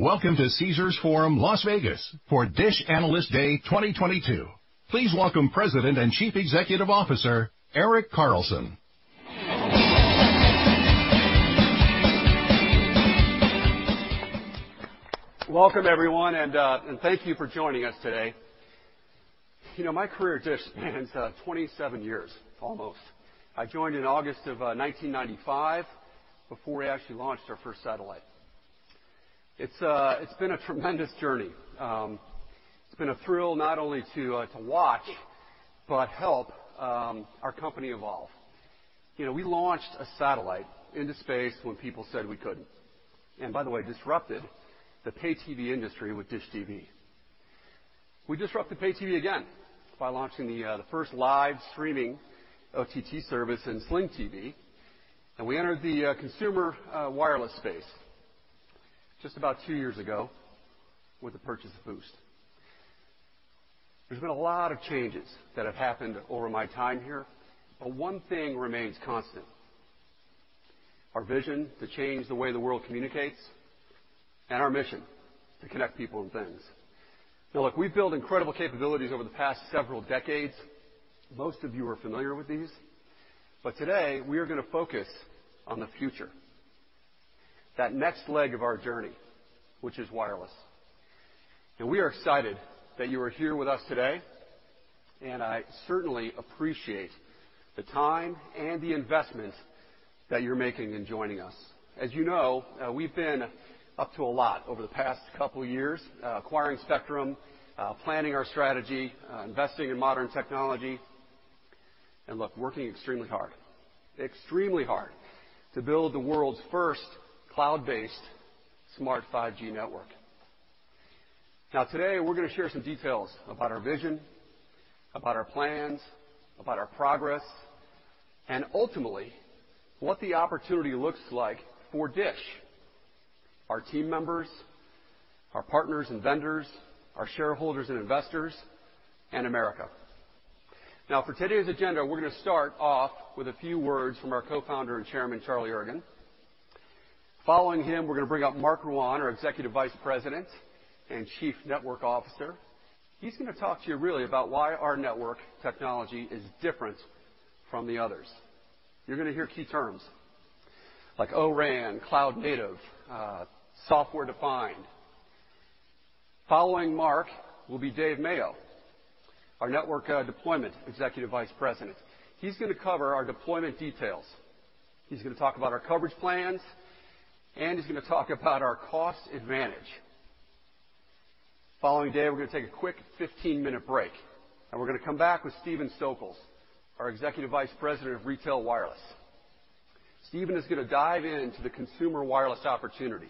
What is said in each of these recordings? Welcome to Caesars Forum, Las Vegas, for DISH Analyst Day 2022. Please welcome President and Chief Executive Officer, Erik Carlson. Welcome, everyone, and thank you for joining us today. You know, my career at DISH spans 27 years almost. I joined in August of 1995 before we actually launched our first satellite. It's been a tremendous journey. It's been a thrill not only to watch but help our company evolve. You know, we launched a satellite into space when people said we couldn't. By the way, disrupted the Pay TV industry with DISH TV. We disrupted Pay TV again by launching the first live streaming OTT service in Sling TV, and we entered the consumer wireless space just about two years ago with the purchase of Boost. There's been a lot of changes that have happened over my time here, but one thing remains constant, our vision to change the way the world communicates and our mission to connect people and things. Now, look, we've built incredible capabilities over the past several decades. Most of you are familiar with these, but today we are gonna focus on the future, that next leg of our journey, which is wireless. We are excited that you are here with us today, and I certainly appreciate the time and the investment that you're making in joining us. As you know, we've been up to a lot over the past couple years, acquiring spectrum, planning our strategy, investing in modern technology, and look, working extremely hard to build the world's first cloud-based smart 5G network. Now, today we're gonna share some details about our vision, about our plans, about our progress, and ultimately what the opportunity looks like for DISH, our team members, our partners and vendors, our shareholders and investors, and America. Now, for today's agenda, we're gonna start off with a few words from our Co-Founder and Chairman, Charlie Ergen. Following him, we're gonna bring up Marc Rouanne, our Executive Vice President and Chief Network Officer. He's gonna talk to you really about why our network technology is different from the others. You're gonna hear key terms like O-RAN, cloud-native, software-defined. Following Marc will be Dave Mayo, our Network Development Executive Vice President. He's gonna cover our deployment details. He's gonna talk about our coverage plans, and he's gonna talk about our cost advantage. Following Dave, we're gonna take a quick 15-minute break, and we're gonna come back with Stephen Stokols, our Executive Vice President of Retail Wireless. Stephen is gonna dive into the consumer wireless opportunity,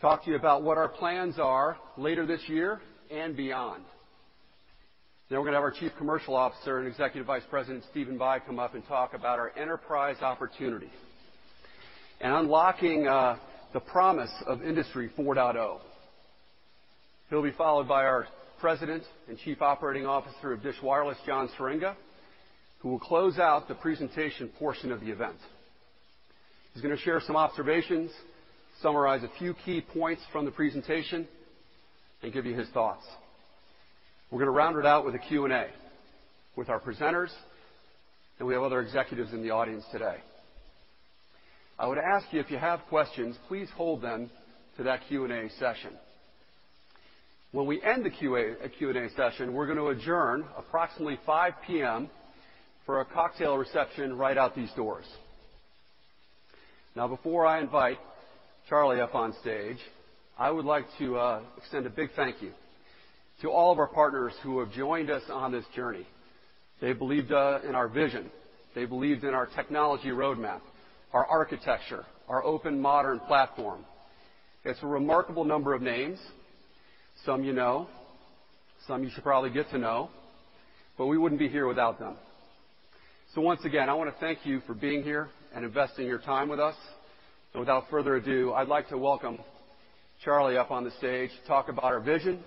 talk to you about what our plans are later this year and beyond. We're gonna have our Chief Commercial Officer and Executive Vice President, Stephen Bye, come up and talk about our enterprise opportunity and unlocking the promise of Industry 4.0. He'll be followed by our President and Chief Operating Officer of DISH Wireless, John Swieringa, who will close out the presentation portion of the event. He's gonna share some observations, summarize a few key points from the presentation, and give you his thoughts. We're gonna round it out with a Q&A with our presenters, and we have other executives in the audience today. I would ask you if you have questions, please hold them to that Q&A session. When we end the Q&A session, we're gonna adjourn approximately 5:00 P.M. for a cocktail reception right out these doors. Now, before I invite Charlie up on stage, I would like to extend a big thank you to all of our partners who have joined us on this journey. They believed in our vision. They believed in our technology roadmap, our architecture, our open modern platform. It's a remarkable number of names. Some you know, some you should probably get to know, but we wouldn't be here without them. Once again, I wanna thank you for being here and investing your time with us. Without further ado, I'd like to welcome Charlie up on the stage to talk about our vision,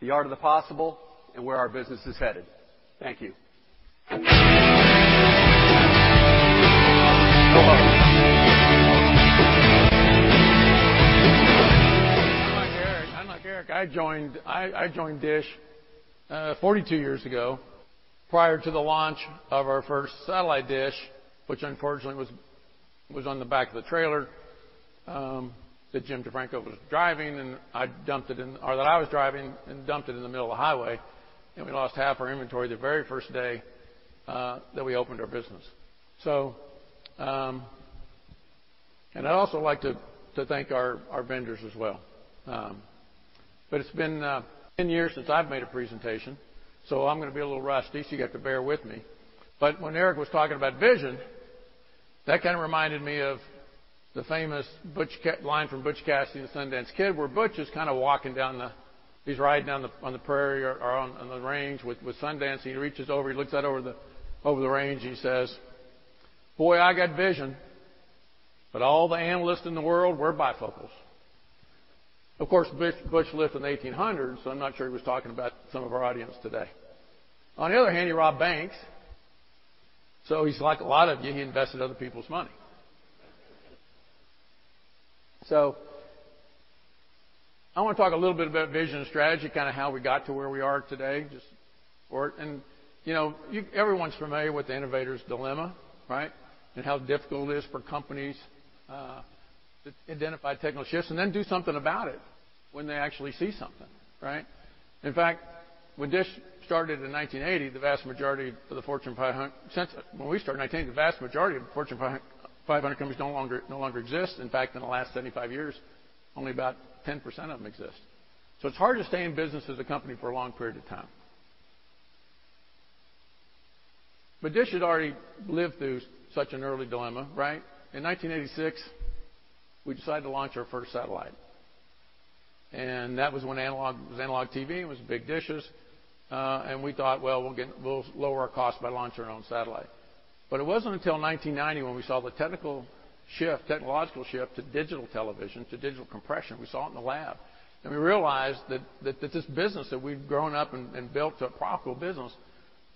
the art of the possible, and where our business is headed. Thank you. Unlike Erik, I joined DISH 42 years ago, prior to the launch of our first satellite dish, which unfortunately was on the back of the trailer that Jim DeFranco was driving, or that I was driving and dumped it in the middle of the highway, and we lost half our inventory the very first day that we opened our business. I'd also like to thank our vendors as well. It's been 10 years since I've made a presentation, so I'm gonna be a little rusty, so you'll have to bear with me. When Erik was talking about vision, that kinda reminded me of the famous line from Butch Cassidy and the Sundance Kid, where Butch is kinda walking down the He's riding down on the prairie or on the range with Sundance. He reaches over, he looks out over the range and he says, "Boy, I got vision. But all the analysts in the world wear bifocals." Of course, Butch lived in the 1800s, so I'm not sure he was talking about some of our audience today. On the other hand, you have Rob Banks. So he's like a lot of you, he invested other people's money. I wanna talk a little bit about vision and strategy, kinda how we got to where we are today. You know, everyone's familiar with the Innovator's Dilemma, right? And how difficult it is for companies to identify technical shifts and then do something about it when they actually see something, right? In fact, when DISH started in 1980, the vast majority of the Fortune 500 companies no longer exist. Since when we started in 1980, the vast majority of the Fortune 500 companies no longer exist. In fact, in the last 75 years, only about 10% of them exist. It's hard to stay in business as a company for a long period of time. DISH had already lived through such an early dilemma, right? In 1986, we decided to launch our first satellite. That was when analog was Analog TV. It was big dishes, and we thought, well, we'll lower our cost by launching our own satellite. It wasn't until 1990 when we saw the technological shift to digital television, to digital compression. We saw it in the lab, and we realized that this business that we've grown up and built a profitable business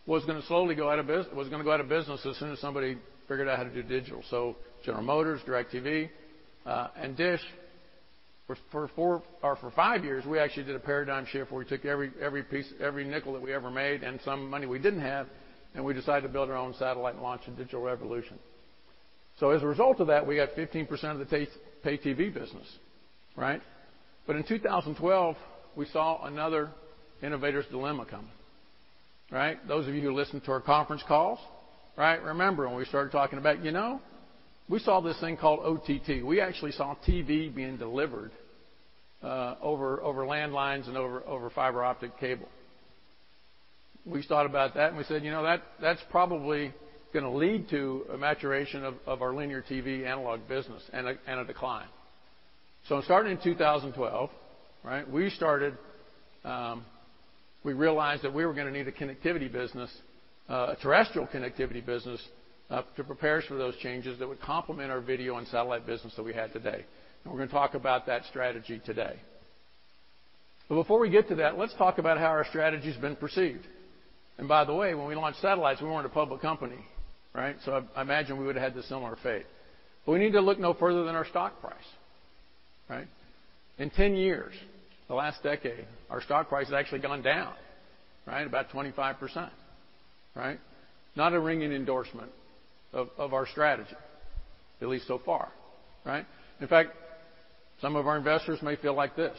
was gonna slowly go out of business as soon as somebody figured out how to do digital. General Motors, DIRECTV, and DISH, for four or five years, we actually did a paradigm shift where we took every piece, every nickel that we ever made and some money we didn't have, and we decided to build our own satellite and launch a digital revolution. As a result of that, we got 15% of the pay TV business, right? In 2012, we saw another Innovator's Dilemma coming, right? Those of you who listen to our conference calls, right? Remember when we started talking about, you know, we saw this thing called OTT. We actually saw TV being delivered over landlines and over fiber optic cable. We thought about that and we said, "You know, that's probably gonna lead to a maturation of our linear TV analog business and a decline." Starting in 2012, right, we realized that we were gonna need a connectivity business, a terrestrial connectivity business, to prepare us for those changes that would complement our video and satellite business that we had today. We're gonna talk about that strategy today. Before we get to that, let's talk about how our strategy's been perceived. By the way, when we launched satellites, we weren't a public company, right? I imagine we would've had a similar fate. We need to look no further than our stock price, right? In 10 years, the last decade, our stock price has actually gone down, right, about 25%, right? Not a ringing endorsement of our strategy, at least so far, right? In fact, some of our investors may feel like this.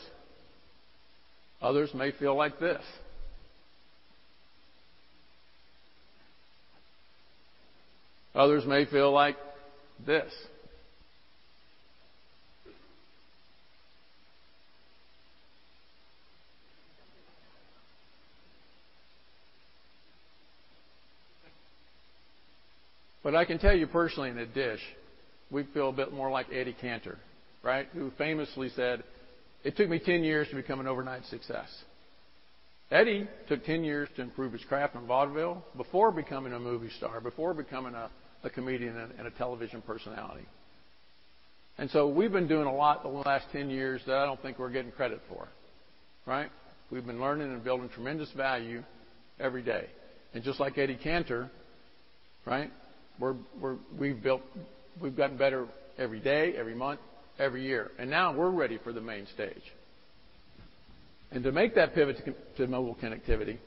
Others may feel like this. Others may feel like this. I can tell you personally that at DISH, we feel a bit more like Eddie Cantor, right? Who famously said, "It took me 10 years to become an overnight success." Eddie took 10 years to improve his craft in Vaudeville before becoming a movie star, before becoming a comedian and a television personality. We've been doing a lot over the last 10 years that I don't think we're getting credit for, right? We've been learning and building tremendous value every day. Just like Eddie Cantor, right, we've gotten better every day, every month, every year, and now we're ready for the main stage. To make that pivot to mobile connectivity,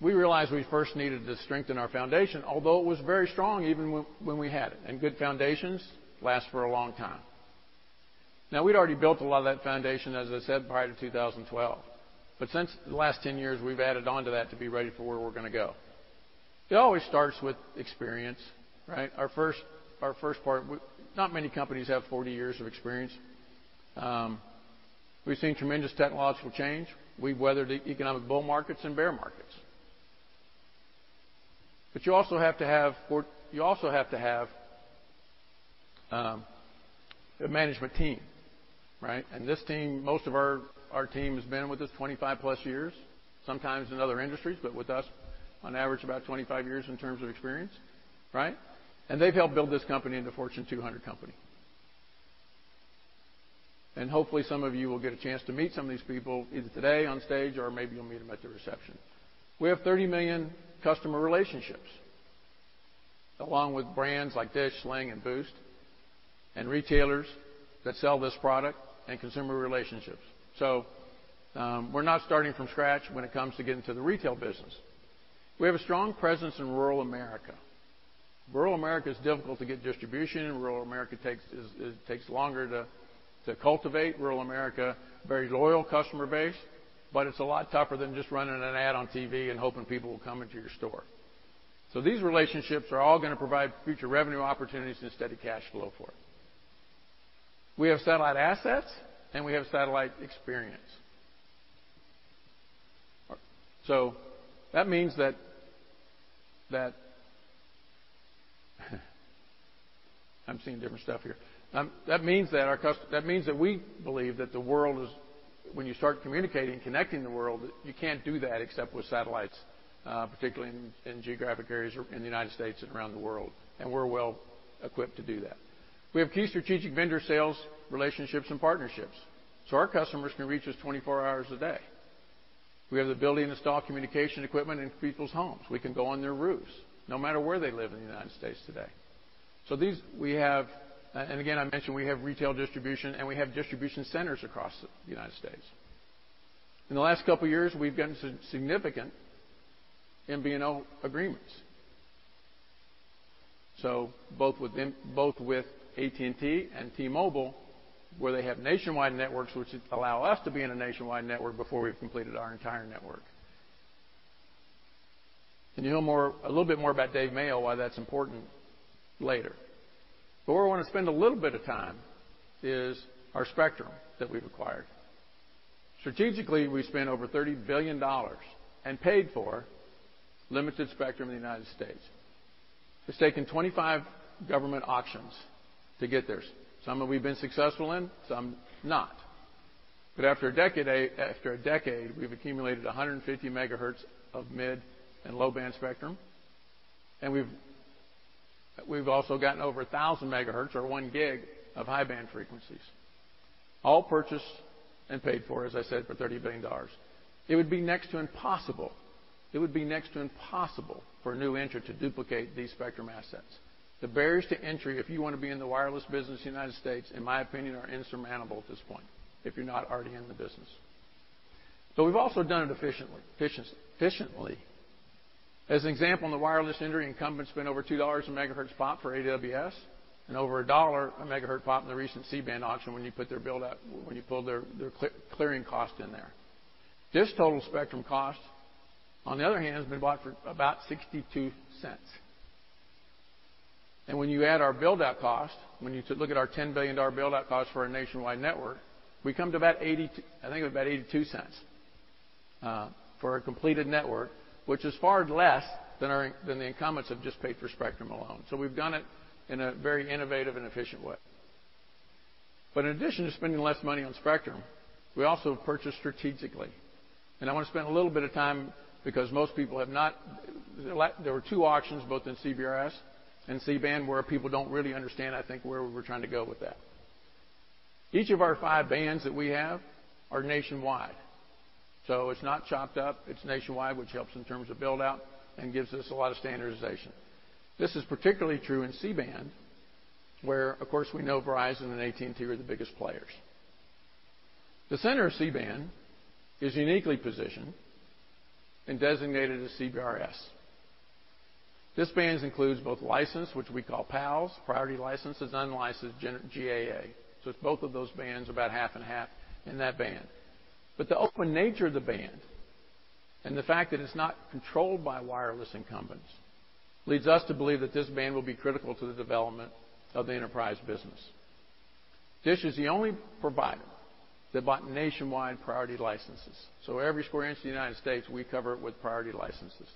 we realized we first needed to strengthen our foundation, although it was very strong even when we had it. Good foundations last for a long time. Now we'd already built a lot of that foundation, as I said, prior to 2012. Since the last 10 years, we've added onto that to be ready for where we're gonna go. It always starts with experience, right? Not many companies have 40 years of experience. We've seen tremendous technological change. We've weathered economic bull markets and bear markets. You also have to have a management team, right? This team, most of our team has been with us 25 plus years, sometimes in other industries, but with us on average about 25 years in terms of experience, right? They've helped build this company into a Fortune 200 company. Hopefully, some of you will get a chance to meet some of these people, either today on stage or maybe you'll meet them at the reception. We have 30 million customer relationships, along with brands like DISH, Sling, and Boost, and retailers that sell this product and consumer relationships. We're not starting from scratch when it comes to getting to the retail business. We have a strong presence in rural America. Rural America is difficult to get distribution. Rural America takes longer to cultivate. Rural America, very loyal customer base, but it's a lot tougher than just running an ad on TV and hoping people will come into your store. These relationships are all gonna provide future revenue opportunities and steady cash flow for it. We have satellite assets, and we have satellite experience. That means that we believe that the world is, when you start communicating and connecting the world, you can't do that except with satellites, particularly in geographic areas or in the United States and around the world, and we're well-equipped to do that. We have key strategic vendor sales relationships and partnerships. Our customers can reach us 24 hours a day. We have the ability to install communication equipment in people's homes. We can go on their roofs, no matter where they live in the United States today. And again, I mentioned we have retail distribution, and we have distribution centers across the United States. In the last couple of years, we've gotten significant MVNO agreements. Both with AT&T and T-Mobile, where they have nationwide networks which allow us to be in a nationwide network before we've completed our entire network. You'll know more, a little bit more about Dave Mayo, why that's important later. Where I wanna spend a little bit of time is our spectrum that we've acquired. Strategically, we spent over $30 billion and paid for limited spectrum in the United States. It's taken 25 government auctions to get this. Some we've been successful in, some not. After a decade, we've accumulated 150 megahertz of mid- and low-band spectrum, and we've also gotten over 1,000 megahertz or 1 gig of high-band frequencies, all purchased and paid for, as I said, for $30 billion. It would be next to impossible for a new entrant to duplicate these spectrum assets. The barriers to entry, if you wanna be in the wireless business in the United States, in my opinion, are insurmountable at this point if you're not already in the business. We've also done it efficiently. As an example, in the wireless entry, incumbents spent over $2 a megahertz POP for AWS and over $1 a megahertz POP in the recent C-band auction when you pull their clearing cost in there. DISH total spectrum cost, on the other hand, has been bought for about $0.62. When you add our build-out cost, when you look at our $10 billion build-out cost for our nationwide network, we come to about $0.82, I think, for a completed network, which is far less than the incumbents have just paid for spectrum alone. We've done it in a very innovative and efficient way. In addition to spending less money on spectrum, we also have purchased strategically. I wanna spend a little bit of time because most people have not. There were two auctions, both in CBRS and C-band, where people don't really understand, I think, where we're trying to go with that. Each of our five bands that we have are nationwide. It's not chopped up, it's nationwide, which helps in terms of build-out and gives us a lot of standardization. This is particularly true in C-band, where, of course, we know Verizon and AT&T are the biggest players. The center of C-band is uniquely positioned and designated as CBRS. This band includes both licensed, which we call PALs, priority licenses, unlicensed GAA. It's both of those bands, about half and half in that band. The open nature of the band and the fact that it's not controlled by wireless incumbents leads us to believe that this band will be critical to the development of the enterprise business. DISH is the only provider that bought nationwide priority licenses. Every square inch of the United States, we cover it with priority licenses.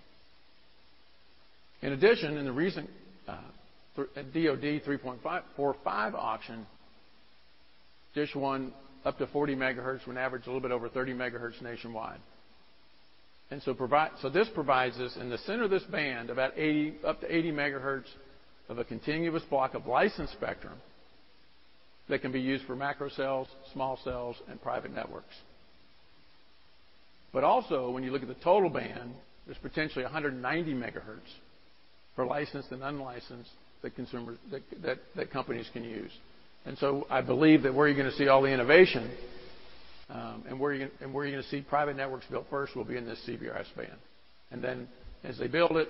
In addition, in the recent 3.45 auction, DISH won up to 40 MHz. We average a little bit over 30 MHz nationwide. This provides us, in the center of this band, about 80, up to 80 MHz of a continuous block of licensed spectrum that can be used for micro cells, small cells, and private networks. But also, when you look at the total band, there's potentially 190 MHz for licensed and unlicensed that consumers, companies can use. I believe that where you're gonna see all the innovation, and where you're gonna see private networks built first will be in this CBRS band. Then as they build it,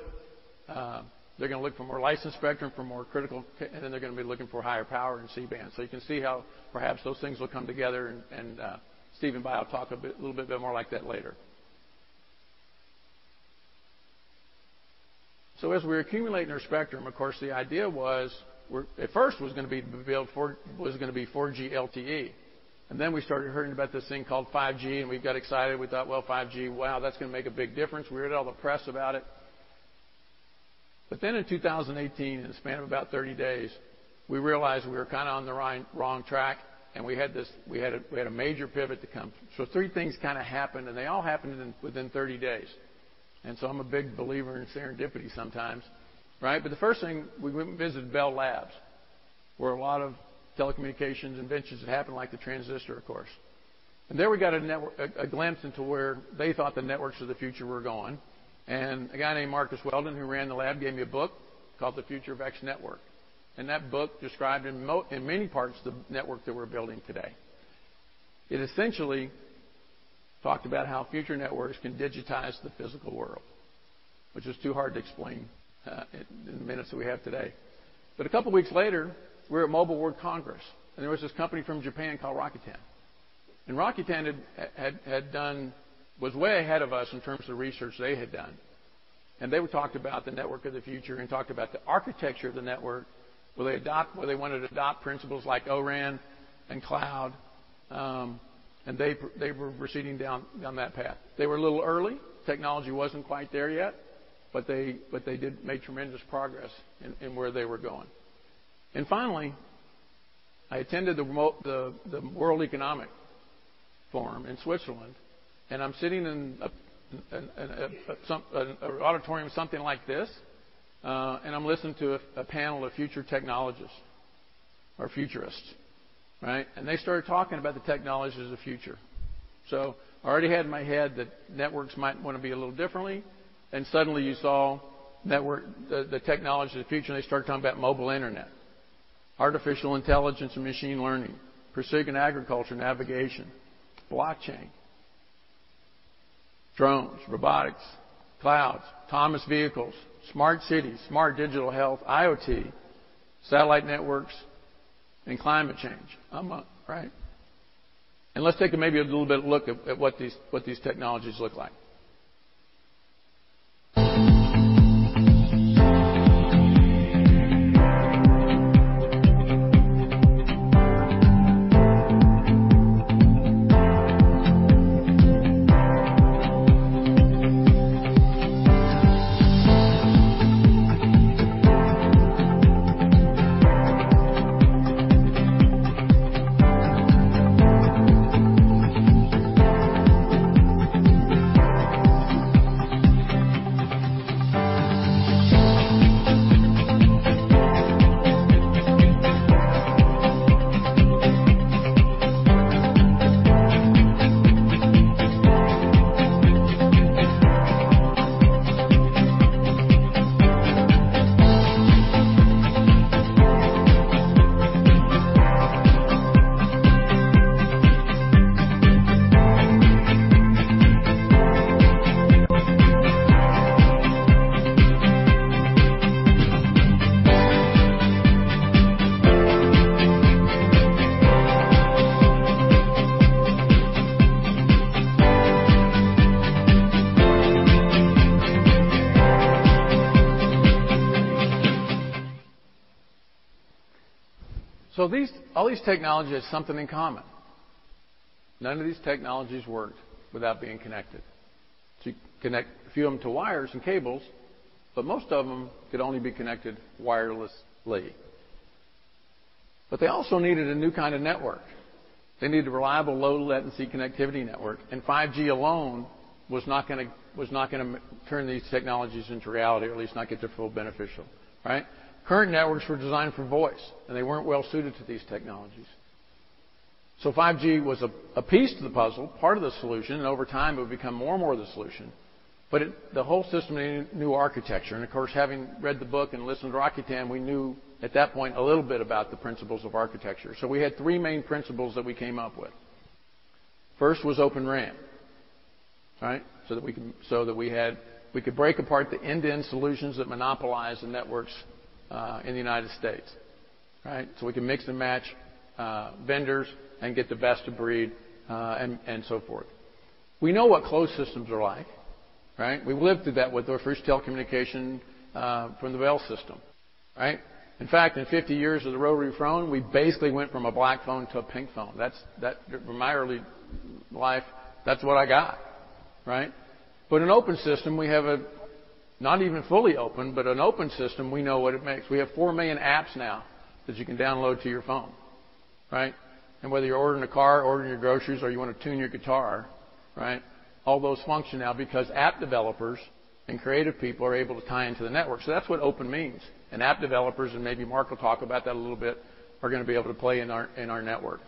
they're gonna look for more licensed spectrum for more critical ca. Then they're gonna be looking for higher power in C-band. You can see how perhaps those things will come together, and Stephen Bye will talk a bit more like that later. As we're accumulating our spectrum, of course, the idea was at first gonna be build for 4G LTE. Then we started hearing about this thing called 5G, and we got excited. We thought, "Well, 5G, wow, that's gonna make a big difference." We read all the press about it. Then in 2018, in a span of about 30 days, we realized we were kinda on the wrong track, and we had a major pivot to come. Three things kinda happened, and they all happened within 30 days. I'm a big believer in serendipity sometimes, right? But the first thing, we went and visited Bell Labs, where a lot of telecommunications inventions have happened, like the transistor, of course. There we got a glimpse into where they thought the networks of the future were going. A guy named Marcus Weldon, who ran the lab, gave me a book called The Future X Network. That book described in many parts the network that we're building today. It essentially talked about how future networks can digitize the physical world, which is too hard to explain in the minutes that we have today. A couple weeks later, we're at Mobile World Congress, and there was this company from Japan called Rakuten. Rakuten had was way ahead of us in terms of research they had done. They would talk about the network of the future and talk about the architecture of the network, where they wanted to adopt principles like O-RAN and cloud. They were proceeding down that path. They were a little early. Technology wasn't quite there yet, but they did make tremendous progress in where they were going. I attended the World Economic Forum in Switzerland, and I'm sitting in an auditorium something like this, and I'm listening to a panel of future technologists or futurists, right? They started talking about the technologies of the future. I already had in my head that networks might wanna be a little differently, and suddenly you saw the technology of the future, and they started talking about mobile internet, artificial intelligence and machine learning, precision agriculture, navigation, blockchain, drones, robotics, clouds, autonomous vehicles, smart cities, smart digital health, IoT, satellite networks, and climate change. I'm like, "Right." Let's take maybe a little bit of look at what these technologies look like. All these technologies have something in common. None of these technologies worked without being connected. You connect a few of them to wires and cables, but most of them could only be connected wirelessly. They also needed a new kind of network. They needed a reliable low latency connectivity network, and 5G alone was not gonna turn these technologies into reality, or at least not get their full benefit, right? Current networks were designed for voice, and they weren't well-suited to these technologies. 5G was a piece of the puzzle, part of the solution, and over time it would become more and more of the solution. The whole system needed new architecture. Of course, having read the book and listened to Rakuten, we knew at that point a little bit about the principles of architecture. We had three main principles that we came up with. First was Open RAN, right? We could break apart the end-to-end solutions that monopolize the networks in the United States, right? We can mix and match vendors and get the best of breed and so forth. We know what closed systems are like, right? We lived through that with our first telecommunication from the Bell System, right? In fact, in 50 years of the rotary phone, we basically went from a black phone to a pink phone. That's from my early life, that's what I got, right? An open system, we have not even fully open, but an open system, we know what it makes. We have 4 million apps now that you can download to your phone, right? Whether you're ordering a car, ordering your groceries, or you wanna tune your guitar, right, all those function now because app developers and creative people are able to tie into the network. That's what open means. App developers, and maybe Marc will talk about that a little bit, are gonna be able to play in our network.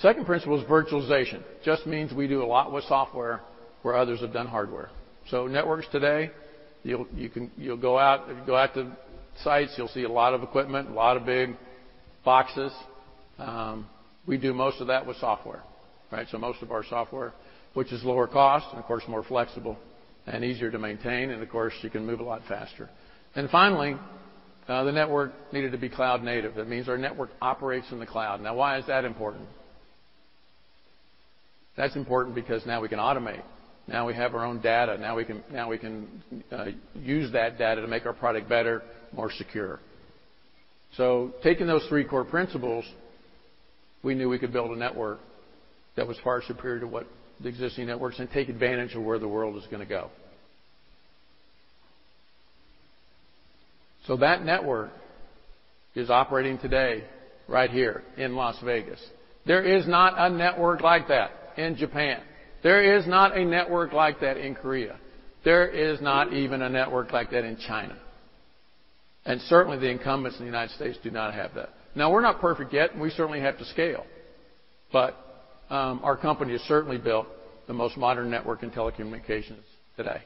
Second principle is virtualization. Just means we do a lot with software where others have done hardware. Networks today, you'll go out to sites, you'll see a lot of equipment, a lot of big boxes. We do most of that with software, right? Most of our software, which is lower cost and of course more flexible and easier to maintain, and of course, you can move a lot faster. Finally, the network needed to be cloud-native. That means our network operates in the cloud. Now why is that important? That's important because now we can automate. Now we have our own data. Now we can use that data to make our product better, more secure. Taking those three core principles, we knew we could build a network that was far superior to what the existing networks, and take advantage of where the world is gonna go. That network is operating today right here in Las Vegas. There is not a network like that in Japan. There is not a network like that in Korea. There is not even a network like that in China. Certainly, the incumbents in the United States do not have that. Now we're not perfect yet, and we certainly have to scale, but our company has certainly built the most modern network in telecommunications today.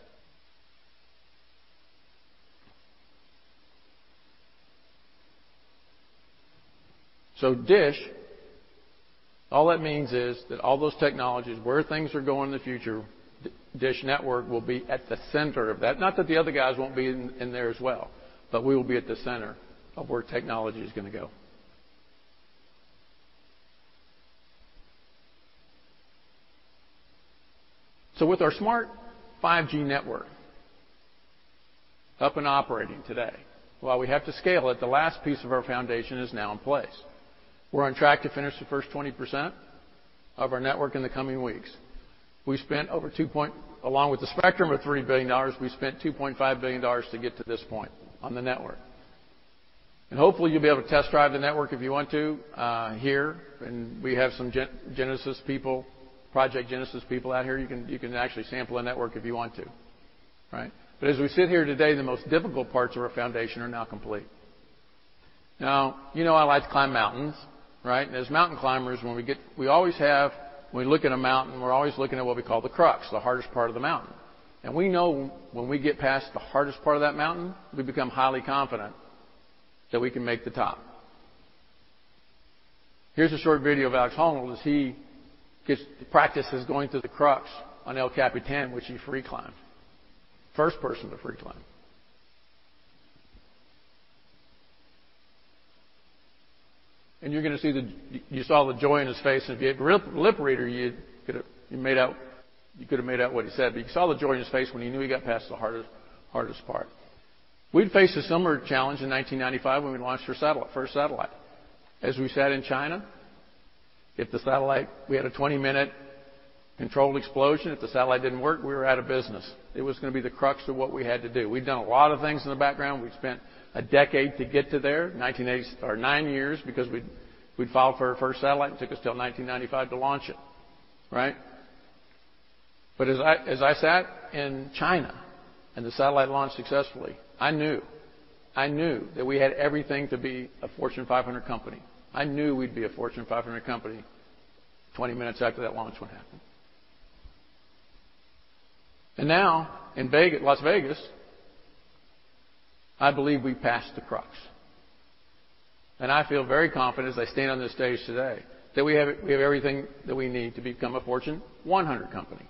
DISH, all that means is that all those technologies, where things are going in the future, DISH Network will be at the center of that. Not that the other guys won't be in there as well, but we will be at the center of where technology is gonna go. With our smart 5G network up and operating today, while we have to scale it, the last piece of our foundation is now in place. We're on track to finish the first 20% of our network in the coming weeks. Along with the spectrum of $3 billion, we spent $2.5 billion to get to this point on the network. Hopefully, you'll be able to test drive the network if you want to here, and we have some Project Genesis people out here. You can actually sample a network if you want to, right? As we sit here today, the most difficult parts of our foundation are now complete. Now, you know I like to climb mountains, right? As mountain climbers, when we look at a mountain, we're always looking at what we call the crux, the hardest part of the mountain. We know when we get past the hardest part of that mountain, we become highly confident that we can make the top. Here's a short video of Alex Honnold as he practices going through the crux on El Capitan, which he free climbed. First person to free climb. You're gonna see the you saw the joy in his face, and if you had a lip reader, you could have made out what he said. You saw the joy in his face when he knew he got past the hardest part. We faced a similar challenge in 1995 when we launched our first satellite. As we sat in China, if the satellite didn't work, we had a 20-minute controlled explosion. If the satellite didn't work, we were out of business. It was gonna be the crux of what we had to do. We'd done a lot of things in the background. We'd spent a decade to get there, eight or nine years because we'd filed for our first satellite, and it took us till 1995 to launch it, right? As I sat in China, and the satellite launched successfully, I knew that we had everything to be a Fortune 500 company. I knew we'd be a Fortune 500 company 20 minutes after that launch happened. Now, in Las Vegas, I believe we passed the crux. I feel very confident as I stand on this stage today that we have everything that we need to become a Fortune 100 company.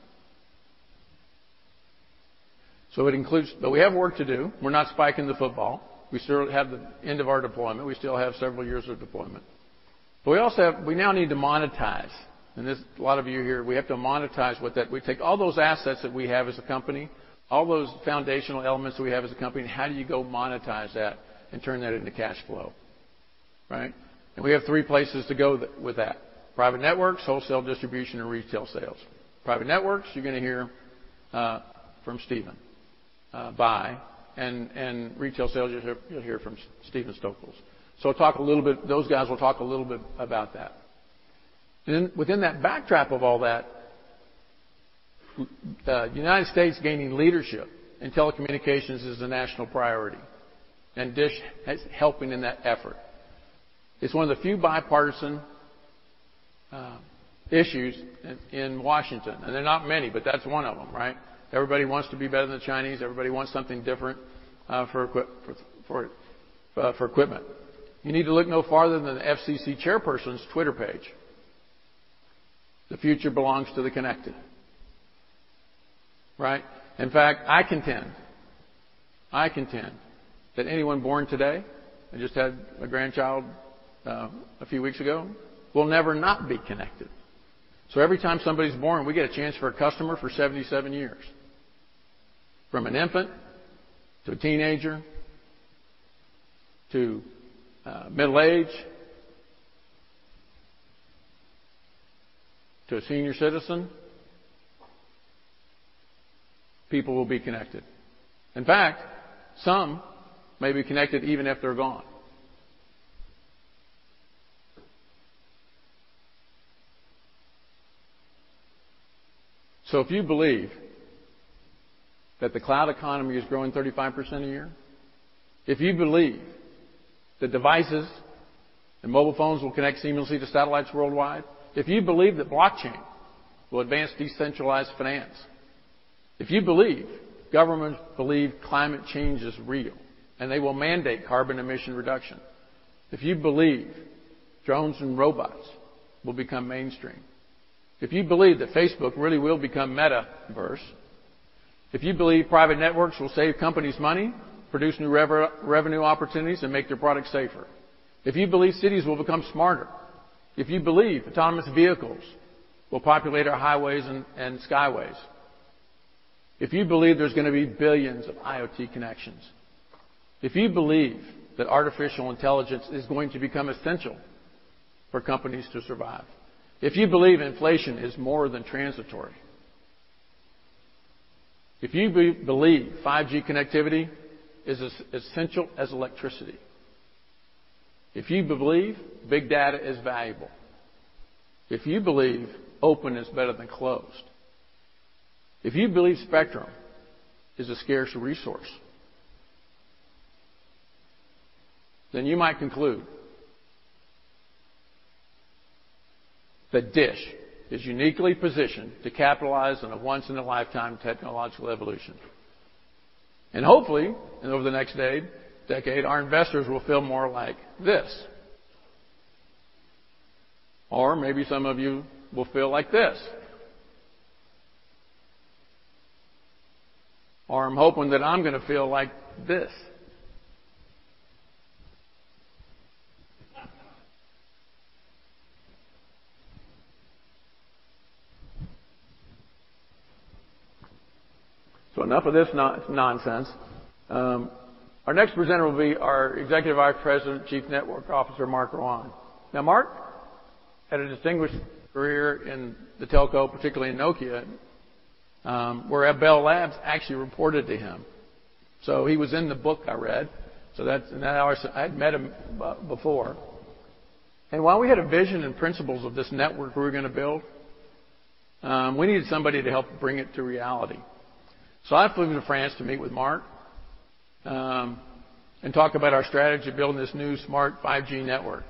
It includes. We have work to do. We're not spiking the football. We still have the end of our deployment. We still have several years of deployment. We also have we now need to monetize. There's a lot of you here, we have to monetize what that. We take all those assets that we have as a company, all those foundational elements that we have as a company, how do you go monetize that and turn that into cash flow, right? We have three places to go with that: private networks, wholesale distribution, and retail sales. Private networks, you're gonna hear from Stephen Bye. Retail sales, you'll hear from Stephen Stokols. We'll talk a little bit. Those guys will talk a little bit about that. Within that backdrop of all that, United States gaining leadership in telecommunications is a national priority, and DISH is helping in that effort. It's one of the few bipartisan issues in Washington, and there're not many, but that's one of them, right? Everybody wants to be better than the Chinese. Everybody wants something different for equipment. You need to look no farther than the FCC chairperson's Twitter page. The future belongs to the connected, right? In fact, I contend that anyone born today, I just had a grandchild a few weeks ago, will never not be connected. Every time somebody's born, we get a chance for a customer for 77 years. From an infant to a teenager to middle age to a senior citizen, people will be connected. In fact, some may be connected even after they're gone. If you believe that the cloud economy is growing 35% a year, if you believe that devices and mobile phones will connect seamlessly to satellites worldwide, if you believe that blockchain will advance decentralized finance, if you believe governments believe climate change is real, and they will mandate carbon emission reduction, if you believe drones and robots will become mainstream, if you believe that Facebook really will become metaverse, if you believe private networks will save companies money, produce new revenue opportunities, and make their products safer, if you believe cities will become smarter, if you believe autonomous vehicles will populate our highways and skyways, if you believe there's gonna be billions of IoT connections, if you believe that artificial intelligence is going to become essential for companies to survive, if you believe inflation is more than transitory, if you believe 5G connectivity is as essential as electricity, if you believe big data is valuable, if you believe open is better than closed, if you believe spectrum is a scarce resource, then you might conclude that DISH is uniquely positioned to capitalize on a once-in-a-lifetime technological evolution. Hopefully, over the next day, decade, our investors will feel more like this. Maybe some of you will feel like this. I'm hoping that I'm gonna feel like this. Enough of this no-nonsense. Our next presenter will be our Executive Vice President, Chief Network Officer, Marc Rouanne. Now, Marc had a distinguished career in the Telco, particularly in Nokia, where Bell Labs actually reported to him. He was in the book I read, so that's how I had met him before. While we had a vision and principles of this network we were gonna build, we needed somebody to help bring it to reality. I flew him to France to meet with Marc, and talk about our strategy of building this new smart 5G network.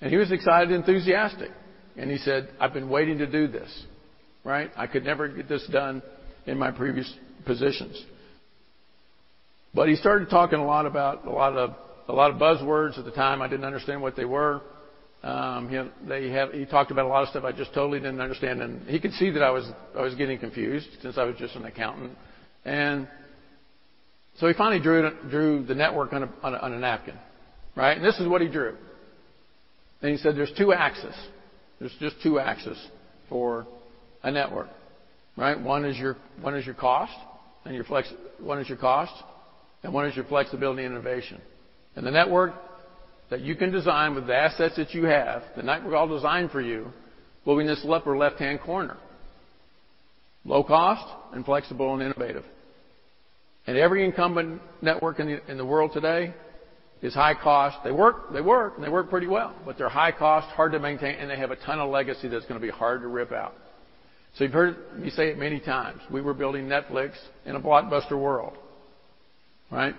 He was excited and enthusiastic, and he said, "I've been waiting to do this." Right? "I could never get this done in my previous positions." He started talking a lot about a lot of buzzwords at the time. I didn't understand what they were. He talked about a lot of stuff I just totally didn't understand, and he could see that I was getting confused since I was just an accountant. He finally drew the network on a napkin, right? This is what he drew. He said, "There's two axes. There's just two axes for a network." Right? One is your cost, and one is your flexibility and innovation. The network that you can design with the assets that you have, the network I'll design for you, will be in this upper left-hand corner. Low cost and flexible and innovative. Every incumbent network in the world today is high cost. They work, and they work pretty well, but they're high cost, hard to maintain, and they have a ton of legacy that's gonna be hard to rip out. You've heard me say it many times, we were building Netflix in a Blockbuster World, right?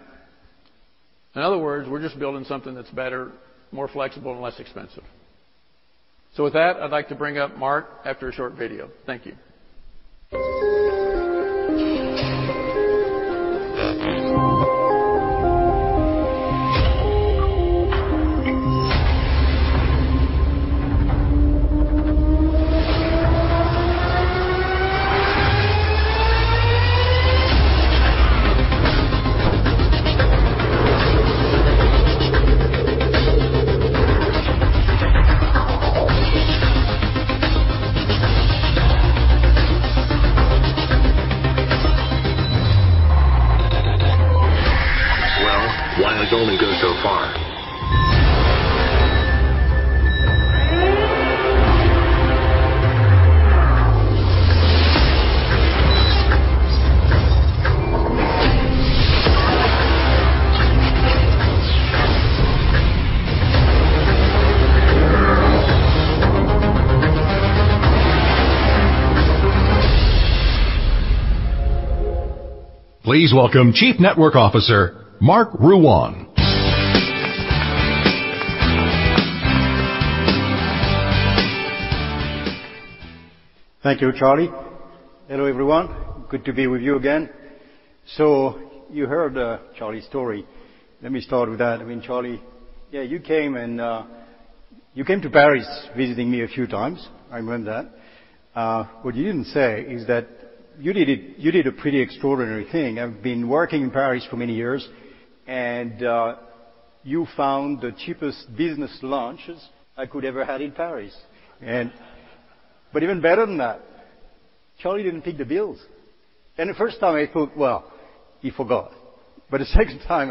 In other words, we're just building something that's better, more flexible, and less expensive. With that, I'd like to bring up Marc after a short video. Thank you. Well, wire's only good so far. Please welcome Chief Network Officer, Marc Rouanne. Thank you, Charlie. Hello, everyone. Good to be with you again. You heard Charlie's story. Let me start with that. I mean, Charlie, yeah, you came to Paris visiting me a few times. I remember that. What you didn't say is that you did a pretty extraordinary thing. I've been working in Paris for many years, and you found the cheapest business lunches I could ever have in Paris. Even better than that, Charlie didn't pick the bills. The first time I thought, "Well, he forgot." The second time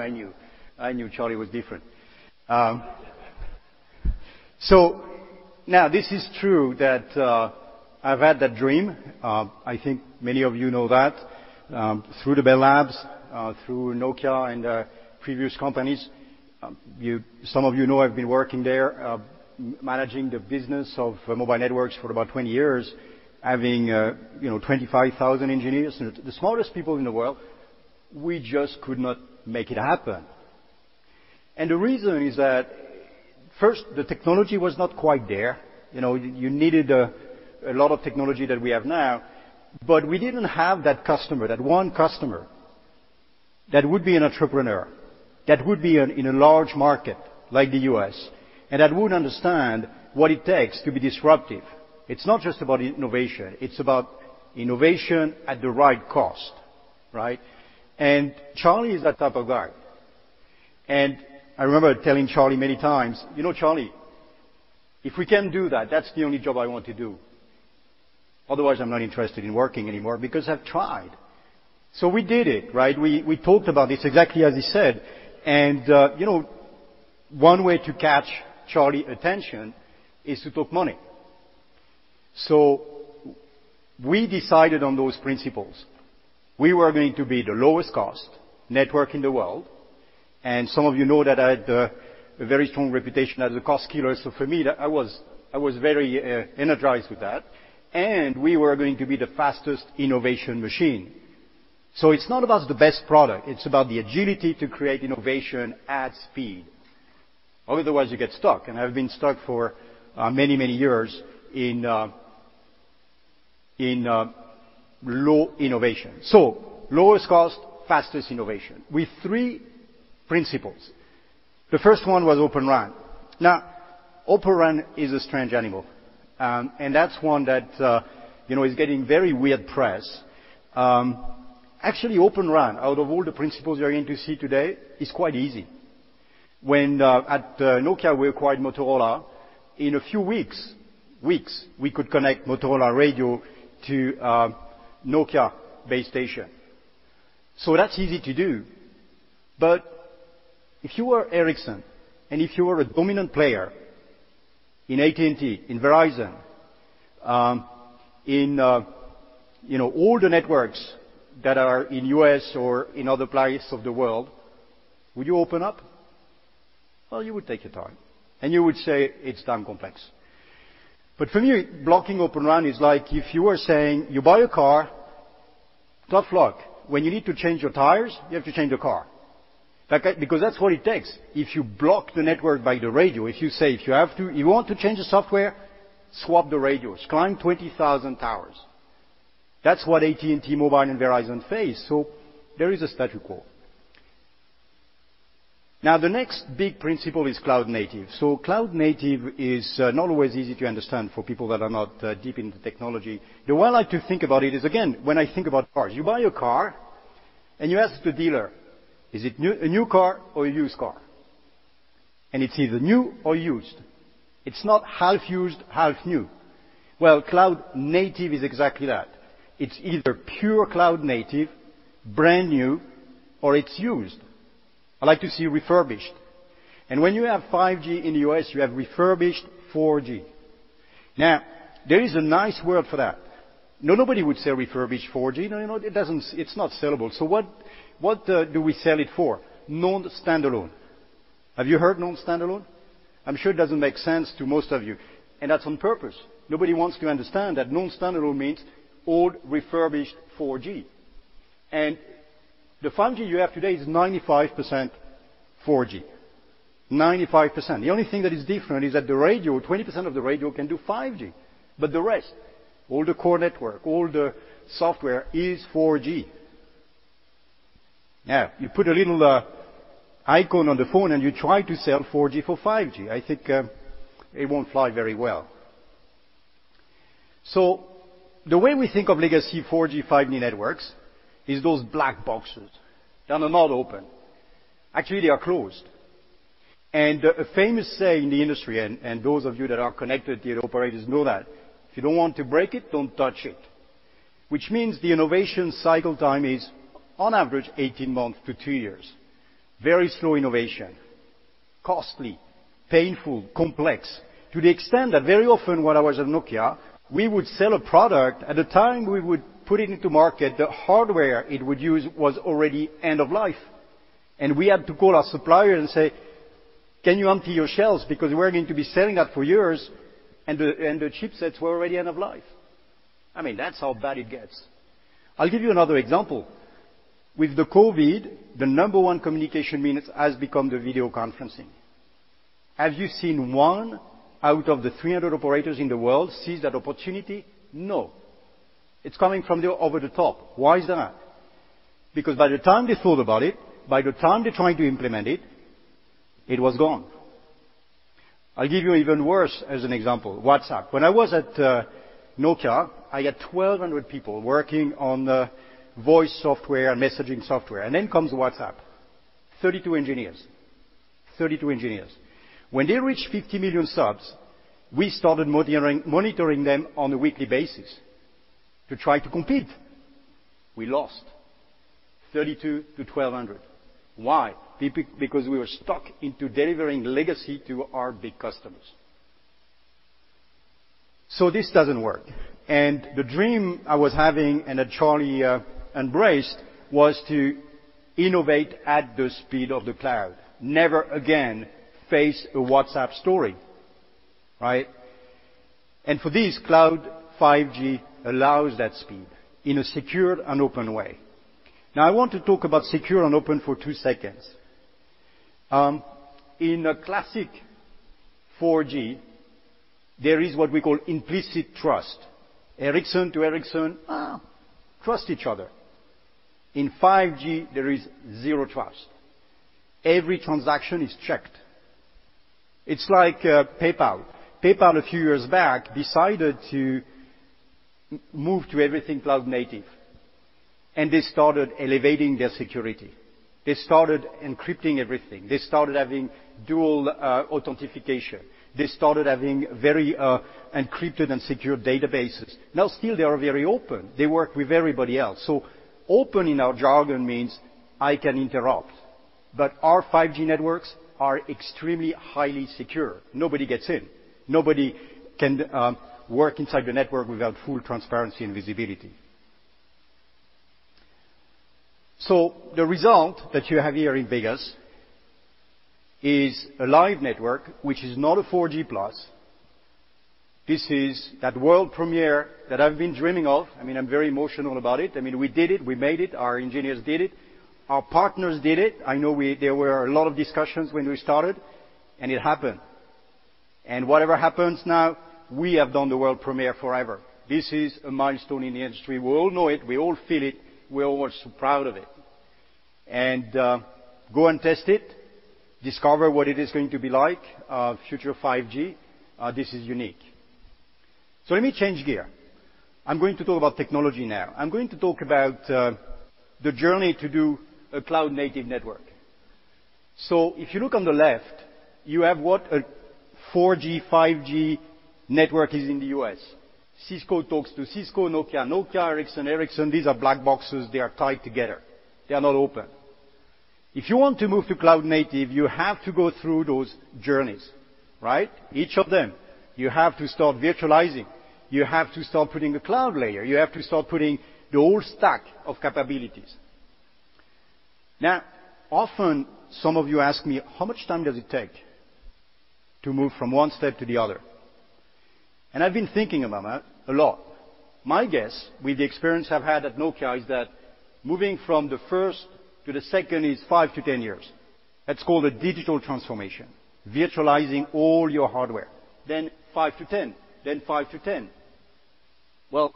I knew Charlie was different. Now this is true that I've had that dream. I think many of you know that, through the Bell Labs, through Nokia and previous companies. Some of you know I've been working there, managing the business of mobile networks for about 20 years, having, you know, 25,000 engineers. The smartest people in the world, we just could not make it happen. The reason is that, first, the technology was not quite there. You know, you needed a lot of technology that we have now, but we didn't have that customer, that one customer that would be an entrepreneur, that would be in a large market like the U.S., and that would understand what it takes to be disruptive. It's not just about innovation, it's about innovation at the right cost, right? Charlie is that type of guy. I remember telling Charlie many times, "You know, Charlie, if we can do that's the only job I want to do. Otherwise, I'm not interested in working anymore because I've tried. We did it, right? We talked about this exactly as he said. You know, one way to catch Charlie's attention is to talk money. We decided on those principles. We were going to be the lowest cost network in the world, and some of you know that I had a very strong reputation as a cost killer, so for me, I was very energized with that. We were going to be the fastest innovation machine. It's not about the best product, it's about the agility to create innovation at speed. Otherwise, you get stuck, and I've been stuck for many years in low innovation. Lowest cost, fastest innovation. With three principles. The first one was Open RAN. Now, Open RAN is a strange animal, and that's one that, you know, is getting very weird press. Actually, Open RAN, out of all the principles you're going to see today, is quite easy. When at Nokia, we acquired Motorola, in a few weeks, we could connect Motorola radio to Nokia base station. That's easy to do. If you are Ericsson, and if you are a dominant player in AT&T, in Verizon, you know, all the networks that are in U.S. or in other places of the world, will you open up? Well, you would take your time and you would say it's damn complex. For me, blocking Open RAN is like if you are saying you buy a car, don't mod. When you need to change your tires, you have to change the car. Because that's what it takes. If you block the network by the radio, if you have to change the software, swap the radios, climb 20,000 towers. That's what AT&T and Verizon face. There is a status quo. Now, the next big principle is cloud-native. Cloud-native is not always easy to understand for people that are not deep into technology. The way I like to think about it is, again, when I think about cars. You buy a car and you ask the dealer, "Is it a new car or a used car?" It's either new or used. It's not half used, half new. Well, cloud-native is exactly that. It's either pure cloud-native, brand new, or it's used. I like to say refurbished. When you have 5G in the U.S., you have refurbished 4G. Now, there is a nice word for that. Nobody would say refurbished 4G. No, you know what? It doesn't, it's not sellable. What do we sell it for? Non-Standalone. Have you heard Non-Standalone? I'm sure it doesn't make sense to most of you, and that's on purpose. Nobody wants to understand that Non-Standalone means old refurbished 4G. The 5G you have today is 95% 4G. 95%. The only thing that is different is that the radio, 20% of the radio can do 5G. The rest, all the core network, all the software is 4G. Now, you put a little icon on the phone and you try to sell 4G for 5G. I think it won't fly very well. The way we think of legacy 4G, 5G networks is those black boxes that are not open. Actually, they are closed. A famous saying in the industry, and those of you that are connected to your operators know that, "If you don't want to break it, don't touch it." Which means the innovation cycle time is on average 18 months to two years. Very slow innovation. Costly, painful, complex. To the extent that very often when I was at Nokia, we would sell a product, at the time we would put it into market, the hardware it would use was already end of life. We had to call our supplier and say, "Can you empty your shelves? Because we're going to be selling that for years," and the chipsets were already end of life. I mean, that's how bad it gets. I'll give you another example. With the COVID, the number one communication means has become the video conferencing. Have you seen one out of the 300 operators in the world seize that opportunity? No. It's coming from the over-the-top. Why is that? Because by the time they thought about it, by the time they tried to implement it was gone. I'll give you even worse as an example, WhatsApp. When I was at Nokia, I had 1,200 people working on voice software and messaging software, and then comes WhatsApp. 32 engineers. When they reached 50 million subs, we started monitoring them on a weekly basis to try to compete. We lost. 32 to 1,200. Why? Because we were stuck into delivering legacy to our big customers. This doesn't work. The dream I was having and that Charlie embraced was to innovate at the speed of the cloud. Never again face a WhatsApp story, right? For this, cloud 5G allows that speed in a secure and open way. Now, I want to talk about secure and open for two seconds. In a classic 4G, there is what we call implicit trust. Ericsson to Ericsson trust each other. In 5G, there is Zero Trust. Every transaction is checked. It's like PayPal. PayPal, a few years back, decided to move to everything cloud-native, and they started elevating their security. They started encrypting everything. They started having dual authentication. They started having very encrypted and secure databases. Now, still they are very open. They work with everybody else. Open in our jargon means I can interrupt, but our 5G networks are extremely highly secure. Nobody gets in. Nobody can work inside the network without full transparency and visibility. The result that you have here in Vegas is a live network which is not a 4G+. This is that world premiere that I've been dreaming of. I mean, I'm very emotional about it. I mean, we did it, we made it, our engineers did it, our partners did it. I know there were a lot of discussions when we started, and it happened. Whatever happens now, we have done the world premiere forever. This is a milestone in the industry. We all know it, we all feel it, we're all so proud of it. Go and test it, discover what it is going to be like, future 5G. This is unique. Let me change gear. I'm going to talk about technology now. I'm going to talk about the journey to do a cloud-native network. If you look on the left, you have what a 4G, 5G network is in the U.S., Cisco talks to Cisco, Nokia, Ericsson. These are black boxes. They are tied together. They are not open. If you want to move to cloud-native, you have to go through those journeys, right? Each of them, you have to start virtualizing. You have to start putting a cloud layer. You have to start putting the whole stack of capabilities. Now, often, some of you ask me, "How much time does it take to move from one step to the other?" I've been thinking about that a lot. My guess, with the experience I've had at Nokia, is that moving from the first to the second is 5-10 years. That's called a digital transformation. Virtualizing all your hardware. Then 5-10, then 5-10. Well,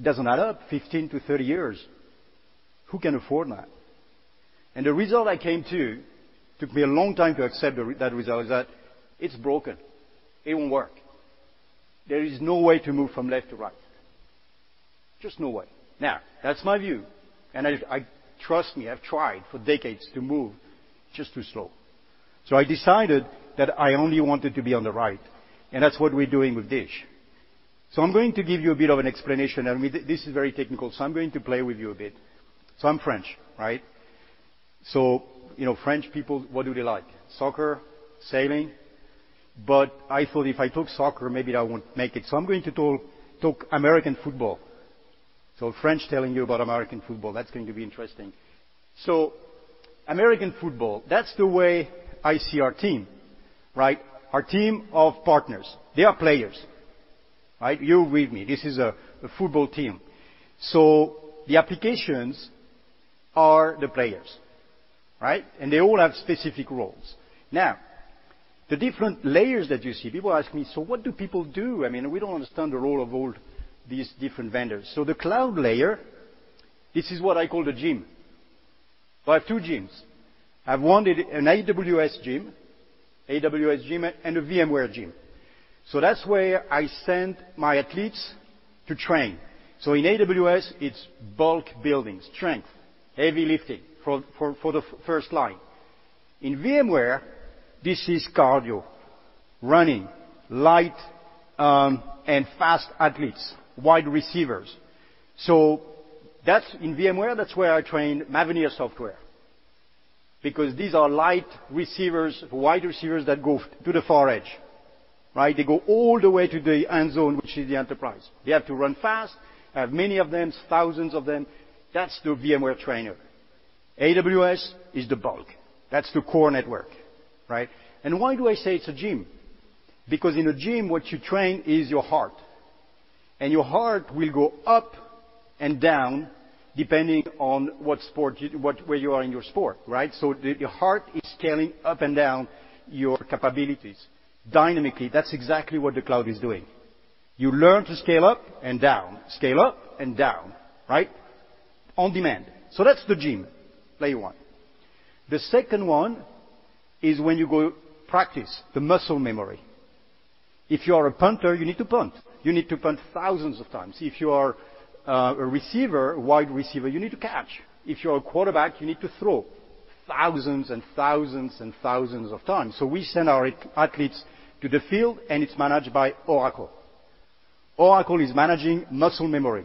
doesn't add up. 15-30 years. Who can afford that? The result I came to, took me a long time to accept that result, is that it's broken. It won't work. There is no way to move from left to right. Just no way. Now, that's my view. Trust me, I've tried for decades to move. Just too slow. I decided that I only wanted to be on the right, and that's what we're doing with DISH. I'm going to give you a bit of an explanation. I mean, this is very technical, so I'm going to play with you a bit. I'm French, right? You know, French people, what do they like? Soccer, sailing. I thought if I took soccer, maybe I wouldn't make it. I'm going to talk American football. A French telling you about American football, that's going to be interesting. American football, that's the way I see our team, right? Our team of partners, they are players, right? You're with me. This is a football team. The applications are the players, right? And they all have specific roles. Now, the different layers that you see. People ask me, "So what do people do? I mean, we don't understand the role of all these different vendors." The cloud layer, this is what I call the gym. I have two gyms. I have one in an AWS gym. AWS gym and a VMware gym. That's where I send my athletes to train. In AWS, it's bulk building, strength, heavy lifting for the first line. In VMware, this is cardio. Running, light, and fast athletes. Wide receivers. In VMware, that's where I train Mavenir, because these are light receivers, wide receivers that go to the far edge, right? They go all the way to the end zone, which is the enterprise. They have to run fast. I have many of them, thousands of them. That's the VMware trainer. AWS is the bulk. That's the core network, right? Why do I say it's a gym? Because in a gym, what you train is your heart, and your heart will go up and down depending on where you are in your sport, right? Your heart is scaling up and down your capabilities dynamically. That's exactly what the cloud is doing. You learn to scale up and down, right? On demand. That's the gym, player one. The second one is when you go practice the muscle memory. If you are a punter, you need to punt. You need to punt thousands of times. If you are a receiver, a wide receiver, you need to catch. If you're a quarterback, you need to throw thousands of times. We send our athletes to the field, and it's managed by Oracle. Oracle is managing muscle memory.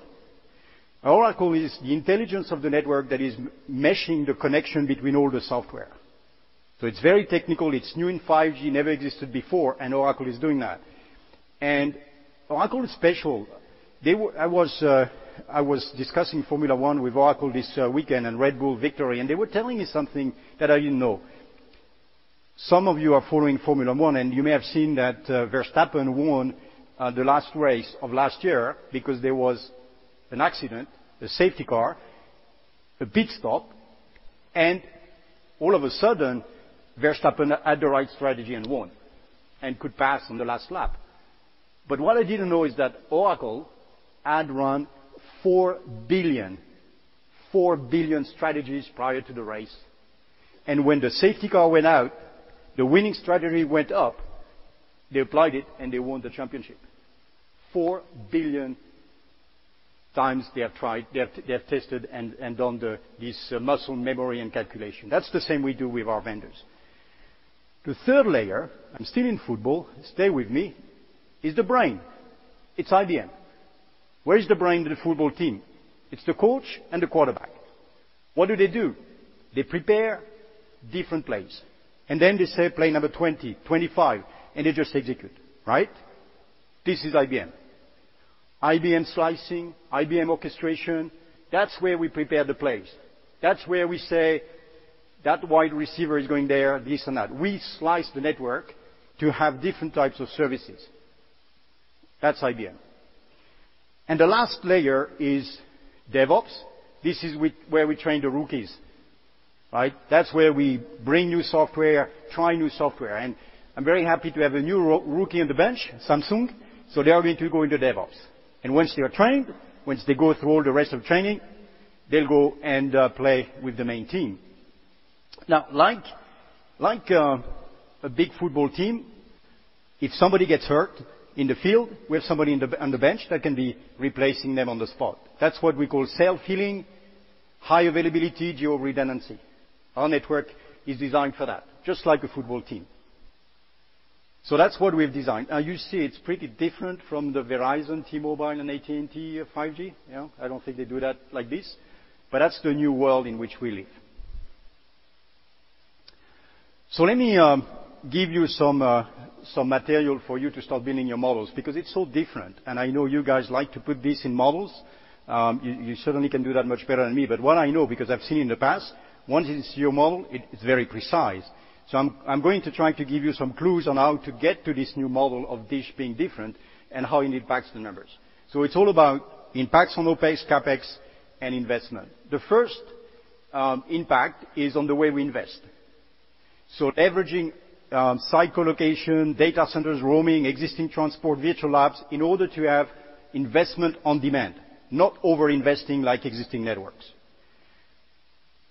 Oracle is the intelligence of the network that is meshing the connection between all the software. It's very technical. It's new in 5G, never existed before, and Oracle is doing that. Oracle is special. I was discussing Formula 1 with Oracle this weekend and Red Bull victory, and they were telling me something that I didn't know. Some of you are following Formula 1, and you may have seen that Verstappen won the last race of last year because there was an accident, a safety car, a pit stop, and all of a sudden, Verstappen had the right strategy and won, and could pass on the last lap. What I didn't know is that Oracle had run 4 billion strategies prior to the race, and when the safety car went out, the winning strategy went up. They applied it, and they won the championship. 4 billion times they have tried, they have tested and done the this muscle memory and calculation. That's the same we do with our vendors. The third layer, I'm still in football, stay with me, is the brain. It's IBM. Where is the brain of the football team? It's the coach and the quarterback. What do they do? They prepare different plays, and then they say, "Play number 20, 25," and they just execute, right? This is IBM. IBM slicing, IBM orchestration. That's where we prepare the plays. That's where we say, "That wide receiver is going there," this and that. We slice the network to have different types of services. That's IBM. The last layer is DevOps. This is where we train the rookies, right? That's where we bring new software, try new software, and I'm very happy to have a new rookie on the bench, Samsung. They are going to go into DevOps, and once they are trained, once they go through all the rest of training, they'll go and play with the main team. Now, like a big football team. If somebody gets hurt in the field, we have somebody on the bench that can be replacing them on the spot. That's what we call self-healing, high availability, geo-redundancy. Our network is designed for that, just like a football team. That's what we've designed. Now you see it's pretty different from the Verizon, T-Mobile, and AT&T 5G, you know. I don't think they do that like this, but that's the new world in which we live. Let me give you some material for you to start building your models because it's so different, and I know you guys like to put this in models. You certainly can do that much better than me, but what I know, because I've seen in the past, once it's your model, it's very precise. I'm going to try to give you some clues on how to get to this new model of DISH being different and how it impacts the numbers. It's all about impacts on OpEx, CapEx, and investment. The first impact is on the way we invest. Leveraging colocation, data centers, roaming, existing transport, virtual labs in order to have investment on demand, not over-investing like existing networks.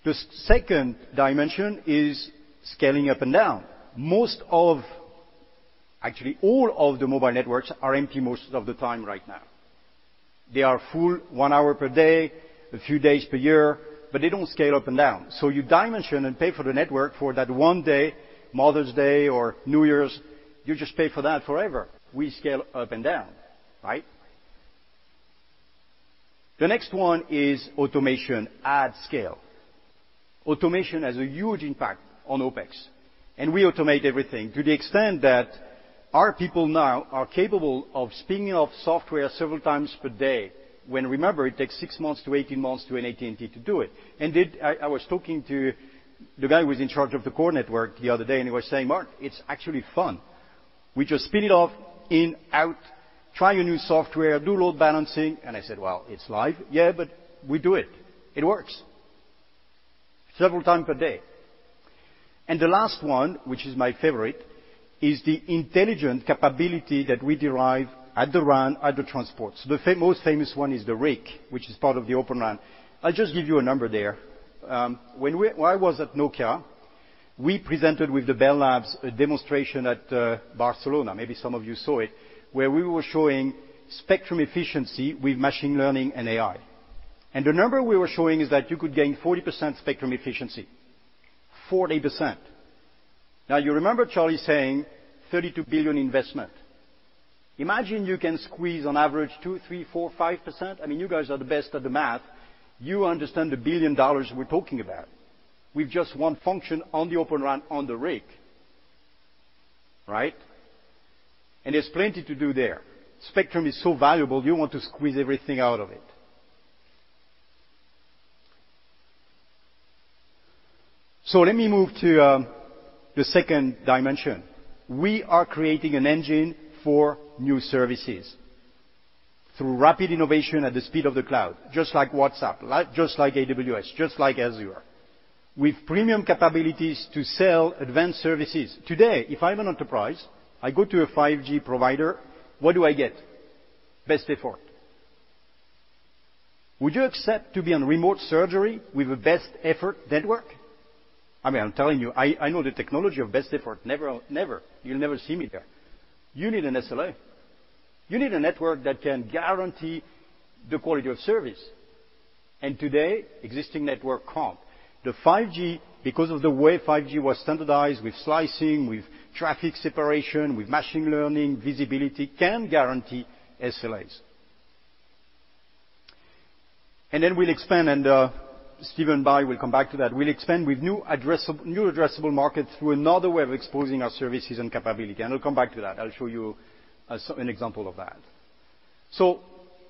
The second dimension is scaling up and down. Most of... Actually, all of the mobile networks are empty most of the time right now. They are full one hour per day, a few days per year, but they don't scale up and down. You dimension and pay for the network for that 1 day, Mother's Day or New Year's. You just pay for that forever. We scale up and down, right? The next one is automation at scale. Automation has a huge impact on OpEx, and we automate everything to the extent that our people now are capable of spinning up software several times per day. When, remember, it takes 6 months to 18 months to an AT&T to do it. I was talking to the guy who was in charge of the core network the other day, and he was saying, "Marc, it's actually fun. We just spin it off in, out, try a new software, do load balancing." I said, "Well, it's live." "Yeah, but we do it. It works several times per day." The last one, which is my favorite, is the intelligent capability that we derive at the RAN, at the transport. The most famous one is the RIC, which is part of the Open RAN. I'll just give you a number there. When I was at Nokia, we presented with the Bell Labs a demonstration at Barcelona, maybe some of you saw it, where we were showing spectrum efficiency with machine learning and AI. The number we were showing is that you could gain 40% spectrum efficiency. 40%. Now you remember Charlie saying $32 billion investment. Imagine you can squeeze on average 2%, 3%, 4%, 5%. I mean, you guys are the best at the math. You understand the $1 billion we're talking about. With just one function on the Open RAN on the RIC, right? There's plenty to do there. Spectrum is so valuable, you want to squeeze everything out of it. Let me move to the second dimension. We are creating an engine for new services through rapid innovation at the speed of the cloud, just like WhatsApp, like just like AWS, just like Azure, with premium capabilities to sell advanced services. Today, if I'm an enterprise, I go to a 5G provider, what do I get? Best effort. Would you accept to be on remote surgery with a best effort network? I mean, I'm telling you, I know the technology of best effort. Never. You'll never see me there. You need an SLA. You need a network that can guarantee the quality of service. Today, existing network can't. The 5G, because of the way 5G was standardized with slicing, with traffic separation, with machine learning, visibility can guarantee SLAs. Then we'll expand, Stephen Bye will come back to that. We'll expand with new addressable markets through another way of exposing our services and capability, and I'll come back to that. I'll show you an example of that.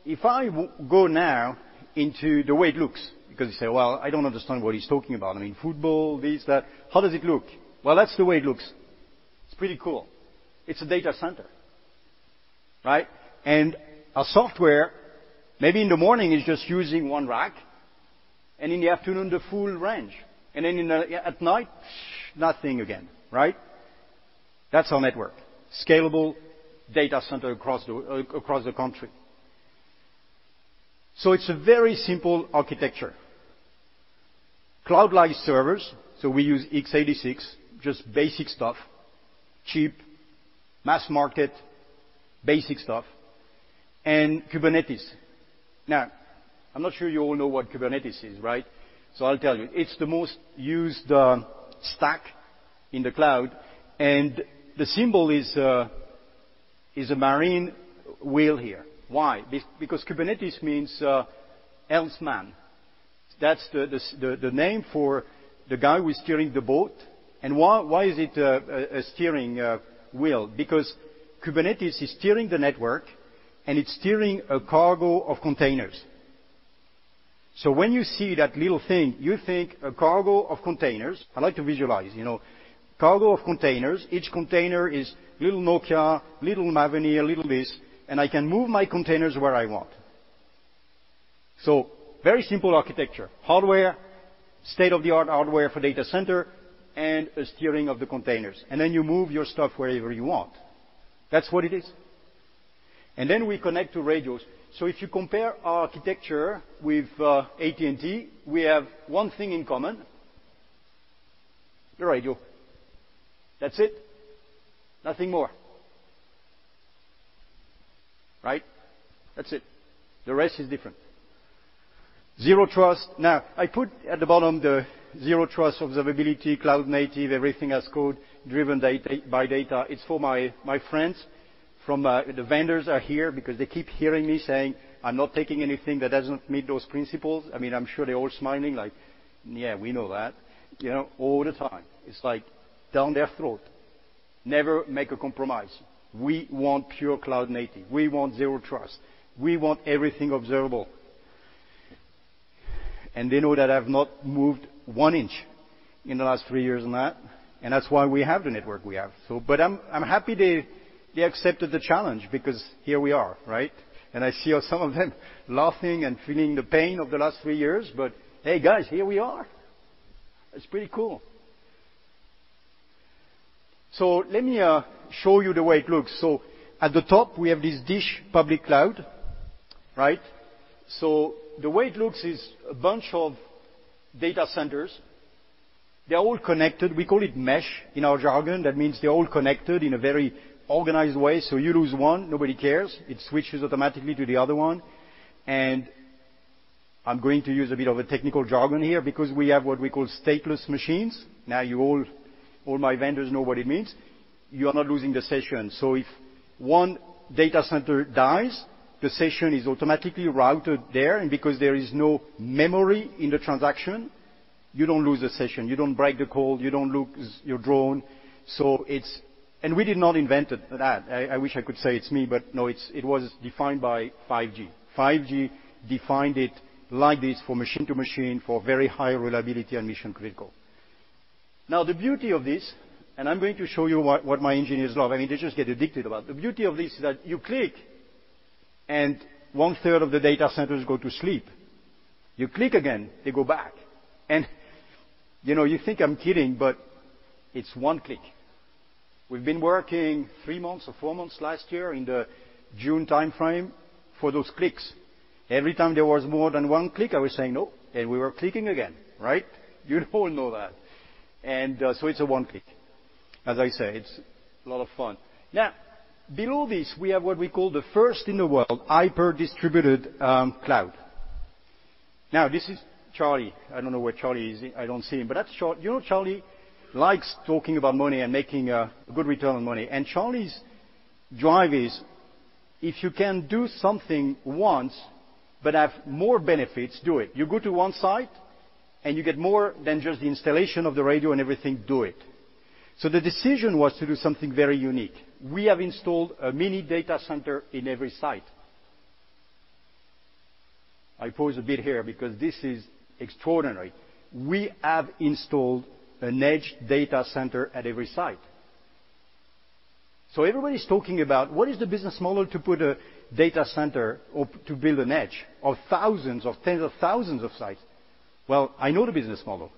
If I go now into the way it looks because you say, "Well, I don't understand what he's talking about. I mean, football, this, that. How does it look?" Well, that's the way it looks. It's pretty cool. It's a data center, right? Our software, maybe in the morning, is just using one rack, and in the afternoon, the full range. In the end, at night, nothing again, right? That's our network. Scalable data center across the country. It's a very simple architecture. Cloud-like servers, so we use x86, just basic stuff. Cheap, mass market, basic stuff, and Kubernetes. Now, I'm not sure you all know what Kubernetes is, right? I'll tell you. It's the most used stack in the cloud, and the symbol is a marine wheel here. Why? Because Kubernetes means helmsman. That's the name for the guy who is steering the boat. Why is it a steering wheel? Because Kubernetes is steering the network, and it's steering a cargo of containers. When you see that little thing, you think a cargo of containers. I like to visualize, you know. Cargo of containers. Each container is little Nokia, little Mavenir, little this, and I can move my containers where I want. Very simple architecture. Hardware, state-of-the-art hardware for data center and a steering of the containers. Then you move your stuff wherever you want. That's what it is. Then we connect to radios. If you compare our architecture with AT&T, we have one thing in common. Your radio. That's it. Nothing more. Right? That's it. The rest is different. Zero Trust. Now, I put at the bottom the Zero Trust, observability, cloud-native, everything as code, driven by data. It's for my friends from the vendors are here because they keep hearing me saying, "I'm not taking anything that doesn't meet those principles." I mean, I'm sure they're all smiling like, "Yeah, we know that." You know, all the time. It's like, down their throat. Never make a compromise. We want pure cloud-native. We want Zero Trust. We want everything observable. They know that I've not moved one inch in the last three years on that, and that's why we have the network we have. I'm happy they accepted the challenge because here we are, right? I see some of them laughing and feeling the pain of the last three years. Hey, guys, here we are. It's pretty cool. Let me show you the way it looks. At the top, we have this DISH public cloud, right? The way it looks is a bunch of data centers. They're all connected. We call it mesh in our jargon. That means they're all connected in a very organized way. You lose one, nobody cares. It switches automatically to the other one. I'm going to use a bit of a technical jargon here because we have what we call stateless machines. Now you all my vendors know what it means. You are not losing the session. If one data center dies, the session is automatically routed there, and because there is no memory in the transaction, you don't lose the session, you don't break the code, you don't lose your drone. It's. We did not invent it, that. I wish I could say it's me, but no, it was defined by 5G. 5G defined it like this for machine-to-machine, for very high reliability and mission critical. Now, the beauty of this, and I'm going to show you what my engineers love. I mean, they just get addicted about it. The beauty of this is that you click and one third of the data centers go to sleep. You click again, they go back. You know, you think I'm kidding, but it's one click. We've been working 3 months or 4 months last year in the June timeframe for those clicks. Every time there was more than one click, I was saying, "No," and we were clicking again, right? You all know that. It's a one click. As I say, it's a lot of fun. Now, below this we have what we call the first in the world hyper-distributed cloud. Now, this is Charlie. I don't know where Charlie is. I don't see him. But that's you know, Charlie likes talking about money and making a good return on money. Charlie Ergen's drive is, if you can do something once but have more benefits, do it. You go to one site, and you get more than just the installation of the radio and everything, do it. The decision was to do something very unique. We have installed a mini data center in every site. I pause a bit here because this is extraordinary. We have installed an edge data center at every site. Everybody's talking about what is the business model to put a data center or to build an edge of thousands or tens of thousands of sites? Well, I know the business model.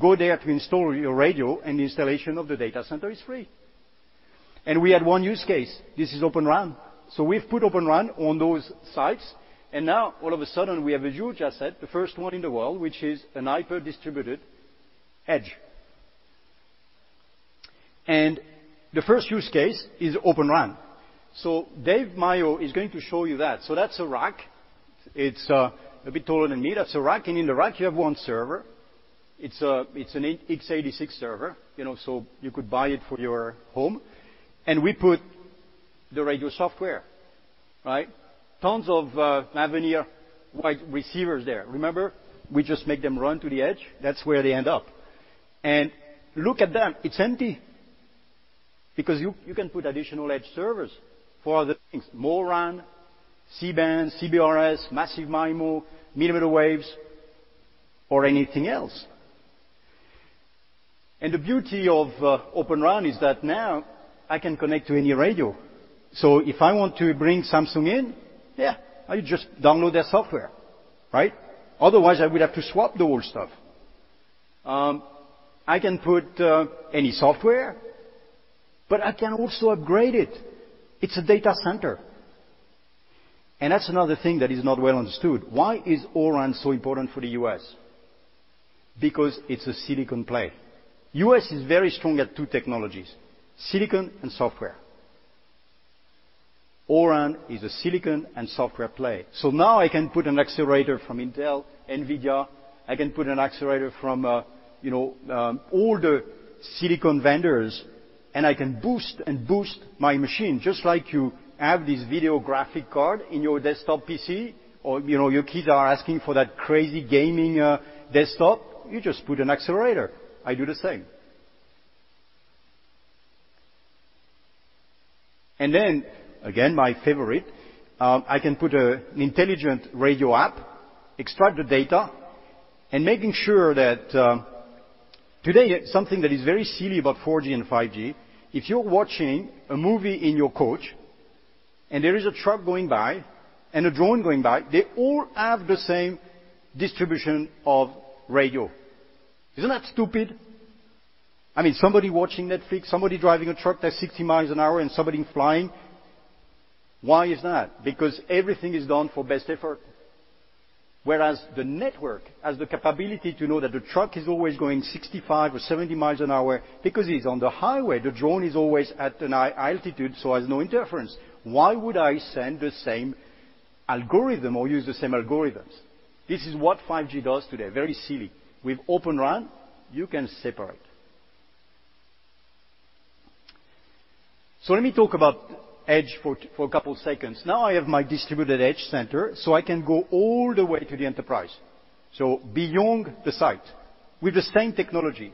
Go there to install your radio, and the installation of the data center is free. We had one use case. This is Open RAN. We've put Open RAN on those sites, and now all of a sudden we have a huge asset, the first one in the world, which is a hyper-distributed edge. The first use case is Open RAN. Dave Mayo is going to show you that. That's a rack. It's a bit taller than me. That's a rack. In the rack you have one server. It's an x86 server, you know, so you could buy it for your home. We put the radio software, right? Tons of Mavenir-like receivers there. Remember, we just make them run to the edge. That's where they end up. Look at them, it's empty. Because you can put additional edge servers for other things. More RAN, C-band, CBRS, massive MIMO, millimeter waves or anything else. The beauty of Open RAN is that now I can connect to any radio. If I want to bring Samsung in, yeah, I just download their software, right? Otherwise, I would have to swap the whole stack. I can put any software, but I can also upgrade it. It's a data center. That's another thing that is not well understood. Why is O-RAN so important for the U.S.? Because it's a silicon play. U.S. is very strong at two technologies: silicon and software. O-RAN is a silicon and software play. Now I can put an accelerator from Intel, NVIDIA. I can put an accelerator from, you know, all the silicon vendors, and I can boost and boost my machine. Just like you have this graphics card in your desktop PC or, you know, your kids are asking for that crazy gaming desktop. You just put an accelerator. I do the same. Again, my favorite, I can put an intelligent radio app, extract the data, and making sure that. Today something that is very silly about 4G and 5G, if you're watching a movie in your couch and there is a truck going by and a drone going by, they all have the same distribution of radio. Isn't that stupid? I mean, somebody watching Netflix, somebody driving a truck that's 60 miles an hour and somebody flying. Why is that? Because everything is done for best effort. Whereas the network has the capability to know that the truck is always going 65 or 70 miles an hour because it's on the highway. The drone is always at a high altitude, so has no interference. Why would I send the same algorithm or use the same algorithms? This is what 5G does today. Very silly. With Open RAN, you can separate. Let me talk about edge for a couple seconds. Now I have my distributed edge center, so I can go all the way to the enterprise, so beyond the site with the same technology.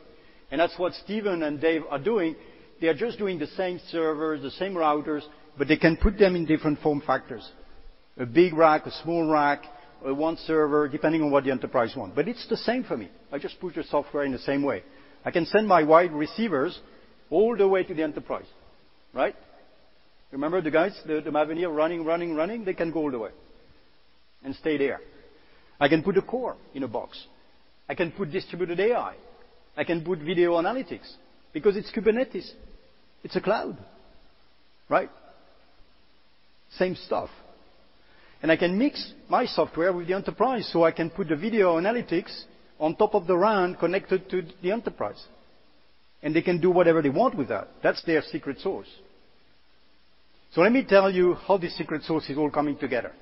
That's what Stephen and Dave are doing. They are just doing the same servers, the same routers, but they can put them in different form factors. A big rack, a small rack, or one server, depending on what the enterprise want. It's the same for me. I just put the software in the same way. I can send my wide receivers all the way to the enterprise, right? Remember the guys, the Mavenir running? They can go all the way and stay there. I can put a core in a box. I can put distributed AI. I can put video analytics because it's Kubernetes. It's a cloud, right? Same stuff. I can mix my software with the enterprise, so I can put the video analytics on top of the RAN connected to the enterprise, and they can do whatever they want with that. That's their secret sauce. Let me tell you how this secret sauce is all coming together.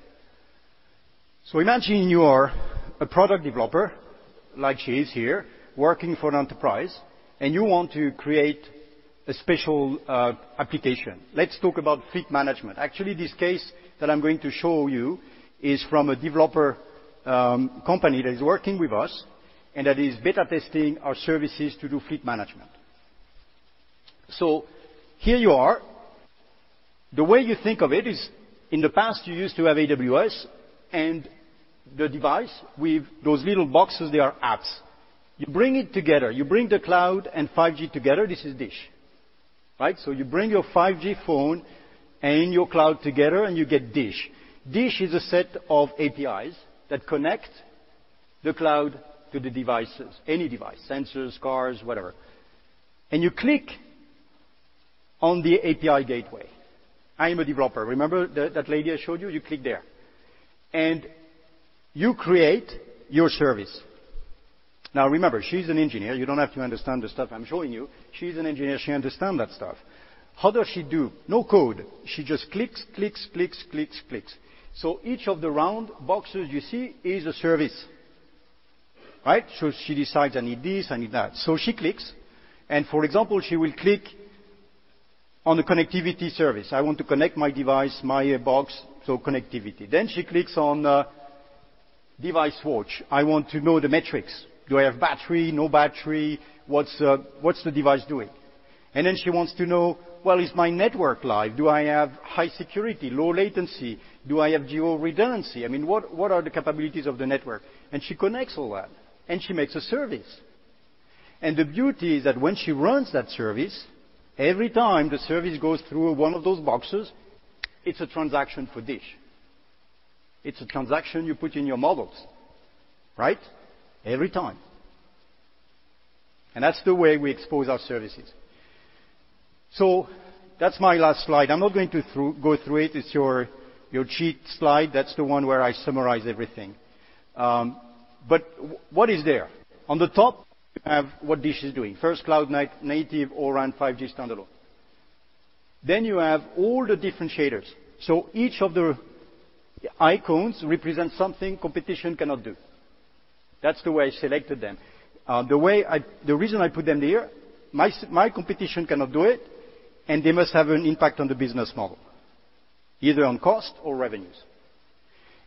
Imagine you are a product developer, like she is here, working for an enterprise, and you want to create a special application. Let's talk about fleet management. Actually, this case that I'm going to show you is from a developer company that is working with us and that is beta testing our services to do fleet management. Here you are. The way you think of it is, in the past, you used to have AWS and the device with those little boxes, they are apps. You bring it together. You bring the cloud and 5G together. This is DISH, right? You bring your 5G phone and your cloud together, and you get DISH. DISH is a set of APIs that connect the cloud to the devices, any device, sensors, cars, whatever. You click on the API gateway. I am a developer. Remember that lady I showed you? You click there. You create your service. Now, remember, she's an engineer. You don't have to understand the stuff I'm showing you. She's an engineer. She understand that stuff. How does she do? No-code. She just clicks, clicks, clicks. Each of the round boxes you see is a service, right? She decides I need this, I need that. She clicks, and for example, she will click on the connectivity service. I want to connect my device, my box, so connectivity. Then she clicks on device watch. I want to know the metrics. Do I have battery? No battery? What's the device doing? And then she wants to know, well, is my network live? Do I have high security, low latency? Do I have geo-redundancy? I mean, what are the capabilities of the network? And she connects all that, and she makes a service. The beauty is that when she runs that service, every time the service goes through one of those boxes, it's a transaction for DISH. It's a transaction you put in your models, right? Every time. That's the way we expose our services. That's my last slide. I'm not going to go through it. It's your cheat slide. That's the one where I summarize everything. But what is there? On the top, you have what DISH is doing. First cloud-native O-RAN 5G Standalone. Then you have all the differentiators. Each of the icons represent something competition cannot do. That's the way I selected them. The reason I put them there, my competition cannot do it, and they must have an impact on the business model, either on cost or revenues.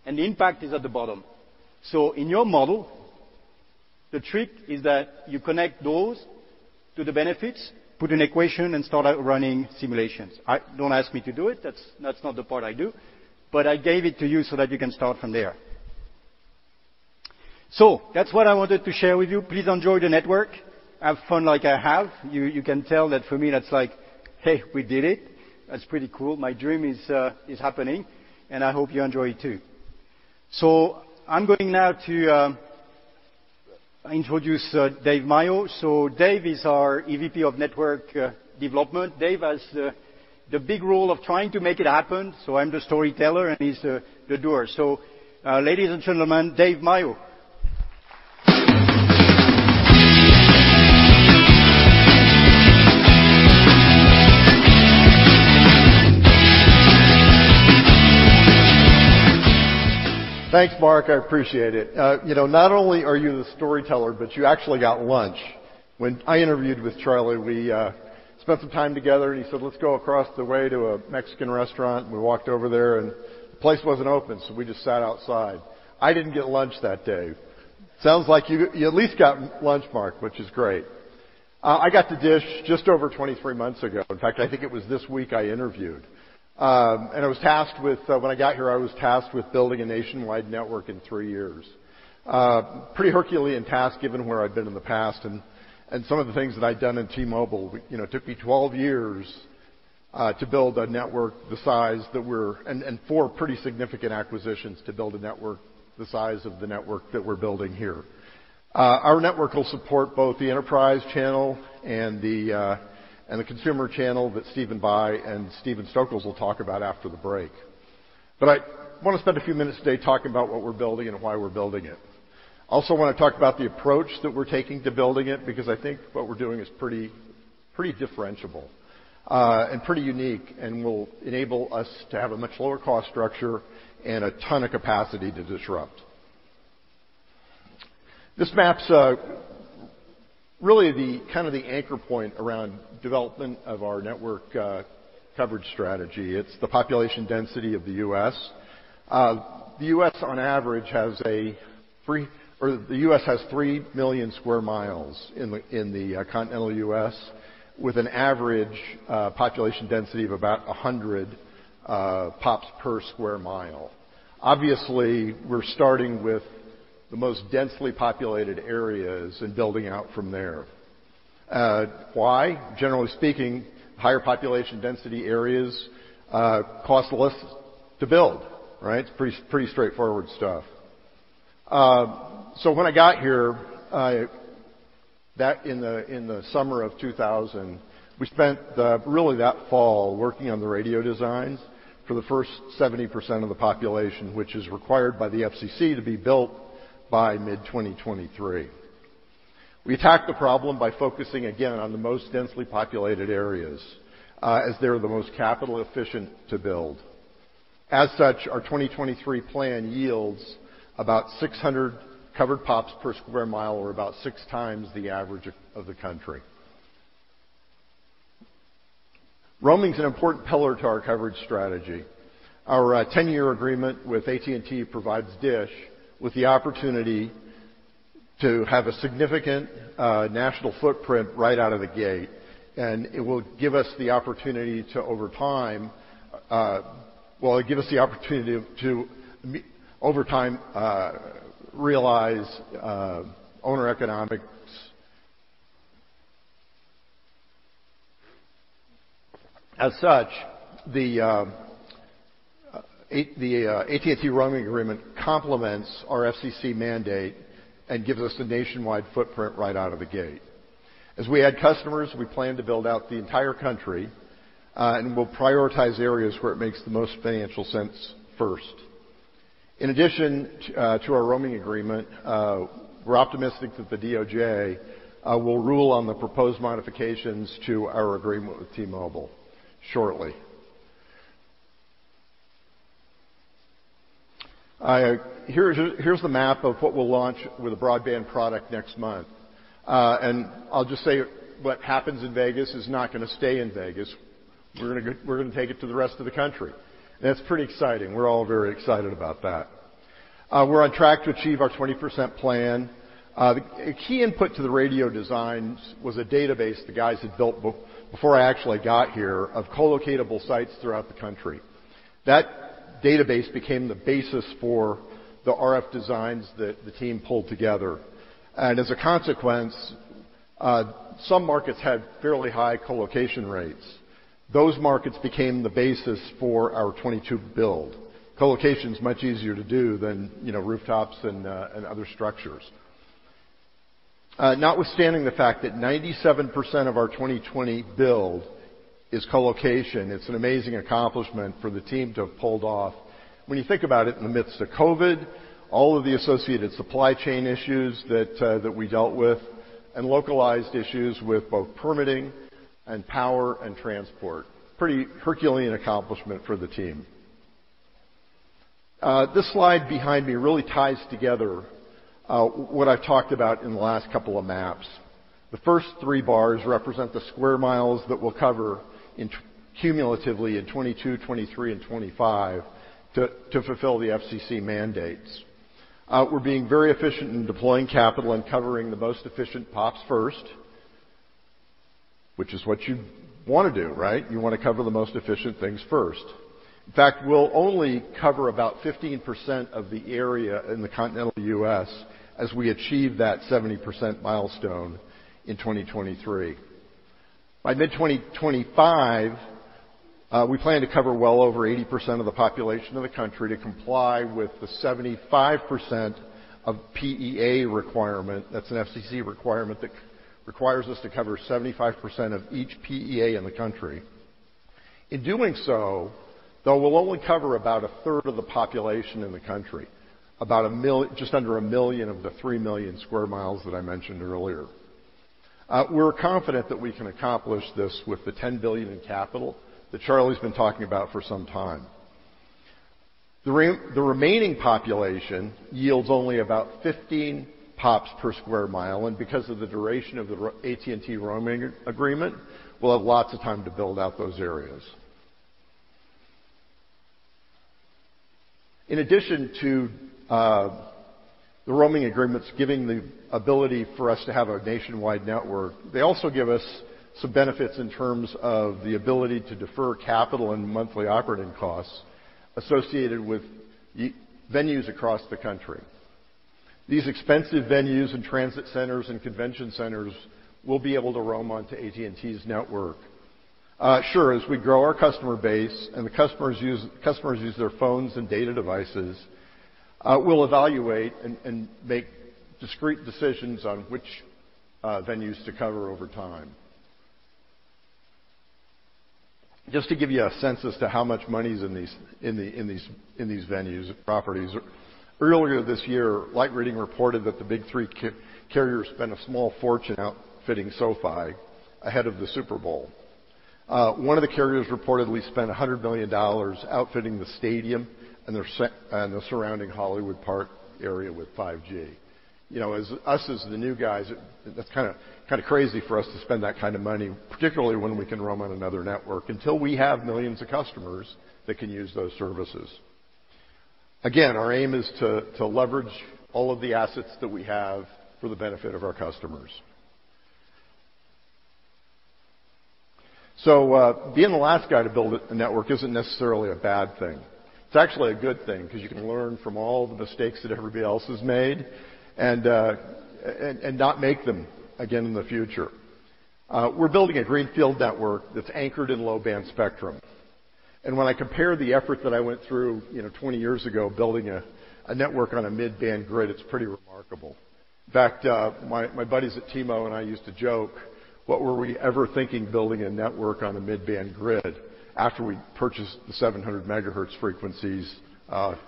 The impact is at the bottom. In your model, the trick is that you connect those to the benefits, put an equation, and start out running simulations. Don't ask me to do it. That's not the part I do. But I gave it to you so that you can start from there. That's what I wanted to share with you. Please enjoy the network. Have fun like I have. You can tell that for me, that's like, "Hey, we did it." That's pretty cool. My dream is happening, and I hope you enjoy it too. I'm going now to introduce Dave Mayo. Dave is our EVP of Network Development. Dave has the big role of trying to make it happen, so I'm the storyteller, and he's the doer. Ladies and gentlemen, Dave Mayo. Thanks, Marc. I appreciate it. You know, not only are you the storyteller, but you actually got lunch. When I interviewed with Charlie, we spent some time together, and he said, "Let's go across the way to a Mexican restaurant," and we walked over there, and the place wasn't open, so we just sat outside. I didn't get lunch that day. Sounds like you at least got lunch, Marc, which is great. I got to DISH just over 23 months ago. In fact, I think it was this week I interviewed. When I got here, I was tasked with building a nationwide network in three years. Pretty Herculean task given where I've been in the past and some of the things that I'd done in T-Mobile. You know, it took me 12 years to build a network the size that we're building here, and four pretty significant acquisitions to build a network the size of the network that we're building here. Our network will support both the enterprise channel and the consumer channel that Stephen Bye and Stephen Stokols will talk about after the break. I wanna spend a few minutes today talking about what we're building and why we're building it. I also wanna talk about the approach that we're taking to building it because I think what we're doing is pretty differentiable and pretty unique and will enable us to have a much lower cost structure and a ton of capacity to disrupt. This map's really the kind of the anchor point around development of our network coverage strategy. It's the population density of the U.S. The U.S. has 3 million sq mi in the continental US with an average population density of about 100 pops per sq mi. Obviously, we're starting with the most densely populated areas and building out from there. Why? Generally speaking, higher population density areas cost less to build, right? It's pretty straightforward stuff. When I got here, back in the summer of 2000, we spent really that fall working on the radio designs for the first 70% of the population, which is required by the FCC to be built by mid-2023. We attacked the problem by focusing again on the most densely populated areas as they're the most capital efficient to build. As such, our 2023 plan yields about 600 covered pops per square mile or about 6 times the average of the country. Roaming is an important pillar to our coverage strategy. Our 10-year agreement with AT&T provides DISH with the opportunity to have a significant national footprint right out of the gate, and it will give us the opportunity to, over time, realize our own economics. As such, the AT&T roaming agreement complements our FCC mandate and gives us a nationwide footprint right out of the gate. As we add customers, we plan to build out the entire country, and we'll prioritize areas where it makes the most financial sense first. In addition to our roaming agreement, we're optimistic that the DOJ will rule on the proposed modifications to our agreement with T-Mobile shortly. Here's the map of what we'll launch with a broadband product next month. I'll just say what happens in Vegas is not gonna stay in Vegas. We're gonna take it to the rest of the country, and that's pretty exciting. We're all very excited about that. We're on track to achieve our 20% plan. The key input to the radio designs was a database the guys had built before I actually got here of colocatable sites throughout the country. That database became the basis for the RF designs that the team pulled together, and as a consequence, some markets had fairly high colocation rates. Those markets became the basis for our 2022 build. Colocation is much easier to do than, you know, rooftops and other structures. Notwithstanding the fact that 97% of our 2020 build is colocation, it's an amazing accomplishment for the team to have pulled off. When you think about it in the midst of COVID, all of the associated supply chain issues that we dealt with and localized issues with both permitting and power and transport. Pretty Herculean accomplishment for the team. This slide behind me really ties together what I've talked about in the last couple of maps. The first three bars represent the square miles that we'll cover cumulatively in 2022, 2023, and 2025 to fulfill the FCC mandates. We're being very efficient in deploying capital and covering the most efficient pops first, which is what you wanna do, right? You wanna cover the most efficient things first. In fact, we'll only cover about 15% of the area in the continental U.S. as we achieve that 70% milestone in 2023. By mid-2025, we plan to cover well over 80% of the population of the country to comply with the 75% PEA requirement. That's an FCC requirement that requires us to cover 75% of each PEA in the country. In doing so, though, we'll only cover about a third of the area in the country, just under 1 million of the 3 million sq mi that I mentioned earlier. We're confident that we can accomplish this with the $10 billion in capital that Charlie's been talking about for some time. The remaining population yields only about 15 pops per sq mi, and because of the duration of the AT&T roaming agreement, we'll have lots of time to build out those areas. In addition to the roaming agreements giving the ability for us to have a nationwide network, they also give us some benefits in terms of the ability to defer capital and monthly operating costs associated with venues across the country. These expensive venues and transit centers and convention centers will be able to roam onto AT&T's network. Sure. As we grow our customer base and the customers use their phones and data devices, we'll evaluate and make discrete decisions on which venues to cover over time. Just to give you a sense as to how much money's in these venues or properties. Earlier this year, Light Reading reported that the big three carriers spent a small fortune outfitting SoFi ahead of the Super Bowl. One of the carriers reportedly spent $100 million outfitting the stadium and the surrounding Hollywood Park area with 5G. You know, as the new guys, that's kinda crazy for us to spend that kind of money, particularly when we can roam on another network until we have millions of customers that can use those services. Again, our aim is to leverage all of the assets that we have for the benefit of our customers. Being the last guy to build a network isn't necessarily a bad thing. It's actually a good thing 'cause you can learn from all the mistakes that everybody else has made and not make them again in the future. We're building a greenfield network that's anchored in low-band spectrum. When I compare the effort that I went through, you know, 20 years ago, building a network on a mid-band grid, it's pretty remarkable. In fact, my buddies at T-Mobile and I used to joke, what were we ever thinking building a network on a mid-band grid after we purchased the 700 megahertz frequencies,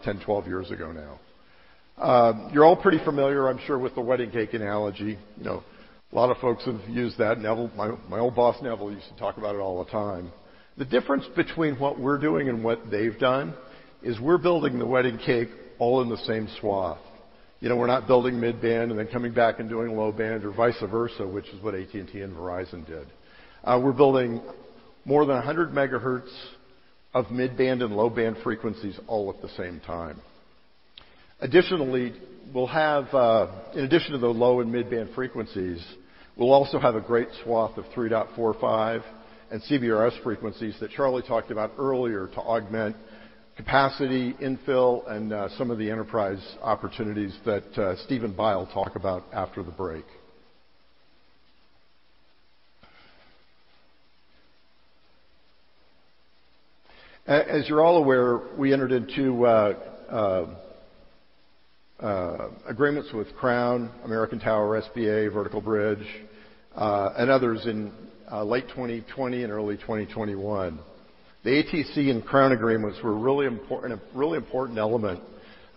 10, 12 years ago now? You're all pretty familiar, I'm sure, with the wedding cake analogy. You know, a lot of folks have used that. Neville, my old boss, Neville, used to talk about it all the time. The difference between what we're doing and what they've done is we're building the wedding cake all in the same swath. You know, we're not building mid-band and then coming back and doing low-band or vice versa, which is what AT&T and Verizon did. We're building more than 100 megahertz of mid-band and low-band frequencies all at the same time. In addition to the low and mid-band frequencies, we'll also have a great swath of 3.45 and CBRS frequencies that Charlie talked about earlier to augment capacity, infill, and some of the enterprise opportunities that Stephen Bye talk about after the break. As you're all aware, we entered into agreements with Crown Castle, American Tower, SBA, Vertical Bridge, and others in late 2020 and early 2021. The ATC and Crown agreements were a really important element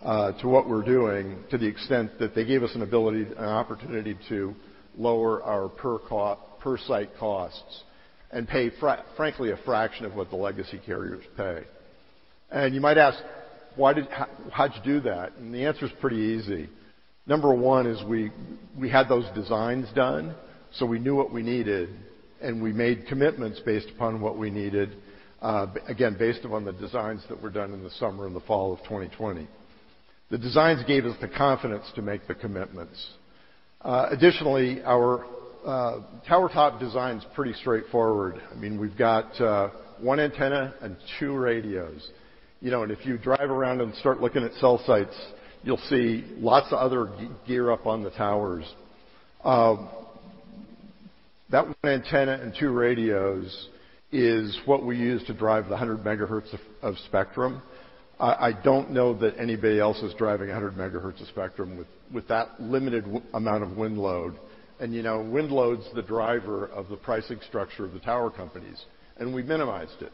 to what we're doing to the extent that they gave us an ability, an opportunity to lower our per site costs and pay, frankly, a fraction of what the legacy carriers pay. You might ask, "How'd you do that?" The answer is pretty easy. Number one is we had those designs done, so we knew what we needed, and we made commitments based upon what we needed, again, based upon the designs that were done in the summer and the fall of 2020. The designs gave us the confidence to make the commitments. Additionally, our tower top design's pretty straightforward. I mean, we've got one antenna and two radios. You know, if you drive around and start looking at cell sites, you'll see lots of other gear up on the towers. That one antenna and two radios is what we use to drive the 100 megahertz of spectrum. I don't know that anybody else is driving 100 megahertz of spectrum with that limited amount of wind load. You know, wind load's the driver of the pricing structure of the tower companies, and we minimized it.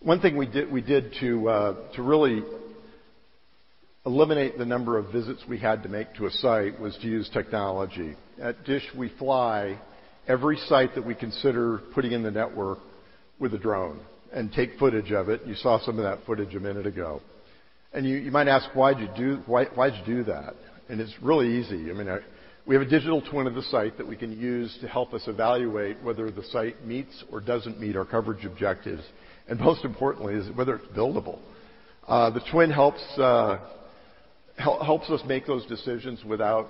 One thing we did to really eliminate the number of visits we had to make to a site was to use technology. At DISH, we fly every site that we consider putting in the network with a drone and take footage of it. You saw some of that footage a minute ago. You might ask, "Why'd you do Why, why'd you do that?" It's really easy. I mean, we have a digital twin of the site that we can use to help us evaluate whether the site meets or doesn't meet our coverage objectives, and most importantly, is whether it's buildable. The twin helps us make those decisions without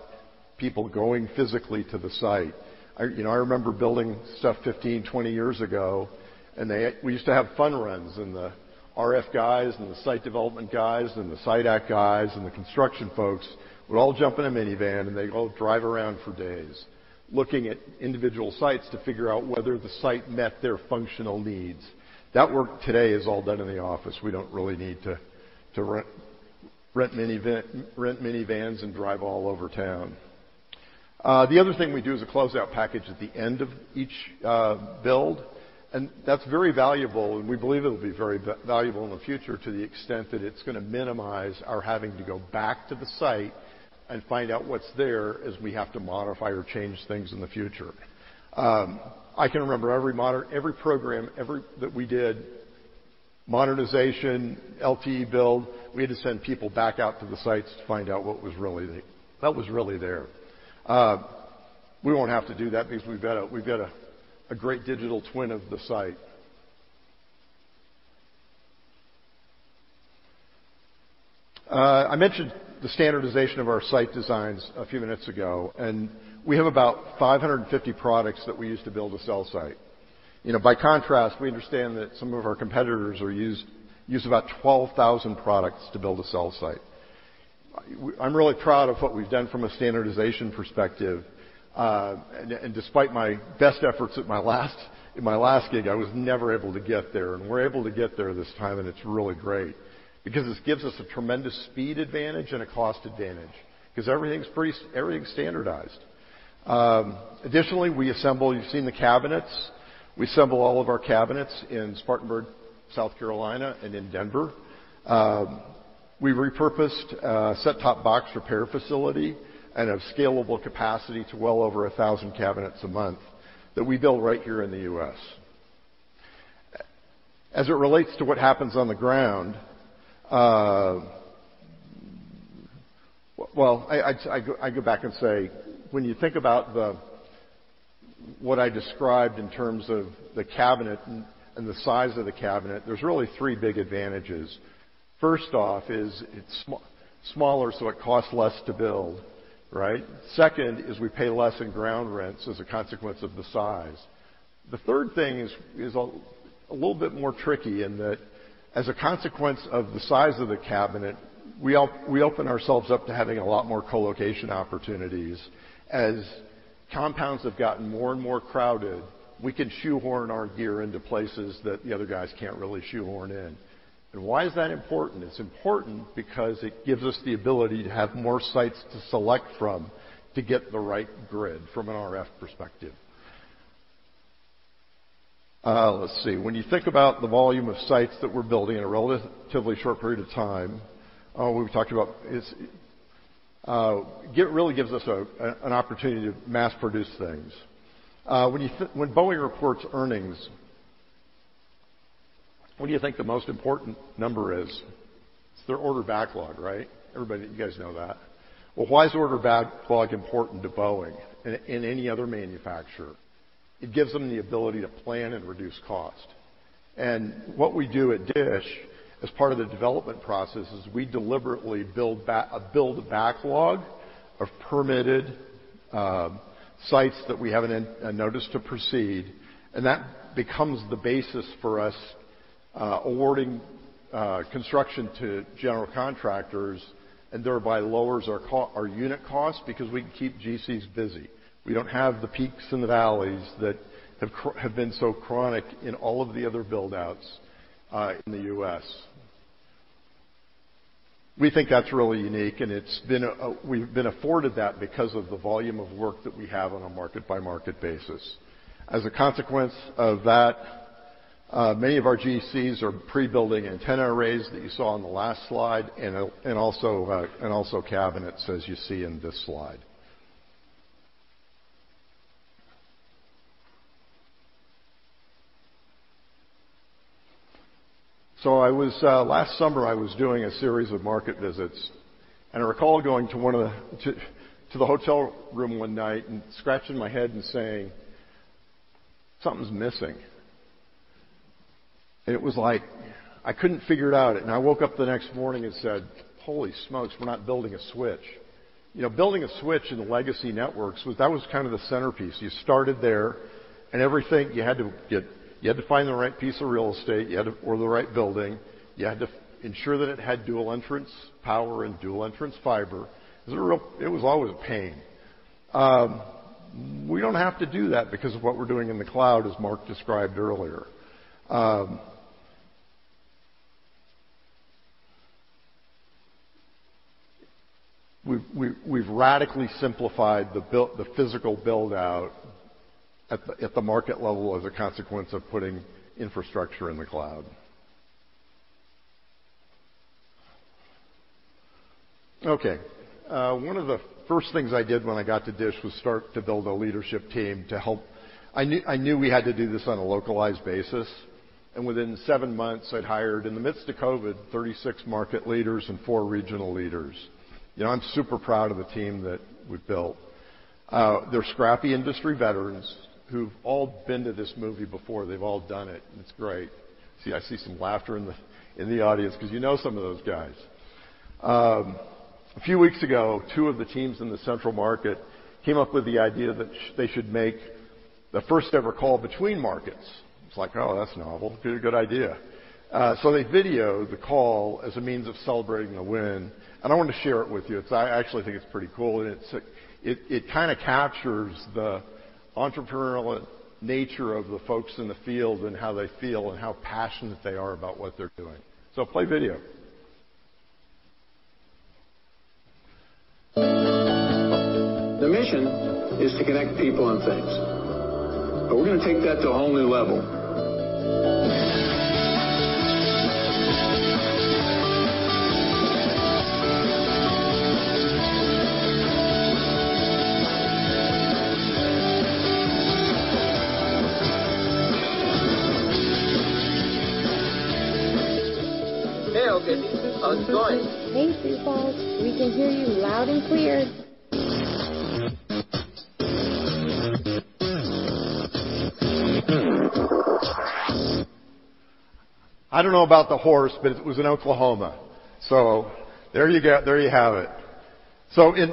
people going physically to the site. You know, I remember building stuff 15, 20 years ago. We used to have fun runs, and the RF guys and the site development guys and the site acquisition guys and the construction folks would all jump in a minivan, and they'd all drive around for days looking at individual sites to figure out whether the site met their functional needs. That work today is all done in the office. We don't really need to rent minivans and drive all over town. The other thing we do is a closeout package at the end of each build, and that's very valuable, and we believe it'll be very valuable in the future to the extent that it's gonna minimize our having to go back to the site and find out what's there as we have to modify or change things in the future. I can remember every program ever that we did, modernization, LTE build, we had to send people back out to the sites to find out what was really there. We won't have to do that because we've got a great digital twin of the site. I mentioned the standardization of our site designs a few minutes ago, and we have about 550 products that we use to build a cell site. You know, by contrast, we understand that some of our competitors use about 12,000 products to build a cell site. I'm really proud of what we've done from a standardization perspective. Despite my best efforts at my last gig, I was never able to get there, and we're able to get there this time, and it's really great because this gives us a tremendous speed advantage and a cost advantage 'cause everything's standardized. Additionally, we assemble. You've seen the cabinets. We assemble all of our cabinets in Spartanburg, South Carolina, and in Denver. We repurposed a set-top box repair facility and have scalable capacity to well over 1,000 cabinets a month that we build right here in the U.S. As it relates to what happens on the ground, I go back and say, when you think about what I described in terms of the cabinet and the size of the cabinet, there's really three big advantages. First off is it's smaller, so it costs less to build, right? Second is we pay less in ground rents as a consequence of the size. The third thing is a little bit more tricky in that as a consequence of the size of the cabinet, we open ourselves up to having a lot more co-location opportunities. As compounds have gotten more and more crowded, we can shoehorn our gear into places that the other guys can't really shoehorn in. Why is that important? It's important because it gives us the ability to have more sites to select from to get the right grid from an RF perspective. Let's see. When you think about the volume of sites that we're building in a relatively short period of time, what we've talked about really gives us an opportunity to mass produce things. When Boeing reports earnings, what do you think the most important number is? It's their order backlog, right? Everybody, you guys know that. Well, why is order backlog important to Boeing and any other manufacturer? It gives them the ability to plan and reduce cost. What we do at DISH as part of the development process is we deliberately build a backlog of permitted sites that we have a notice to proceed, and that becomes the basis for us awarding construction to general contractors and thereby lowers our unit costs because we can keep GCs busy. We don't have the peaks and the valleys that have been so chronic in all of the other build-outs in the U.S. We think that's really unique, and it's been we've been afforded that because of the volume of work that we have on a market by market basis. As a consequence of that, many of our GCs are pre-building antenna arrays that you saw on the last slide and also cabinets as you see in this slide. I was last summer doing a series of market visits, and I recall going to the hotel room one night and scratching my head and saying, "Something's missing." It was like I couldn't figure it out. I woke up the next morning and said, "Holy smokes, we're not building a switch." You know, building a switch in the legacy networks was the centerpiece. You started there and everything you had to get you had to find the right piece of real estate or the right building. You had to ensure that it had dual entrance power and dual entrance fiber. It was always a pain. We don't have to do that because of what we're doing in the cloud as Marc described earlier. We've radically simplified the physical build-out at the market level as a consequence of putting infrastructure in the cloud. Okay. One of the first things I did when I got to DISH was start to build a leadership team to help. I knew we had to do this on a localized basis, and within seven months I'd hired, in the midst of COVID, 36 market leaders and four regional leaders. You know, I'm super proud of the team that we've built. They're scrappy industry veterans who've all been to this movie before. They've all done it, and it's great. See, I see some laughter in the audience 'cause you know some of those guys. A few weeks ago, two of the teams in the central market came up with the idea that they should make the first ever call between markets. It's like, "Oh, that's novel. Good idea." They videoed the call as a means of celebrating a win, and I wanted to share it with you 'cause I actually think it's pretty cool, and it kind of captures the entrepreneurial nature of the folks in the field and how they feel and how passionate they are about what they're doing. Play video. The mission is to connect people and things, but we're gonna take that to a whole new level. Hey, Ogden. How's it going? Hey, Sioux Falls. We can hear you loud and clear. I don't know about the horse, but it was in Oklahoma. There you go. There you have it.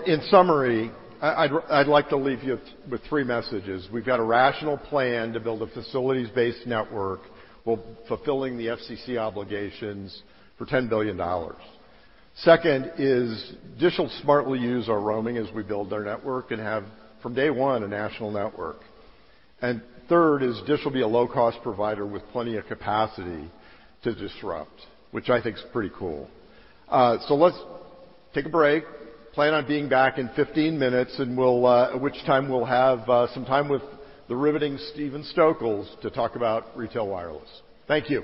In summary, I'd like to leave you with three messages. We've got a rational plan to build a facilities-based network while fulfilling the FCC obligations for $10 billion. Second is DISH will smartly use our roaming as we build our network and have from day one a national network. And third is DISH will be a low-cost provider with plenty of capacity to disrupt, which I think is pretty cool. Let's take a break. Plan on being back in 15 minutes, and at which time we'll have some time with the riveting Stephen Stokols to talk about retail wireless. Thank you.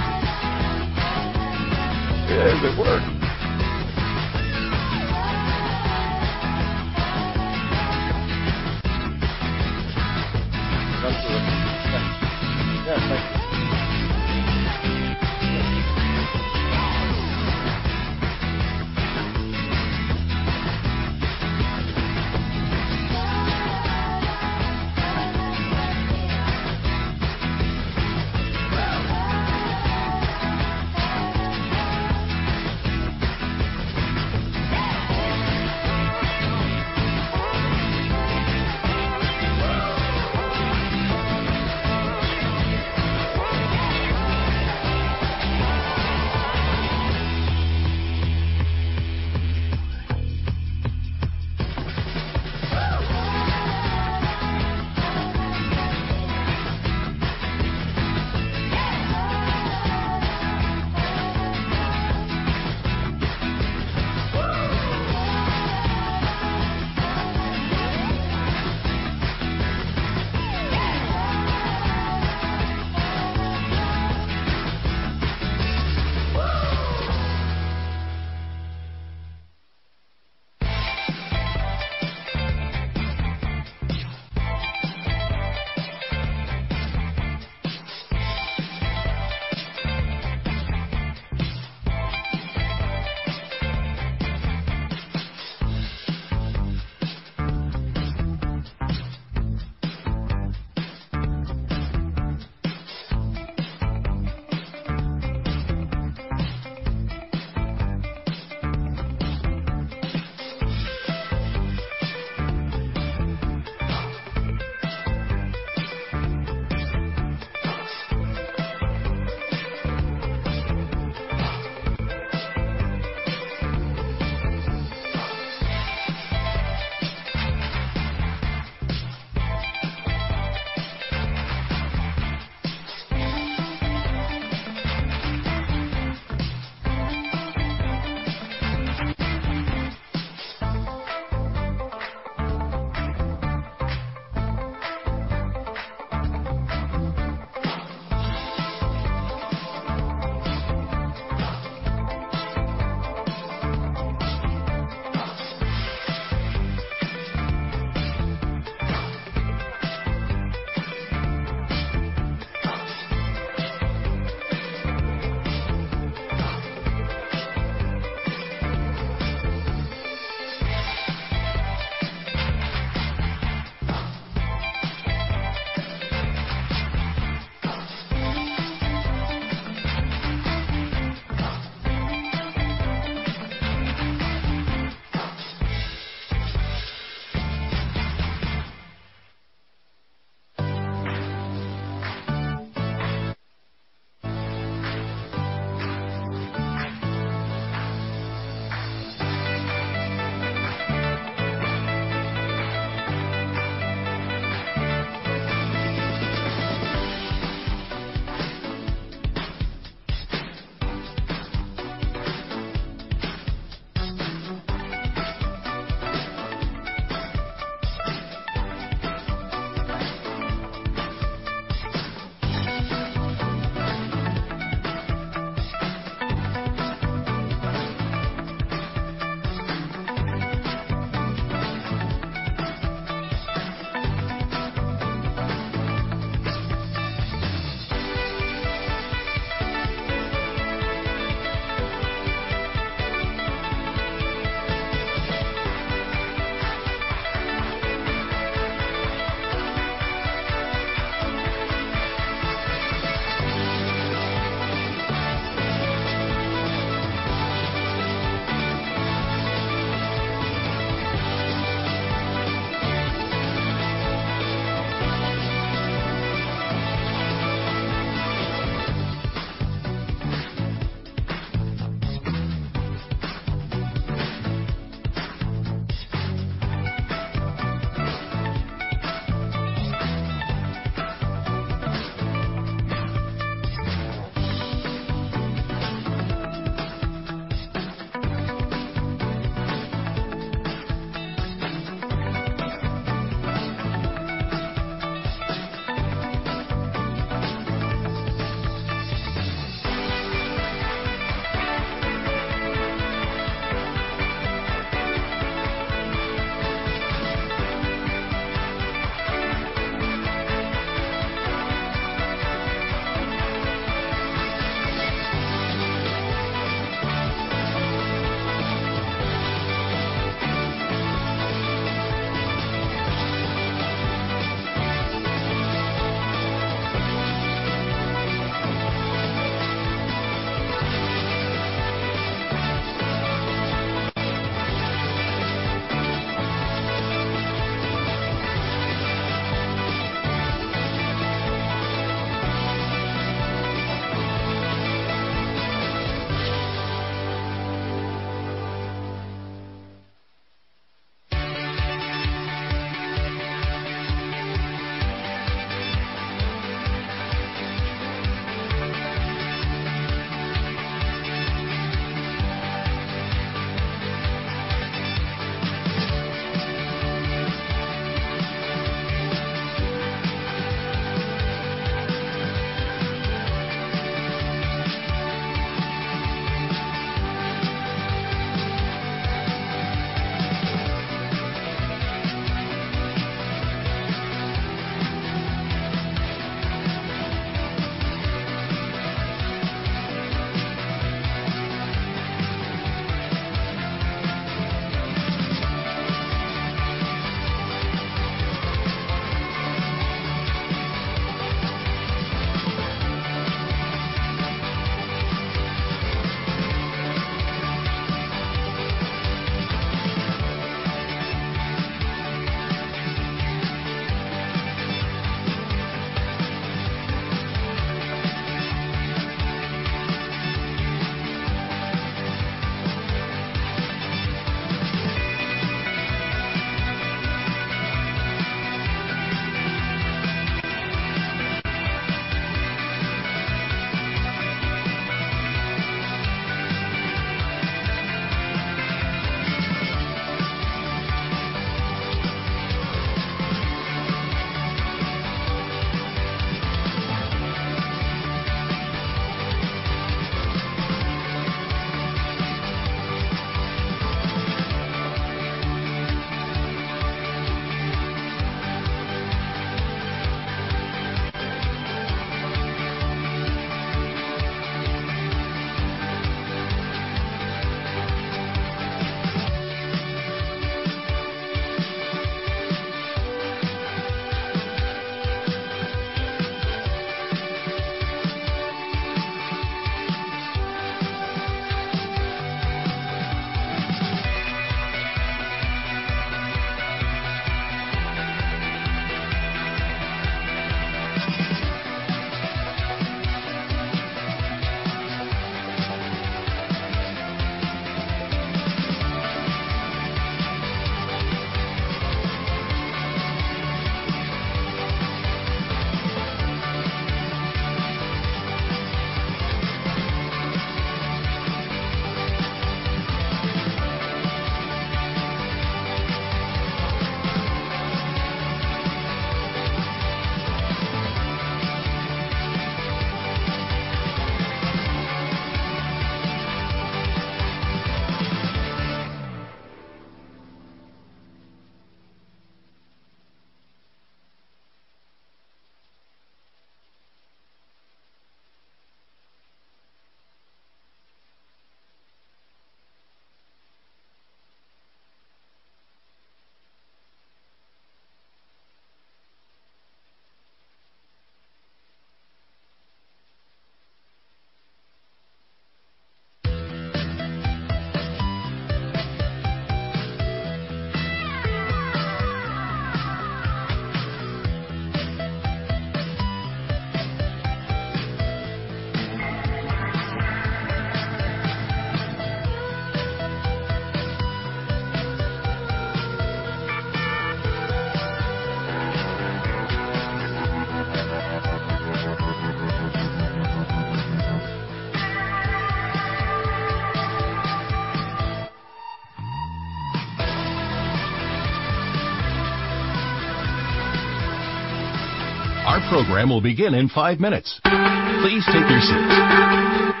Riveting. Yes, it worked. Our program will begin in five minutes. Please take your seats.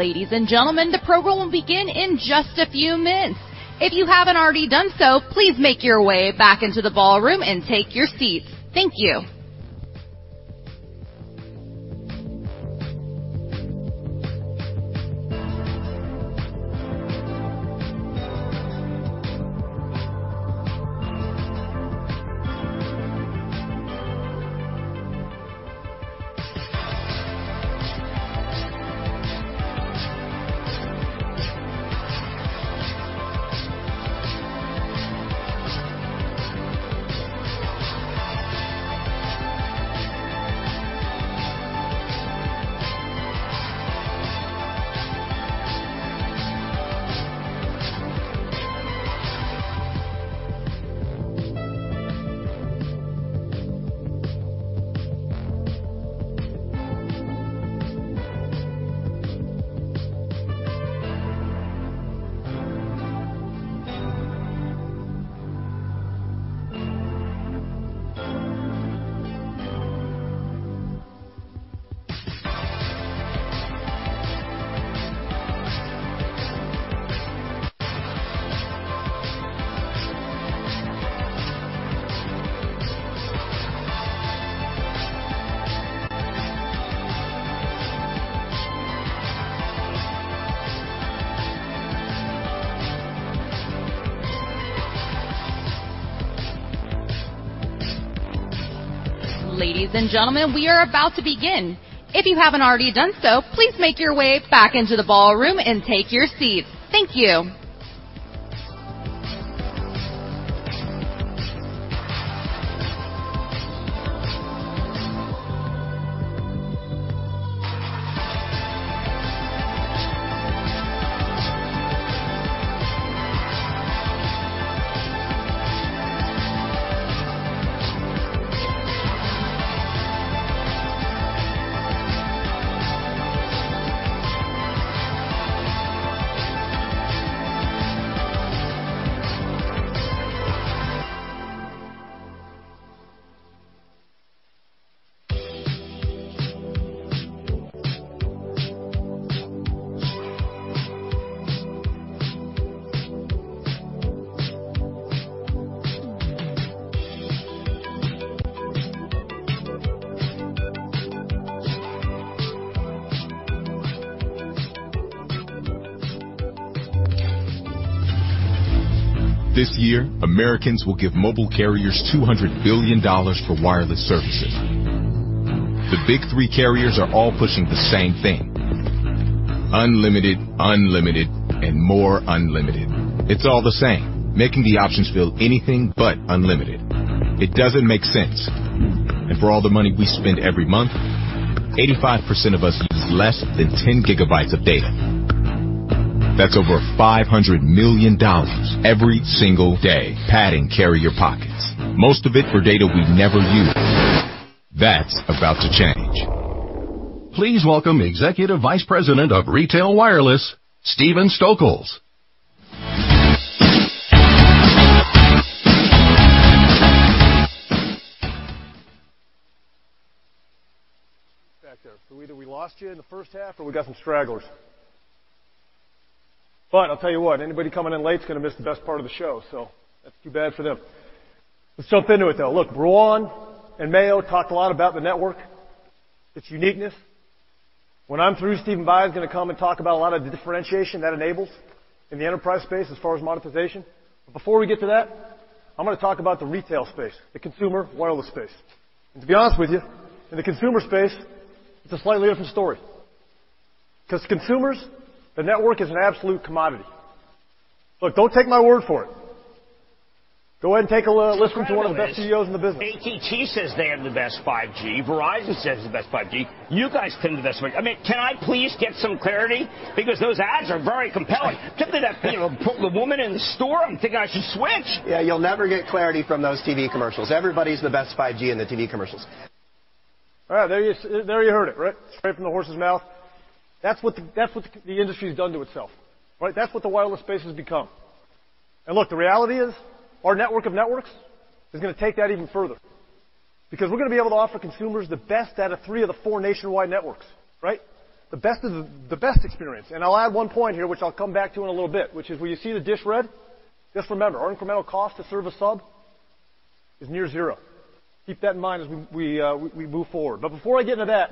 Ladies and gentlemen, the program will begin in just a few minutes. If you haven't already done so, please make your way back into the ballroom and take your seats. Thank you. Ladies and gentlemen, we are about to begin. If you haven't already done so, please make your way back into the ballroom and take your seats. Thank you. This year, Americans will give mobile carriers $200 billion for wireless services. The big three carriers are all pushing the same thing, unlimited and more unlimited. It's all the same, making the options feel anything but unlimited. It doesn't make sense. For all the money we spend every month, 85% of us use less than 10 GB of data. That's over $500 million every single day padding carrier pockets, most of it for data we never use. That's about to change. Please welcome Executive Vice President of Retail Wireless, Stephen Stokols. Back there. Either we lost you in the first half or we got some stragglers. I'll tell you what, anybody coming in late is gonna miss the best part of the show, so that's too bad for them. Let's jump into it, though. Look, Rouanne and Mayo talked a lot about the network, its uniqueness. When I'm through, Stephen Bye is gonna come and talk about a lot of the differentiation that enables in the enterprise space as far as monetization. Before we get to that, I'm gonna talk about the retail space, the consumer wireless space. To be honest with you, in the consumer space, it's a slightly different story. 'Cause consumers, the network is an absolute commodity. Look, don't take my word for it. Go ahead and take a listen to one of the best CEOs in the business. AT&T says they have the best 5G. Verizon says the best 5G. You guys claim the best 5G. I mean, can I please get some clarity? Because those ads are very compelling. Particularly that, you know, put the woman in the store, I'm thinking I should switch. Yeah, you'll never get clarity from those TV commercials. Everybody's the best 5G in the TV commercials. All right. There you heard it, right? Straight from the horse's mouth. That's what the industry has done to itself, right? That's what the wireless space has become. Look, the reality is our network of networks is gonna take that even further. We're gonna be able to offer consumers the best out of three of the four nationwide networks, right? The best of the best experience. I'll add one point here, which I'll come back to in a little bit, which is where you see the DISH red, just remember, our incremental cost to serve a sub is near zero. Keep that in mind as we move forward. Before I get into that,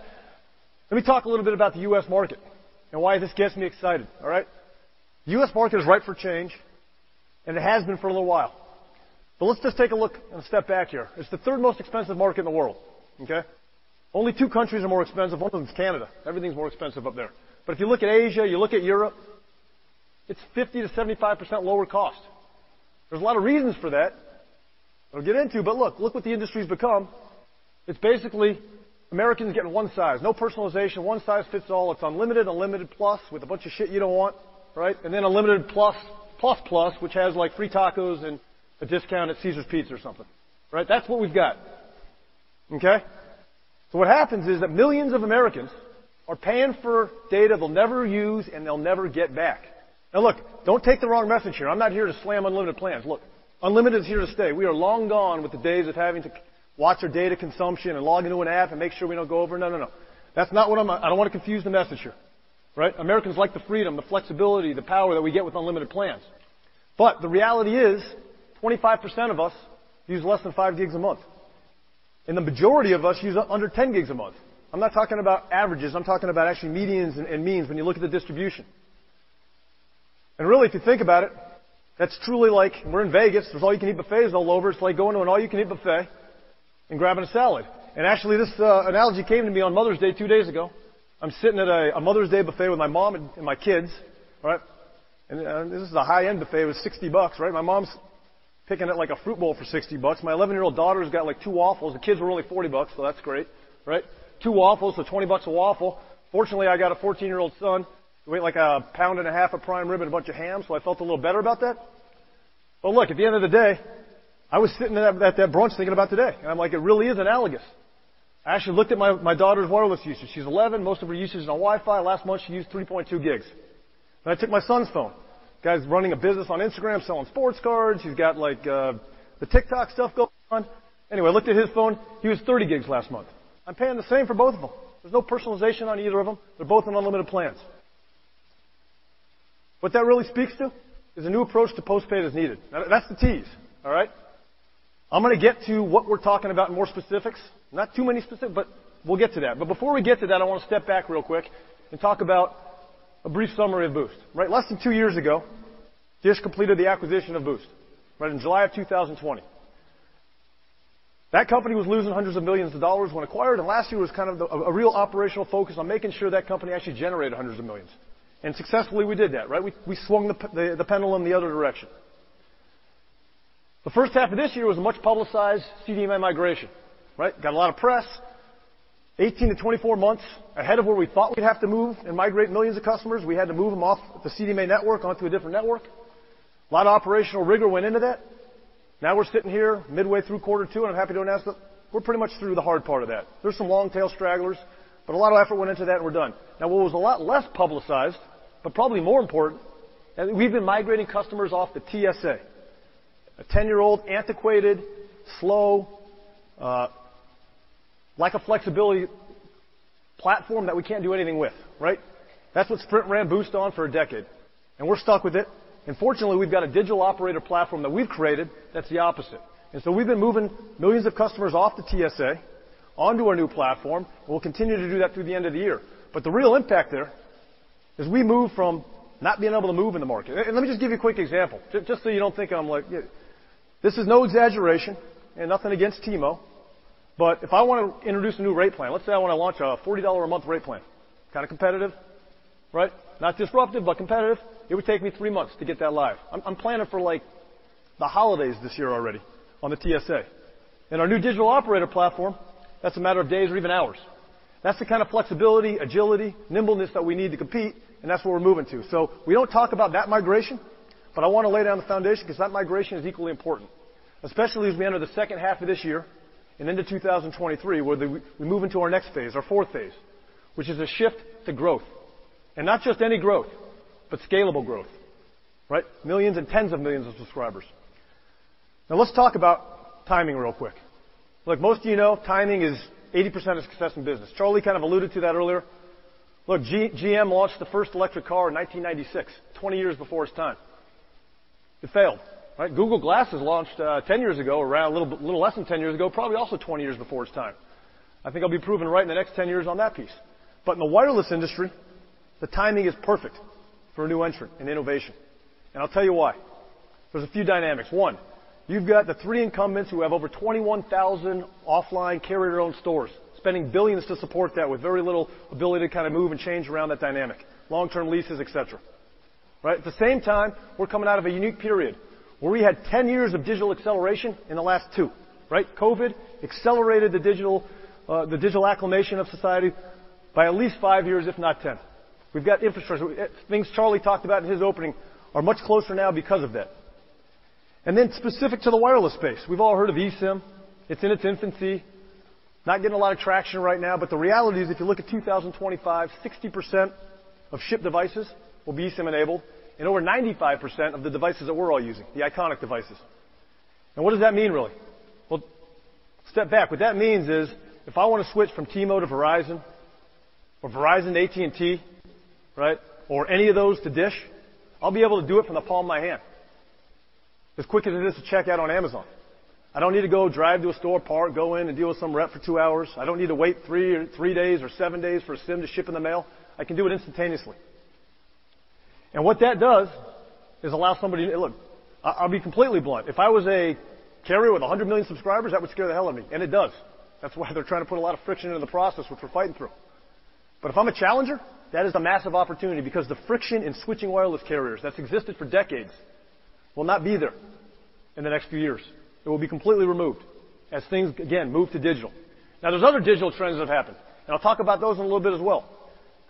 let me talk a little bit about the U.S. market and why this gets me excited, all right? U.S. market is ripe for change, and it has been for a little while. Let's just take a look and step back here. It's the third most expensive market in the world, okay? Only two countries are more expensive. One of them is Canada. Everything's more expensive up there. If you look at Asia, you look at Europe, it's 50%-75% lower cost. There's a lot of reasons for that I'll get into, but look what the industry's become. It's basically Americans getting one size, no personalization, one size fits all. It's unlimited plus with a bunch of shit you don't want, right? Unlimited plus plus, which has, like, free tacos and a discount at Little Caesars Pizza or something, right? That's what we've got, okay? What happens is that millions of Americans are paying for data they'll never use, and they'll never get back. Now, look, don't take the wrong message here. I'm not here to slam unlimited plans. Look, unlimited is here to stay. We are long gone with the days of having to watch our data consumption and log into an app and make sure we don't go over. No, no. That's not what I'm. I don't wanna confuse the messenger, right? Americans like the freedom, the flexibility, the power that we get with unlimited plans. The reality is, 25% of us use less than 5 gigs a month, and the majority of us use under 10 gigs a month. I'm not talking about averages, I'm talking about actually medians and means when you look at the distribution. Really, if you think about it, that's truly like we're in Vegas. There's all-you-can-eat buffets all over. It's like going to an all-you-can-eat buffet and grabbing a salad. Actually, this analogy came to me on Mother's Day two days ago. I'm sitting at a Mother's Day buffet with my mom and my kids, right? This is a high-end buffet. It was $60, right? My mom's picking at, like, a fruit bowl for $60. My 11-year-old daughter's got, like, 2 waffles. The kids were only $40, so that's great, right? 2 waffles, so $20 a waffle. Fortunately, I got a 14-year-old son who ate, like, a pound and a half of prime rib and a bunch of ham, so I felt a little better about that. Look, at the end of the day, I was sitting at that brunch thinking about today, and I'm like, "It really is analogous." I actually looked at my daughter's wireless usage. She's 11. Most of her usage is on Wi-Fi. Last month, she used 3.2 gigs. Then I checked my son's phone. Guy's running a business on Instagram selling sports cards. He's got, like, the TikTok stuff going on. Anyway, I looked at his phone. He used 30 gigs last month. I'm paying the same for both of them. There's no personalization on either of them. They're both on unlimited plans. What that really speaks to is a new approach to postpaid is needed. Now, that's the tease, all right? I'm gonna get to what we're talking about in more specifics. Not too many specifics, but we'll get to that. Before we get to that, I wanna step back real quick and talk about a brief summary of Boost, right? Less than 2 years ago, DISH completed the acquisition of Boost, right? In July 2020. That company was losing $hundreds of millions when acquired, and last year was kind of a real operational focus on making sure that company actually generated $hundreds of millions, and successfully we did that, right? We swung the pendulum the other direction. The first half of this year was a much-publicized CDMA migration, right? Got a lot of press. 18-24 months ahead of where we thought we'd have to move and migrate millions of customers. We had to move them off the CDMA network onto a different network. A lot of operational rigor went into that. Now we're sitting here midway through quarter two, and I'm happy to announce that we're pretty much through the hard part of that. There's some long-tail stragglers, but a lot of effort went into that, and we're done. Now, what was a lot less publicized, but probably more important, we've been migrating customers off the TSA, a ten-year-old, antiquated, slow, lack-of-flexibility platform that we can't do anything with, right? That's what Sprint ran Boost on for a decade, and we're stuck with it. Fortunately, we've got a digital operator platform that we've created that's the opposite. We've been moving millions of customers off the TSA onto our new platform. We'll continue to do that through the end of the year. The real impact there is we move from not being able to move in the market. Let me just give you a quick example. Just so you don't think I'm like. This is no exaggeration and nothing against T-Mobile, but if I wanna introduce a new rate plan, let's say I wanna launch a $40-a-month rate plan. Kinda competitive, right? Not disruptive, but competitive. It would take me three months to get that live. I'm planning for, like, the holidays this year already on the TSA. In our new digital operator platform, that's a matter of days or even hours. That's the kind of flexibility, agility, nimbleness that we need to compete, and that's what we're moving to. We don't talk about that migration, but I wanna lay down the foundation 'cause that migration is equally important, especially as we enter the second half of this year and into 2023, where the We move into our next phase, our fourth phase, which is a shift to growth. Not just any growth, but scalable growth, right? Millions and tens of millions of subscribers. Now, let's talk about timing real quick. Like most of you know, timing is 80% of success in business. Charlie kind of alluded to that earlier. Look, GM launched the first electric car in 1996, 20 years before its time. It failed, right? Google Glass launched 10 years ago, around a little less than 10 years ago, probably also 20 years before its time. I think I'll be proven right in the next 10 years on that piece. In the wireless industry, the timing is perfect for a new entrant and innovation, and I'll tell you why. There's a few dynamics. One, you've got the three incumbents who have over 21,000 offline carrier-owned stores, spending billions to support that with very little ability to kind of move and change around that dynamic. Long-term leases, et cetera, right? At the same time, we're coming out of a unique period where we had 10 years of digital acceleration in the last two, right? COVID accelerated the digital acclimation of society by at least five years, if not 10. We've got infrastructure. Things Charlie talked about in his opening are much closer now because of that. Specific to the wireless space, we've all heard of eSIM. It's in its infancy. Not getting a lot of traction right now, but the reality is if you look at 2025, 60% of shipped devices will be SIM-enabled and over 95% of the devices that we're all using, the iconic devices. Now what does that mean really? Well, step back. What that means is if I want to switch from T-Mobile to Verizon or Verizon to AT&T, right, or any of those to DISH, I'll be able to do it from the palm of my hand. As quick as it is to check out on Amazon. I don't need to go drive to a store, park, go in, and deal with some rep for 2 hours. I don't need to wait 3 days or 7 days for a SIM to ship in the mail. I can do it instantaneously. What that does is allow somebody to. Look, I'll be completely blunt. If I was a carrier with 100 million subscribers, that would scare the hell out of me, and it does. That's why they're trying to put a lot of friction in the process, which we're fighting through. If I'm a challenger, that is a massive opportunity because the friction in switching wireless carriers that's existed for decades will not be there in the next few years. It will be completely removed as things, again, move to digital. Now there's other digital trends that have happened, and I'll talk about those in a little bit as well,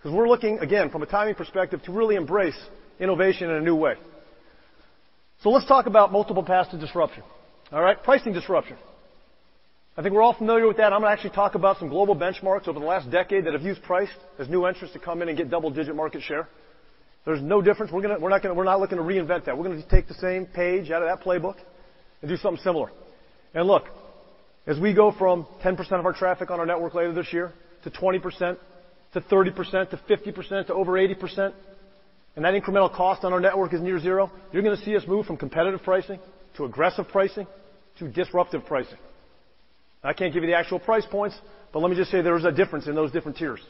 'cause we're looking, again, from a timing perspective, to really embrace innovation in a new way. Let's talk about multiple paths to disruption. All right. Pricing disruption. I think we're all familiar with that. I'm gonna actually talk about some global benchmarks over the last decade that have used price as new entrants to come in and get double-digit market share. There's no difference. We're not looking to reinvent that. We're gonna just take the same page out of that playbook and do something similar. Look, as we go from 10% of our traffic on our network later this year to 20% to 30% to 50% to over 80%, and that incremental cost on our network is near zero, you're gonna see us move from competitive pricing to aggressive pricing to disruptive pricing. I can't give you the actual price points, but let me just say there is a difference in those different tiers.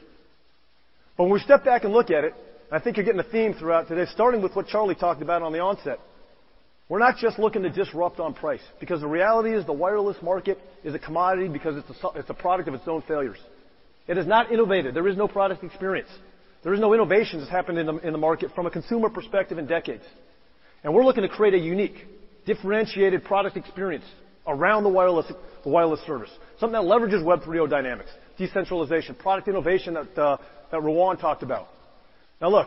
When we step back and look at it, and I think you're getting a theme throughout today, starting with what Charlie talked about on the onset, we're not just looking to disrupt on price, because the reality is the wireless market is a commodity because it's a product of its own failures. It has not innovated. There is no product experience. There is no innovations happening in the market from a consumer perspective in decades. We're looking to create a unique, differentiated product experience around the wireless service. Something that leverages Web3 dynamics, decentralization, product innovation that Marc Rouanne talked about. Now look,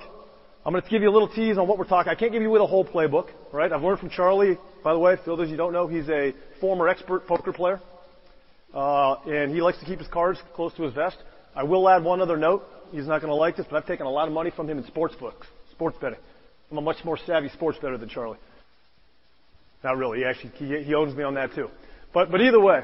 I'm gonna give you a little tease on what we're talking about. I can't give you the whole playbook, right? I've learned from Charlie. By the way, for those of you who don't know, he's a former expert poker player, and he likes to keep his cards close to his vest. I will add one other note. He's not gonna like this, but I've taken a lot of money from him in sports books, sports betting. I'm a much more savvy sports bettor than Charlie. Not really. Actually, he owes me on that too. But either way,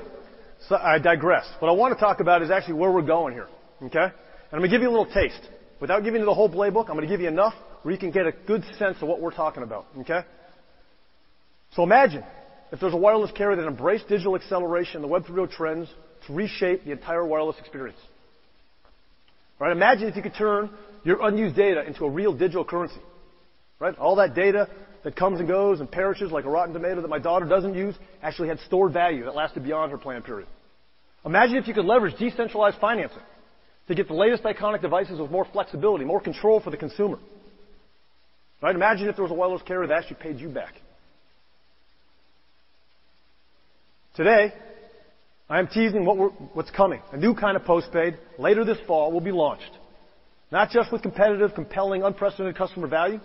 I digress. What I wanna talk about is actually where we're going here, okay? I'm gonna give you a little taste. Without giving you the whole playbook, I'm gonna give you enough where you can get a good sense of what we're talking about, okay? Imagine if there's a wireless carrier that embraced digital acceleration and the Web3 trends to reshape the entire wireless experience. Right? Imagine if you could turn your unused data into a real digital currency, right? All that data that comes and goes and perishes like a rotten tomato that my daughter doesn't use actually had stored value that lasted beyond her plan period. Imagine if you could leverage decentralized financing to get the latest iconic devices with more flexibility, more control for the consumer. Right? Imagine if there was a wireless carrier that actually paid you back. Today, I am teasing what's coming. A new kind of postpaid later this fall will be launched, not just with competitive, compelling, unprecedented customer value,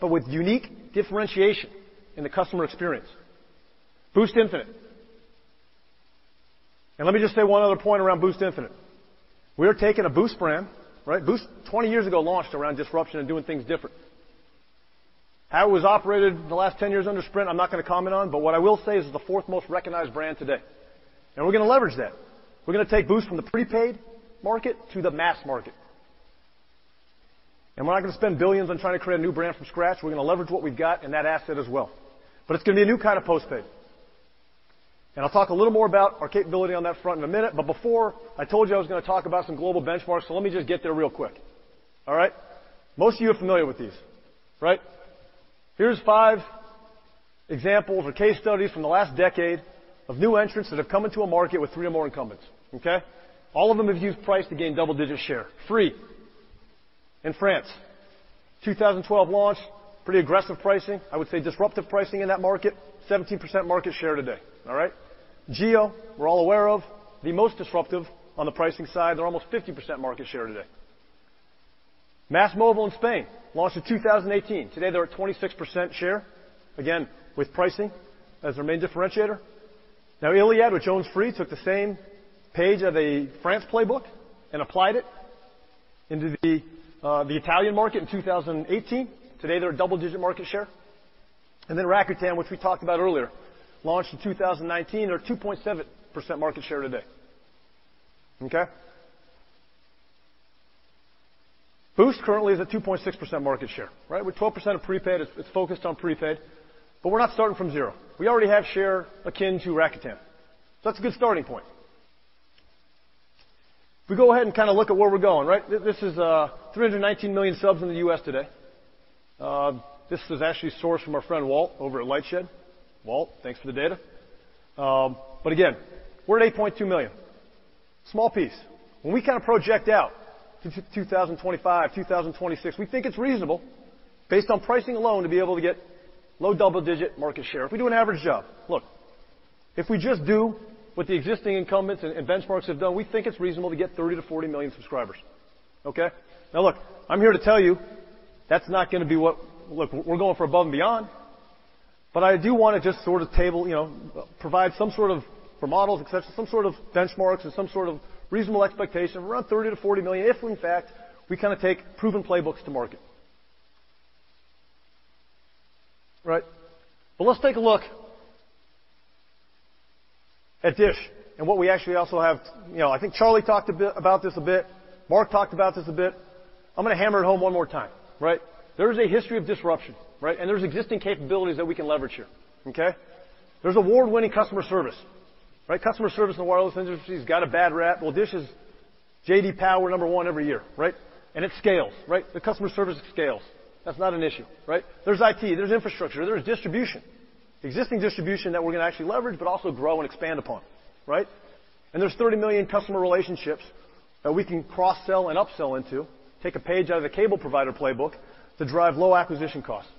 but with unique differentiation in the customer experience. Boost Infinite. Let me just say one other point around Boost Infinite. We're taking a Boost brand, right? Boost, 20 years ago, launched around disruption and doing things different. How it was operated in the last 10 years under Sprint, I'm not gonna comment on, but what I will say is it's the fourth most recognized brand today, and we're gonna leverage that. We're gonna take Boost from the prepaid market to the mass market. We're not gonna spend billions on trying to create a new brand from scratch. We're gonna leverage what we've got and that asset as well. It's gonna be a new kind of postpaid. I'll talk a little more about our capability on that front in a minute, but before I told you I was gonna talk about some global benchmarks, so let me just get there real quick. All right? Most of you are familiar with these, right? Here's 5 examples or case studies from the last decade of new entrants that have come into a market with three or more incumbents, okay? All of them have used price to gain double-digit share. Free in France, 2012 launch, pretty aggressive pricing. I would say disruptive pricing in that market. 17% market share today, all right? Jio, we're all aware of, the most disruptive on the pricing side. They're almost 50% market share today. MásMóvil in Spain, launched in 2018. Today, they're at 26% share, again with pricing as their main differentiator. Iliad, which owns Free, took the same page out of the French playbook and applied it into the Italian market in 2018. Today, they're a double-digit market share. Rakuten, which we talked about earlier, launched in 2019, are at 2.7% market share today, okay? Boost currently is at 2.6% market share, right? With 12% of prepaid, it's focused on prepaid, but we're not starting from zero. We already have share akin to Rakuten, so that's a good starting point. If we go ahead and kinda look at where we're going, right? This is 319 million subs in the U.S. today. This is actually sourced from our friend Walt over at LightShed. Walt, thanks for the data. But again, we're at 8.2 million. Small piece. When we kind of project out to 2025, 2026, we think it's reasonable based on pricing alone to be able to get low double-digit market share. If we do an average job. Look, if we just do what the existing incumbents and benchmarks have done, we think it's reasonable to get 30-40 million subscribers, okay? Now look, I'm here to tell you that's not gonna be what. Look, we're going for above and beyond. I do wanna just sort of table, you know, provide some sort of, for models, et cetera, some sort of benchmarks or some sort of reasonable expectation of around 30-40 million if in fact we kinda take proven playbooks to market. Right? Let's take a look at DISH and what we actually also have. You know, I think Charlie talked a bit about this. Marc talked about this a bit. I'm gonna hammer it home one more time, right? There's a history of disruption, right? There's existing capabilities that we can leverage here, okay? There's award-winning customer service, right? Customer service in the wireless industry has got a bad rap. Well, DISH is J.D. Power number one every year, right? It scales, right? The customer service scales. That's not an issue, right? There's IT, there's infrastructure, there's distribution, existing distribution that we're gonna actually leverage but also grow and expand upon, right? There's 30 million customer relationships that we can cross-sell and up-sell into, take a page out of the cable provider playbook to drive low acquisition costs.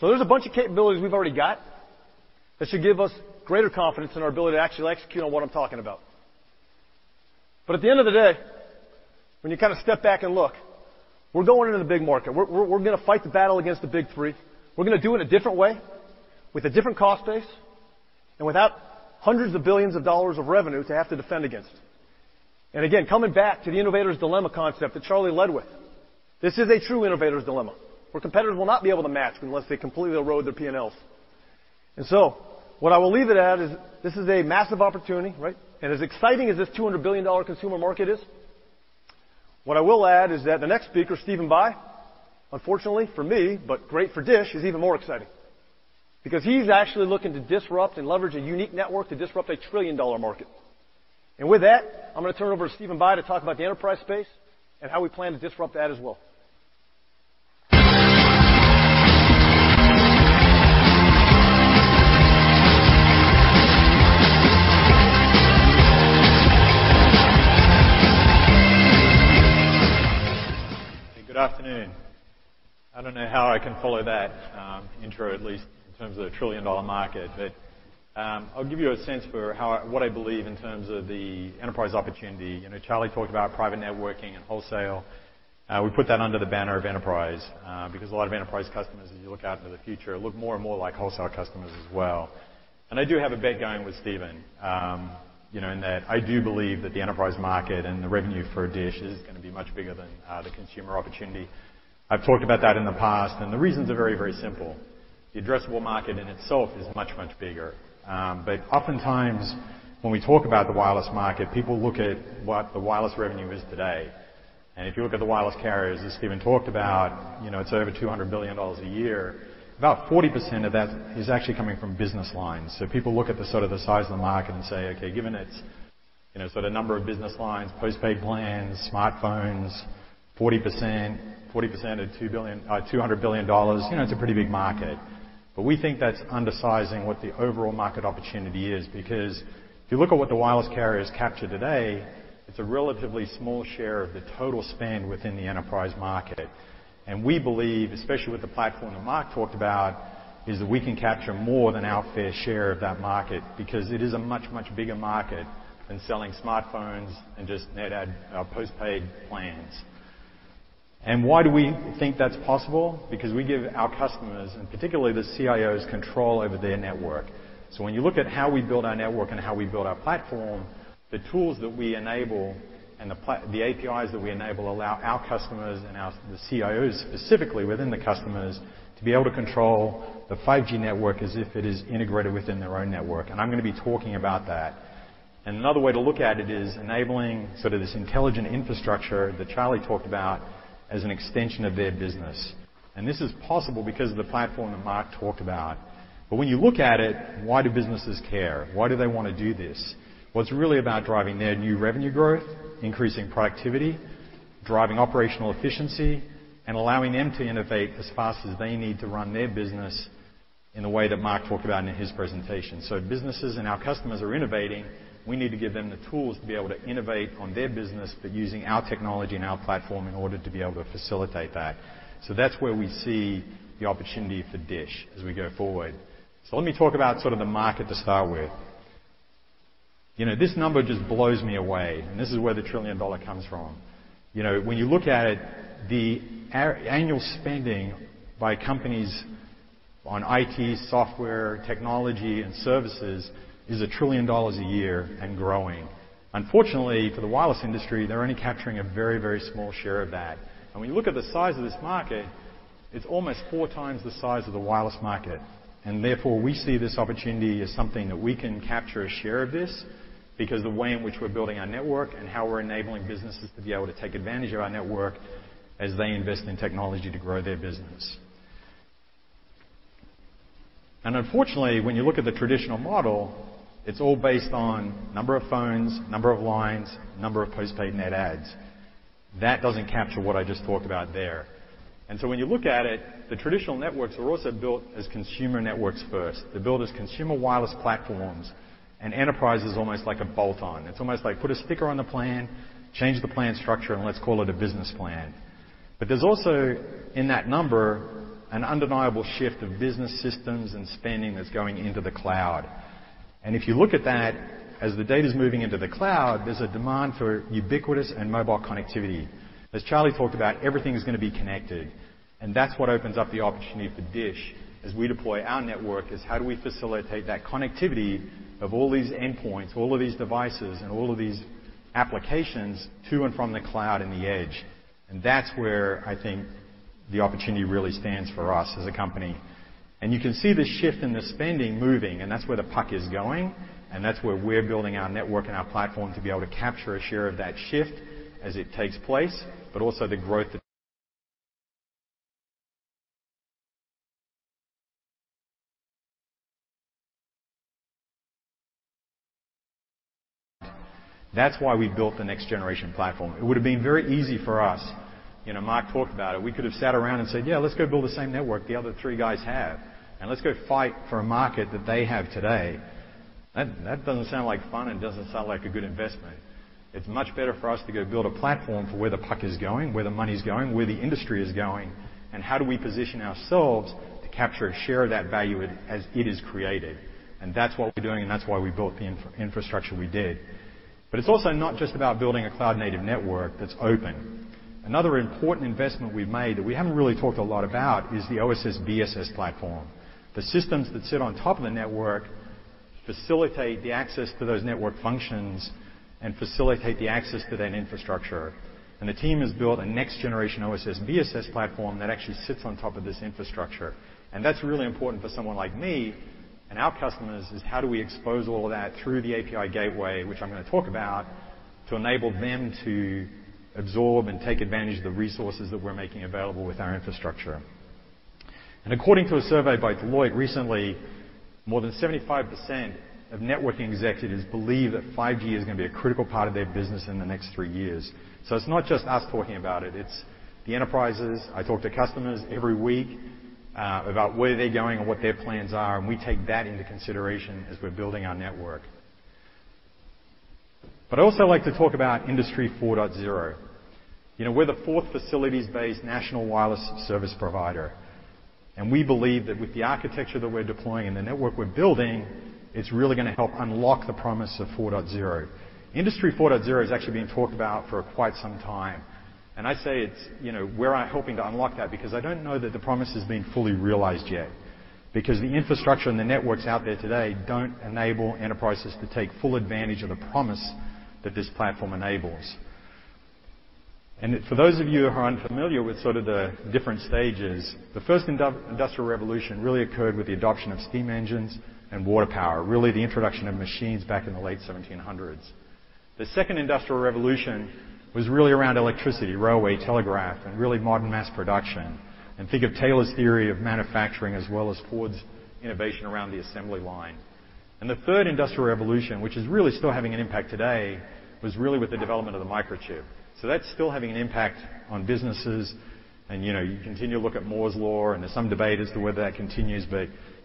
There's a bunch of capabilities we've already got that should give us greater confidence in our ability to actually execute on what I'm talking about. At the end of the day, when you kinda step back and look, we're going into the big market. We're gonna fight the battle against the big three. We're gonna do it a different way, with a different cost base, and without hundreds of billions of dollars of revenue to have to defend against. Again, coming back to the Innovator's Dilemma concept that Charlie led with, this is a true Innovator's Dilemma, where competitors will not be able to match unless they completely erode their P&Ls. What I will leave it at is this is a massive opportunity, right? As exciting as this $200 billion consumer market is, what I will add is that the next speaker, Stephen Bye, unfortunately for me, but great for DISH, is even more exciting. Because he's actually looking to disrupt and leverage a unique network to disrupt a $1 trillion market. With that, I'm gonna turn it over to Stephen Bye to talk about the enterprise space and how we plan to disrupt that as well. Good afternoon. I don't know how I can follow that intro, at least in terms of the trillion-dollar market. I'll give you a sense for what I believe in terms of the enterprise opportunity. You know, Charlie talked about private networking and wholesale. We put that under the banner of enterprise, because a lot of enterprise customers, as you look out into the future, look more and more like wholesale customers as well. I do have a bet going with Stephen, you know, in that I do believe that the enterprise market and the revenue for DISH is gonna be much bigger than the consumer opportunity. I've talked about that in the past, and the reasons are very, very simple. The addressable market in itself is much, much bigger. Oftentimes when we talk about the wireless market, people look at what the wireless revenue is today. If you look at the wireless carriers, as Stephen talked about, you know, it's over $200 billion a year. About 40% of that is actually coming from business lines. People look at the, sort of the size of the market and say, "Okay, given it's, you know, sort of number of business lines, post-paid plans, smartphones, 40%, 40% of $200 billion, you know, it's a pretty big market." We think that's undersizing what the overall market opportunity is, because if you look at what the wireless carriers capture today, it's a relatively small share of the total spend within the enterprise market. We believe, especially with the platform that Marc talked about, is that we can capture more than our fair share of that market because it is a much, much bigger market than selling smartphones and just net add post-paid plans. Why do we think that's possible? Because we give our customers, and particularly the CIOs, control over their network. When you look at how we build our network and how we build our platform, the tools that we enable and the APIs that we enable allow our customers and the CIOs specifically within the customers, to be able to control the 5G network as if it is integrated within their own network, and I'm gonna be talking about that. Another way to look at it is enabling sort of this intelligent infrastructure that Charlie talked about as an extension of their business. This is possible because of the platform that Marc talked about. When you look at it, why do businesses care? Why do they wanna do this? Well, it's really about driving their new revenue growth, increasing productivity, driving operational efficiency, and allowing them to innovate as fast as they need to run their business in the way that Marc talked about in his presentation. Businesses and our customers are innovating. We need to give them the tools to be able to innovate on their business, but using our technology and our platform in order to be able to facilitate that. That's where we see the opportunity for DISH as we go forward. Let me talk about sort of the market to start with. You know, this number just blows me away, and this is where the trillion dollar comes from. You know, when you look at it, the annual spending by companies on IT, software, technology and services is $1 trillion a year and growing. Unfortunately, for the wireless industry, they're only capturing a very, very small share of that. When you look at the size of this market, it's almost four times the size of the wireless market. Therefore, we see this opportunity as something that we can capture a share of this because the way in which we're building our network and how we're enabling businesses to be able to take advantage of our network as they invest in technology to grow their business. Unfortunately, when you look at the traditional model, it's all based on number of phones, number of lines, number of post-paid net adds. That doesn't capture what I just talked about there. When you look at it, the traditional networks were also built as consumer networks first. They're built as consumer wireless platforms, and enterprise is almost like a bolt-on. It's almost like put a sticker on the plan, change the plan structure, and let's call it a business plan. There's also, in that number, an undeniable shift of business systems and spending that's going into the cloud. If you look at that, as the data's moving into the cloud, there's a demand for ubiquitous and mobile connectivity. As Charlie talked about, everything is gonna be connected, and that's what opens up the opportunity for DISH as we deploy our network, is how do we facilitate that connectivity of all these endpoints, all of these devices, and all of these applications to and from the cloud and the edge? That's where I think the opportunity really stands for us as a company. You can see the shift in the spending moving, and that's where the puck is going, and that's where we're building our network and our platform to be able to capture a share of that shift as it takes place, but also the growth. That's why we built the next generation platform. It would have been very easy for us, you know, Marc talked about it. We could have sat around and said, "Yeah, let's go build the same network the other three guys have, and let's go fight for a market that they have today." That doesn't sound like fun and doesn't sound like a good investment. It's much better for us to go build a platform for where the puck is going, where the money's going, where the industry is going, and how do we position ourselves to capture a share of that value as it is created. That's what we're doing, and that's why we built the infrastructure we did. It's also not just about building a cloud-native network that's open. Another important investment we've made that we haven't really talked a lot about is the OSS/BSS platform. The systems that sit on top of the network facilitate the access to those network functions and facilitate the access to that infrastructure. The team has built a next generation OSS/BSS platform that actually sits on top of this infrastructure. That's really important for someone like me and our customers, is how do we expose all of that through the API gateway, which I'm gonna talk about, to enable them to absorb and take advantage of the resources that we're making available with our infrastructure. According to a survey by Deloitte recently, more than 75% of networking executives believe that 5G is gonna be a critical part of their business in the next three years. It's not just us talking about it's the enterprises. I talk to customers every week about where they're going and what their plans are, and we take that into consideration as we're building our network. I'd also like to talk about Industry 4.0. You know, we're the fourth facilities-based national wireless service provider, and we believe that with the architecture that we're deploying and the network we're building, it's really gonna help unlock the promise of 4.0. Industry 4.0 has actually been talked about for quite some time, and I say it's, you know, we're helping to unlock that because I don't know that the promise has been fully realized yet. Because the infrastructure and the networks out there today don't enable enterprises to take full advantage of the promise that this platform enables. For those of you who are unfamiliar with sort of the different stages, the first industrial revolution really occurred with the adoption of steam engines and water power, really the introduction of machines back in the late 1700s. The second industrial revolution was really around electricity, railway, telegraph, and really modern mass production. Think of Taylor's theory of manufacturing as well as Ford's innovation around the assembly line. The third industrial revolution, which is really still having an impact today, was really with the development of the microchip. That's still having an impact on businesses and, you know, you continue to look at Moore's Law and there's some debate as to whether that continues.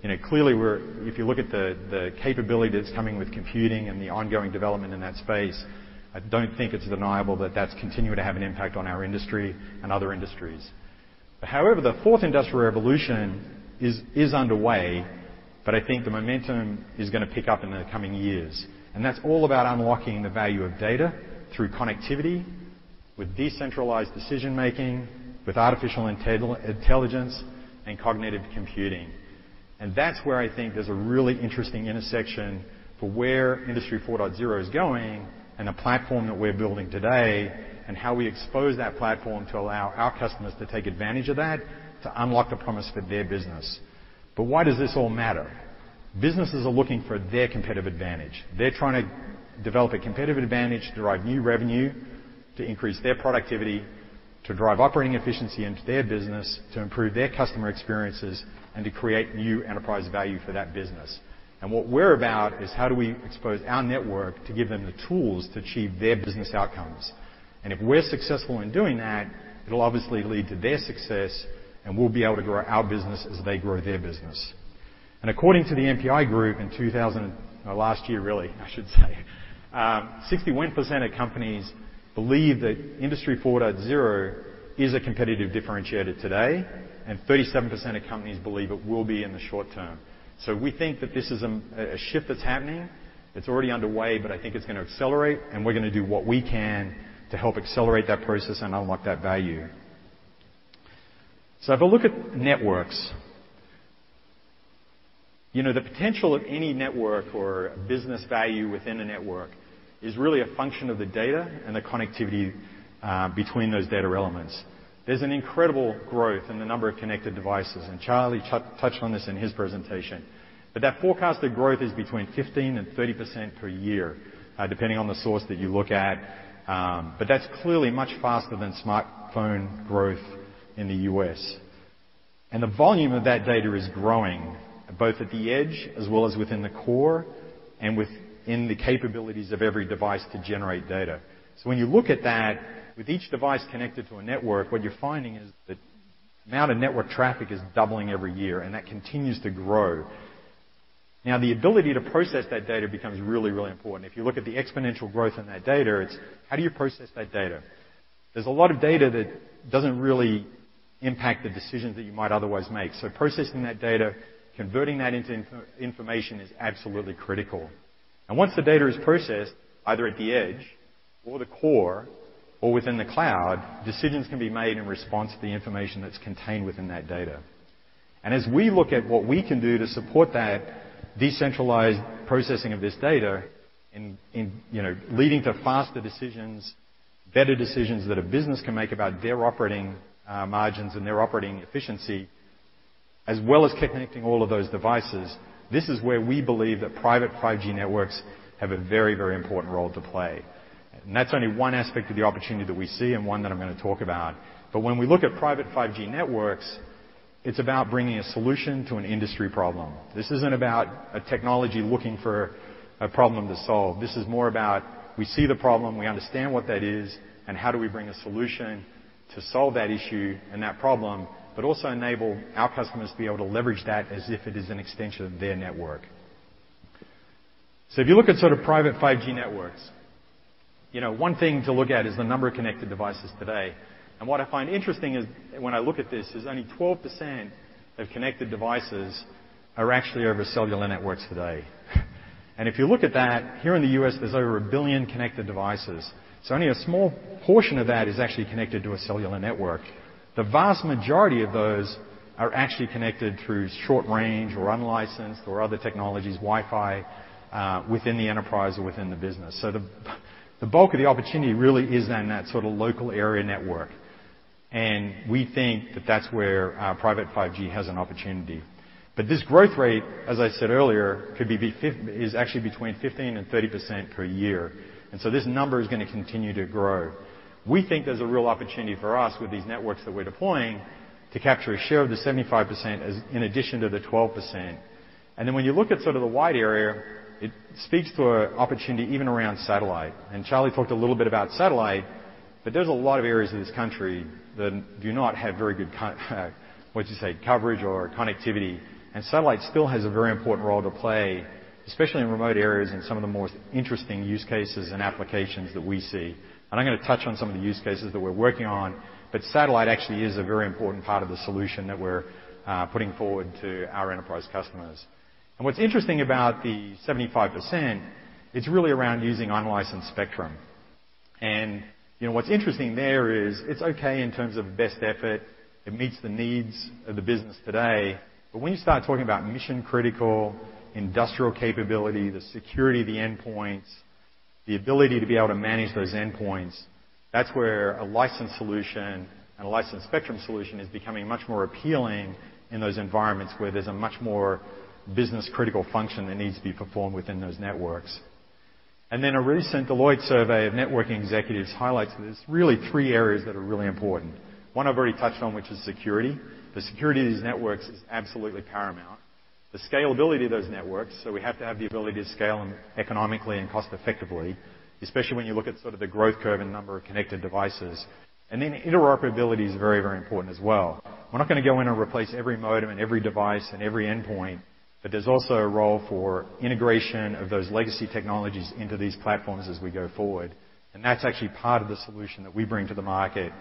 You know, clearly we're if you look at the capability that's coming with computing and the ongoing development in that space, I don't think it's deniable that that's continuing to have an impact on our industry and other industries. However, the fourth industrial revolution is underway, but I think the momentum is gonna pick up in the coming years. That's all about unlocking the value of data through connectivity with decentralized decision-making, with artificial intelligence and cognitive computing. That's where I think there's a really interesting intersection for where Industry 4.0 is going and the platform that we're building today and how we expose that platform to allow our customers to take advantage of that to unlock the promise for their business. Why does this all matter? Businesses are looking for their competitive advantage. They're trying to develop a competitive advantage to drive new revenue, to increase their productivity, to drive operating efficiency into their business, to improve their customer experiences, and to create new enterprise value for that business. What we're about is how do we expose our network to give them the tools to achieve their business outcomes. If we're successful in doing that, it'll obviously lead to their success, and we'll be able to grow our business as they grow their business. According to the NPD Group last year, really, I should say. 61% of companies believe that Industry 4.0 is a competitive differentiator today, and 37% of companies believe it will be in the short term. We think that this is a shift that's happening. It's already underway, but I think it's gonna accelerate and we're gonna do what we can to help accelerate that process and unlock that value. If I look at networks. You know, the potential of any network or business value within a network is really a function of the data and the connectivity between those data elements. There's an incredible growth in the number of connected devices, and Charlie touched on this in his presentation. That forecasted growth is between 15%-30% per year, depending on the source that you look at. That's clearly much faster than smartphone growth in the U.S. The volume of that data is growing both at the edge as well as within the core and within the capabilities of every device to generate data. When you look at that, with each device connected to a network, what you're finding is that the amount of network traffic is doubling every year, and that continues to grow. Now the ability to process that data becomes really, really important. If you look at the exponential growth in that data, it's how do you process that data? There's a lot of data that doesn't really impact the decisions that you might otherwise make. Processing that data, converting that into information is absolutely critical. Once the data is processed, either at the edge or the core or within the cloud, decisions can be made in response to the information that's contained within that data. As we look at what we can do to support that decentralized processing of this data in you know leading to faster decisions, better decisions that a business can make about their operating margins and their operating efficiency, as well as connecting all of those devices, this is where we believe that private 5G networks have a very, very important role to play. That's only one aspect of the opportunity that we see and one that I'm gonna talk about. When we look at private 5G networks, it's about bringing a solution to an industry problem. This isn't about a technology looking for a problem to solve. This is more about we see the problem, we understand what that is, and how do we bring a solution to solve that issue and that problem, but also enable our customers to be able to leverage that as if it is an extension of their network. If you look at sort of private 5G networks, you know, one thing to look at is the number of connected devices today. What I find interesting is when I look at this, is only 12% of connected devices are actually over cellular networks today. If you look at that, here in the U.S., there's over 1 billion connected devices, so only a small portion of that is actually connected to a cellular network. The vast majority of those are actually connected through short range or unlicensed or other technologies, Wi-Fi, within the enterprise or within the business. The bulk of the opportunity really is in that sort of local area network, and we think that that's where private 5G has an opportunity. This growth rate, as I said earlier, is actually between 15% and 30% per year, and this number is gonna continue to grow. We think there's a real opportunity for us with these networks that we're deploying to capture a share of the 75% as in addition to the 12%. Then when you look at sort of the wide area, it speaks to an opportunity even around satellite. Charlie talked a little bit about satellite, but there's a lot of areas of this country that do not have very good coverage or connectivity. Satellite still has a very important role to play, especially in remote areas and some of the more interesting use cases and applications that we see. I'm gonna touch on some of the use cases that we're working on, but satellite actually is a very important part of the solution that we're putting forward to our enterprise customers. What's interesting about the 75%, it's really around using unlicensed spectrum. You know, what's interesting there is it's okay in terms of best effort. It meets the needs of the business today. When you start talking about mission-critical industrial capability, the security of the endpoints, the ability to be able to manage those endpoints, that's where a licensed solution and a licensed spectrum solution is becoming much more appealing in those environments where there's a much more business-critical function that needs to be performed within those networks. A recent Deloitte survey of networking executives highlights that there's really three areas that are really important. One I've already touched on, which is security. The security of these networks is absolutely paramount. The scalability of those networks, so we have to have the ability to scale them economically and cost-effectively, especially when you look at sort of the growth curve and number of connected devices. Interoperability is very, very important as well. We're not gonna go in and replace every modem and every device and every endpoint, but there's also a role for integration of those legacy technologies into these platforms as we go forward. That's actually part of the solution that we bring to the market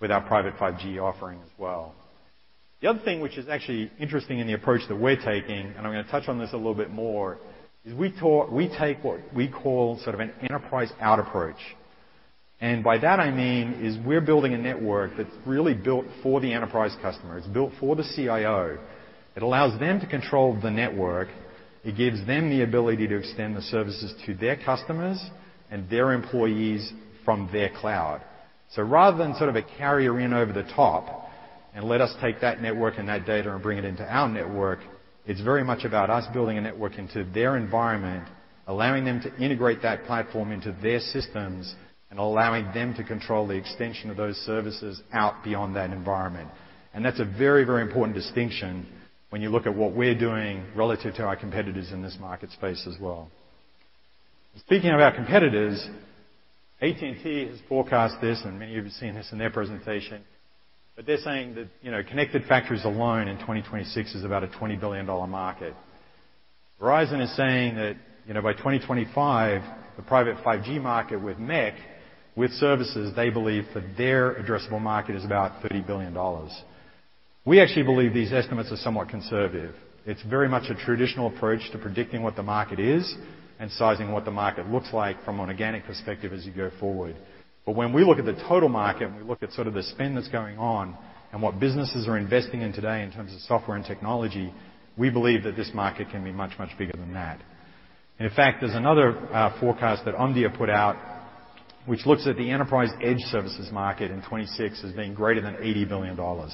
with our private 5G offering as well. The other thing which is actually interesting in the approach that we're taking, and I'm gonna touch on this a little bit more, is we take what we call sort of an enterprise out approach. By that I mean is we're building a network that's really built for the enterprise customer. It's built for the CIO. It allows them to control the network. It gives them the ability to extend the services to their customers and their employees from their cloud. Rather than sort of a carrier in over-the-top, and let us take that network and that data and bring it into our network, it's very much about us building a network into their environment, allowing them to integrate that platform into their systems, and allowing them to control the extension of those services out beyond that environment. That's a very, very important distinction when you look at what we're doing relative to our competitors in this market space as well. Speaking of our competitors, AT&T has forecast this, and many of you have seen this in their presentation, but they're saying that, you know, connected factories alone in 2026 is about a $20 billion market. Verizon is saying that, you know, by 2025, the private 5G market with MEC, with services, they believe that their addressable market is about $30 billion. We actually believe these estimates are somewhat conservative. It's very much a traditional approach to predicting what the market is and sizing what the market looks like from an organic perspective as you go forward. When we look at the total market, and we look at sort of the spend that's going on and what businesses are investing in today in terms of software and technology, we believe that this market can be much, much bigger than that. In fact, there's another forecast that Omdia put out which looks at the enterprise edge services market in 2026 as being greater than $80 billion.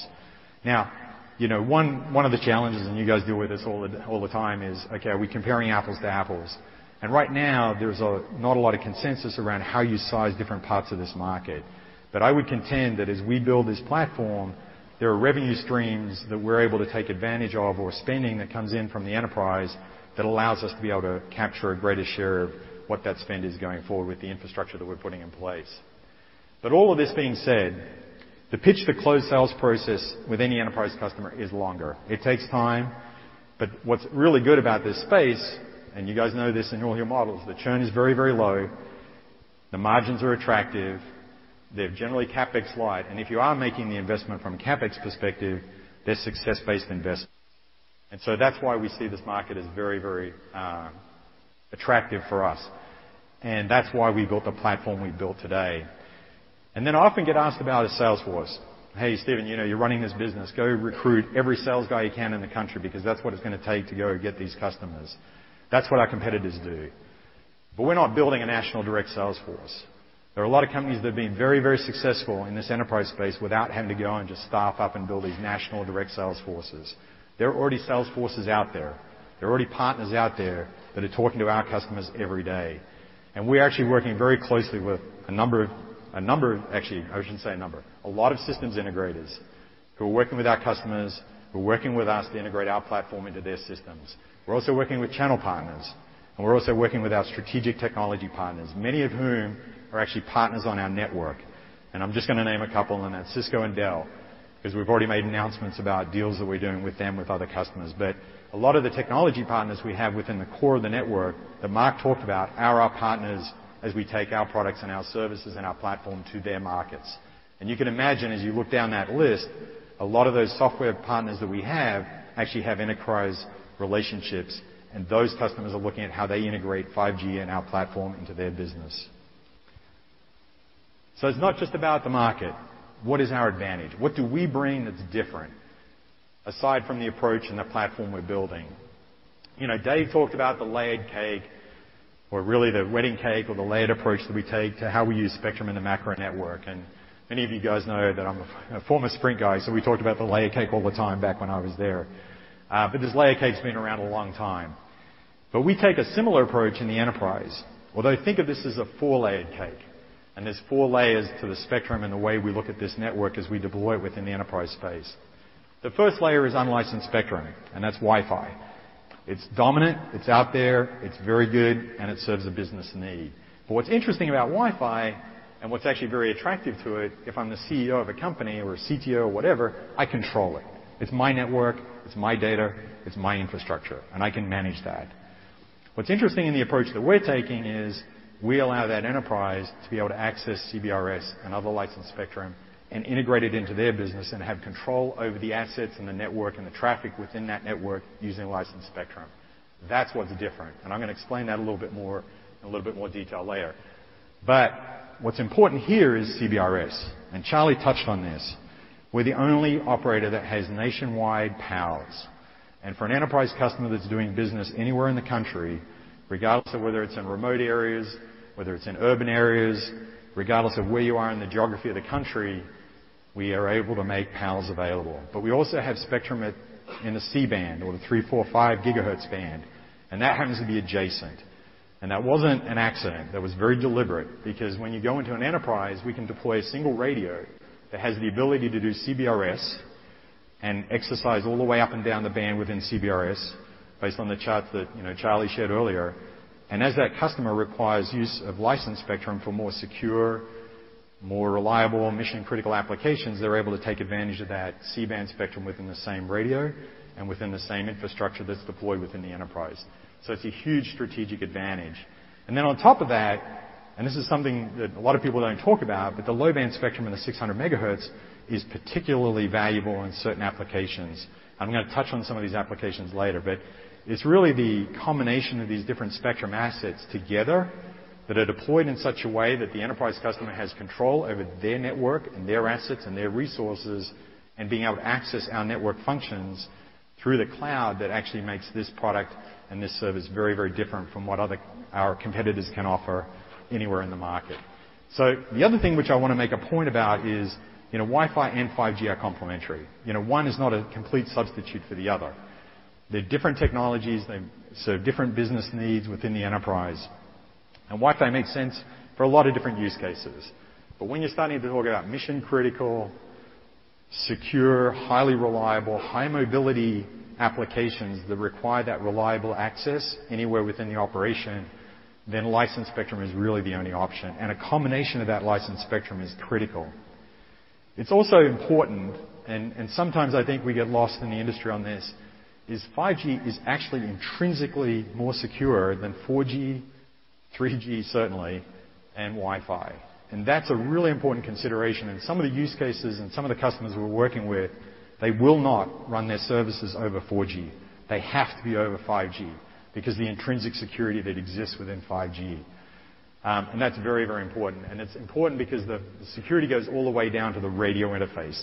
Now, you know, one of the challenges, and you guys deal with this all the time, is, okay, are we comparing apples to apples? Right now, there's not a lot of consensus around how you size different parts of this market. I would contend that as we build this platform, there are revenue streams that we're able to take advantage of or spending that comes in from the enterprise that allows us to be able to capture a greater share of what that spend is going forward with the infrastructure that we're putting in place. All of this being said, the pitch to close sales process with any enterprise customer is longer. It takes time. What's really good about this space, and you guys know this in all your models, the churn is very, very low. The margins are attractive. They're generally CapEx light, and if you are making the investment from a CapEx perspective, they're success-based investments. That's why we see this market as very attractive for us, and that's why we built the platform we built today. I often get asked about a sales force. "Hey, Stephen, you know, you're running this business. Go recruit every sales guy you can in the country because that's what it's gonna take to go get these customers." That's what our competitors do. We're not building a national direct sales force. There are a lot of companies that have been very successful in this enterprise space without having to go and just staff up and build these national direct sales forces. There are already sales forces out there. There are already partners out there that are talking to our customers every day, and we're actually working very closely with a number of Actually, I shouldn't say a number. A lot of systems integrators who are working with our customers, who are working with us to integrate our platform into their systems. We're also working with channel partners, and we're also working with our strategic technology partners, many of whom are actually partners on our network. I'm just gonna name a couple, and that's Cisco and Dell, because we've already made announcements about deals that we're doing with them, with other customers. A lot of the technology partners we have within the core of the network that Marc talked about are our partners as we take our products and our services and our platform to their markets. You can imagine, as you look down that list, a lot of those software partners that we have actually have enterprise relationships, and those customers are looking at how they integrate 5G and our platform into their business. It's not just about the market. What is our advantage? What do we bring that's different, aside from the approach and the platform we're building? You know, Dave talked about the layered cake or really the wedding cake or the layered approach that we take to how we use spectrum in the macro network. Many of you guys know that I'm a former Sprint guy, so we talked about the layered cake all the time back when I was there. This layered cake's been around a long time. We take a similar approach in the enterprise, although think of this as a 4-layered cake, and there's 4 layers to the spectrum and the way we look at this network as we deploy within the enterprise space. The first layer is unlicensed spectrum, and that's Wi-Fi. It's dominant, it's out there, it's very good, and it serves a business need. What's interesting about Wi-Fi, and what's actually very attractive to it, if I'm the CEO of a company or a CTO or whatever, I control it. It's my network, it's my data, it's my infrastructure, and I can manage that. What's interesting in the approach that we're taking is we allow that enterprise to be able to access CBRS and other licensed spectrum and integrate it into their business and have control over the assets and the network and the traffic within that network using licensed spectrum. That's what's different, and I'm gonna explain that a little bit more in a little bit more detail later. What's important here is CBRS, and Charlie touched on this. We're the only operator that has nationwide PALs. For an enterprise customer that's doing business anywhere in the country, regardless of whether it's in remote areas, whether it's in urban areas, regardless of where you are in the geography of the country, we are able to make PALs available. We also have spectrum in the C-band or the 3.45 gigahertz band, and that happens to be adjacent. That wasn't an accident. That was very deliberate because when you go into an enterprise, we can deploy a single radio that has the ability to do CBRS and exercise all the way up and down the band within CBRS based on the chart that, you know, Charlie shared earlier. As that customer requires use of licensed spectrum for more secure, more reliable mission-critical applications, they're able to take advantage of that C-band spectrum within the same radio and within the same infrastructure that's deployed within the enterprise. It's a huge strategic advantage. Then on top of that, and this is something that a lot of people don't talk about, but the low-band spectrum in the 600 MHz is particularly valuable in certain applications. I'm gonna touch on some of these applications later, but it's really the combination of these different spectrum assets together that are deployed in such a way that the enterprise customer has control over their network and their assets and their resources and being able to access our network functions through the cloud that actually makes this product and this service very, very different from what our competitors can offer anywhere in the market. The other thing which I want to make a point about is, you know, Wi-Fi and 5G are complementary. You know, one is not a complete substitute for the other. They're different technologies. They serve different business needs within the enterprise. Wi-Fi makes sense for a lot of different use cases. When you're starting to talk about mission-critical, secure, highly reliable, high-mobility applications that require that reliable access anywhere within the operation, then licensed spectrum is really the only option, and a combination of that licensed spectrum is critical. It's also important, sometimes I think we get lost in the industry on this, is 5G is actually intrinsically more secure than 4G, 3G certainly, and Wi-Fi. That's a really important consideration. In some of the use cases and some of the customers we're working with, they will not run their services over 4G. They have to be over 5G because the intrinsic security that exists within 5G. That's very, very important. It's important because the security goes all the way down to the radio interface.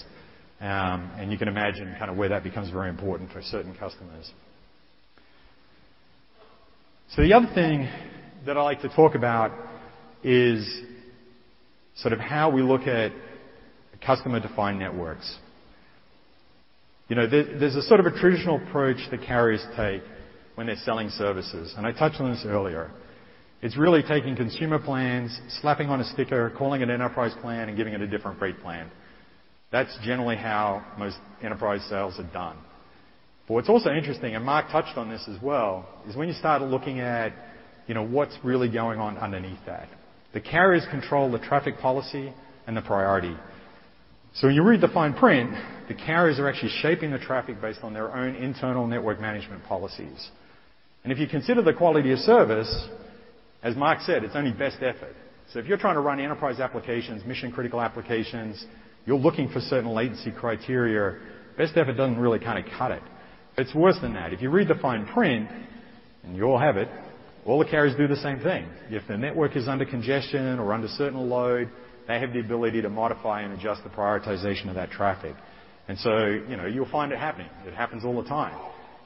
You can imagine kind of where that becomes very important for certain customers. The other thing that I like to talk about is sort of how we look at customer-defined networks. You know, there's a sort of a traditional approach that carriers take when they're selling services, and I touched on this earlier. It's really taking consumer plans, slapping on a sticker, calling it an enterprise plan, and giving it a different rate plan. That's generally how most enterprise sales are done. But what's also interesting, and Marc touched on this as well, is when you start looking at, you know, what's really going on underneath that. The carriers control the traffic policy and the priority. When you read the fine print, the carriers are actually shaping the traffic based on their own internal network management policies. If you consider the quality of service, as Marc said, it's only best effort. If you're trying to run enterprise applications, mission-critical applications, you're looking for certain latency criteria, best effort doesn't really kinda cut it. It's worse than that. If you read the fine print, and you all have it, all the carriers do the same thing. If the network is under congestion or under certain load, they have the ability to modify and adjust the prioritization of that traffic. you know, you'll find it happening. It happens all the time.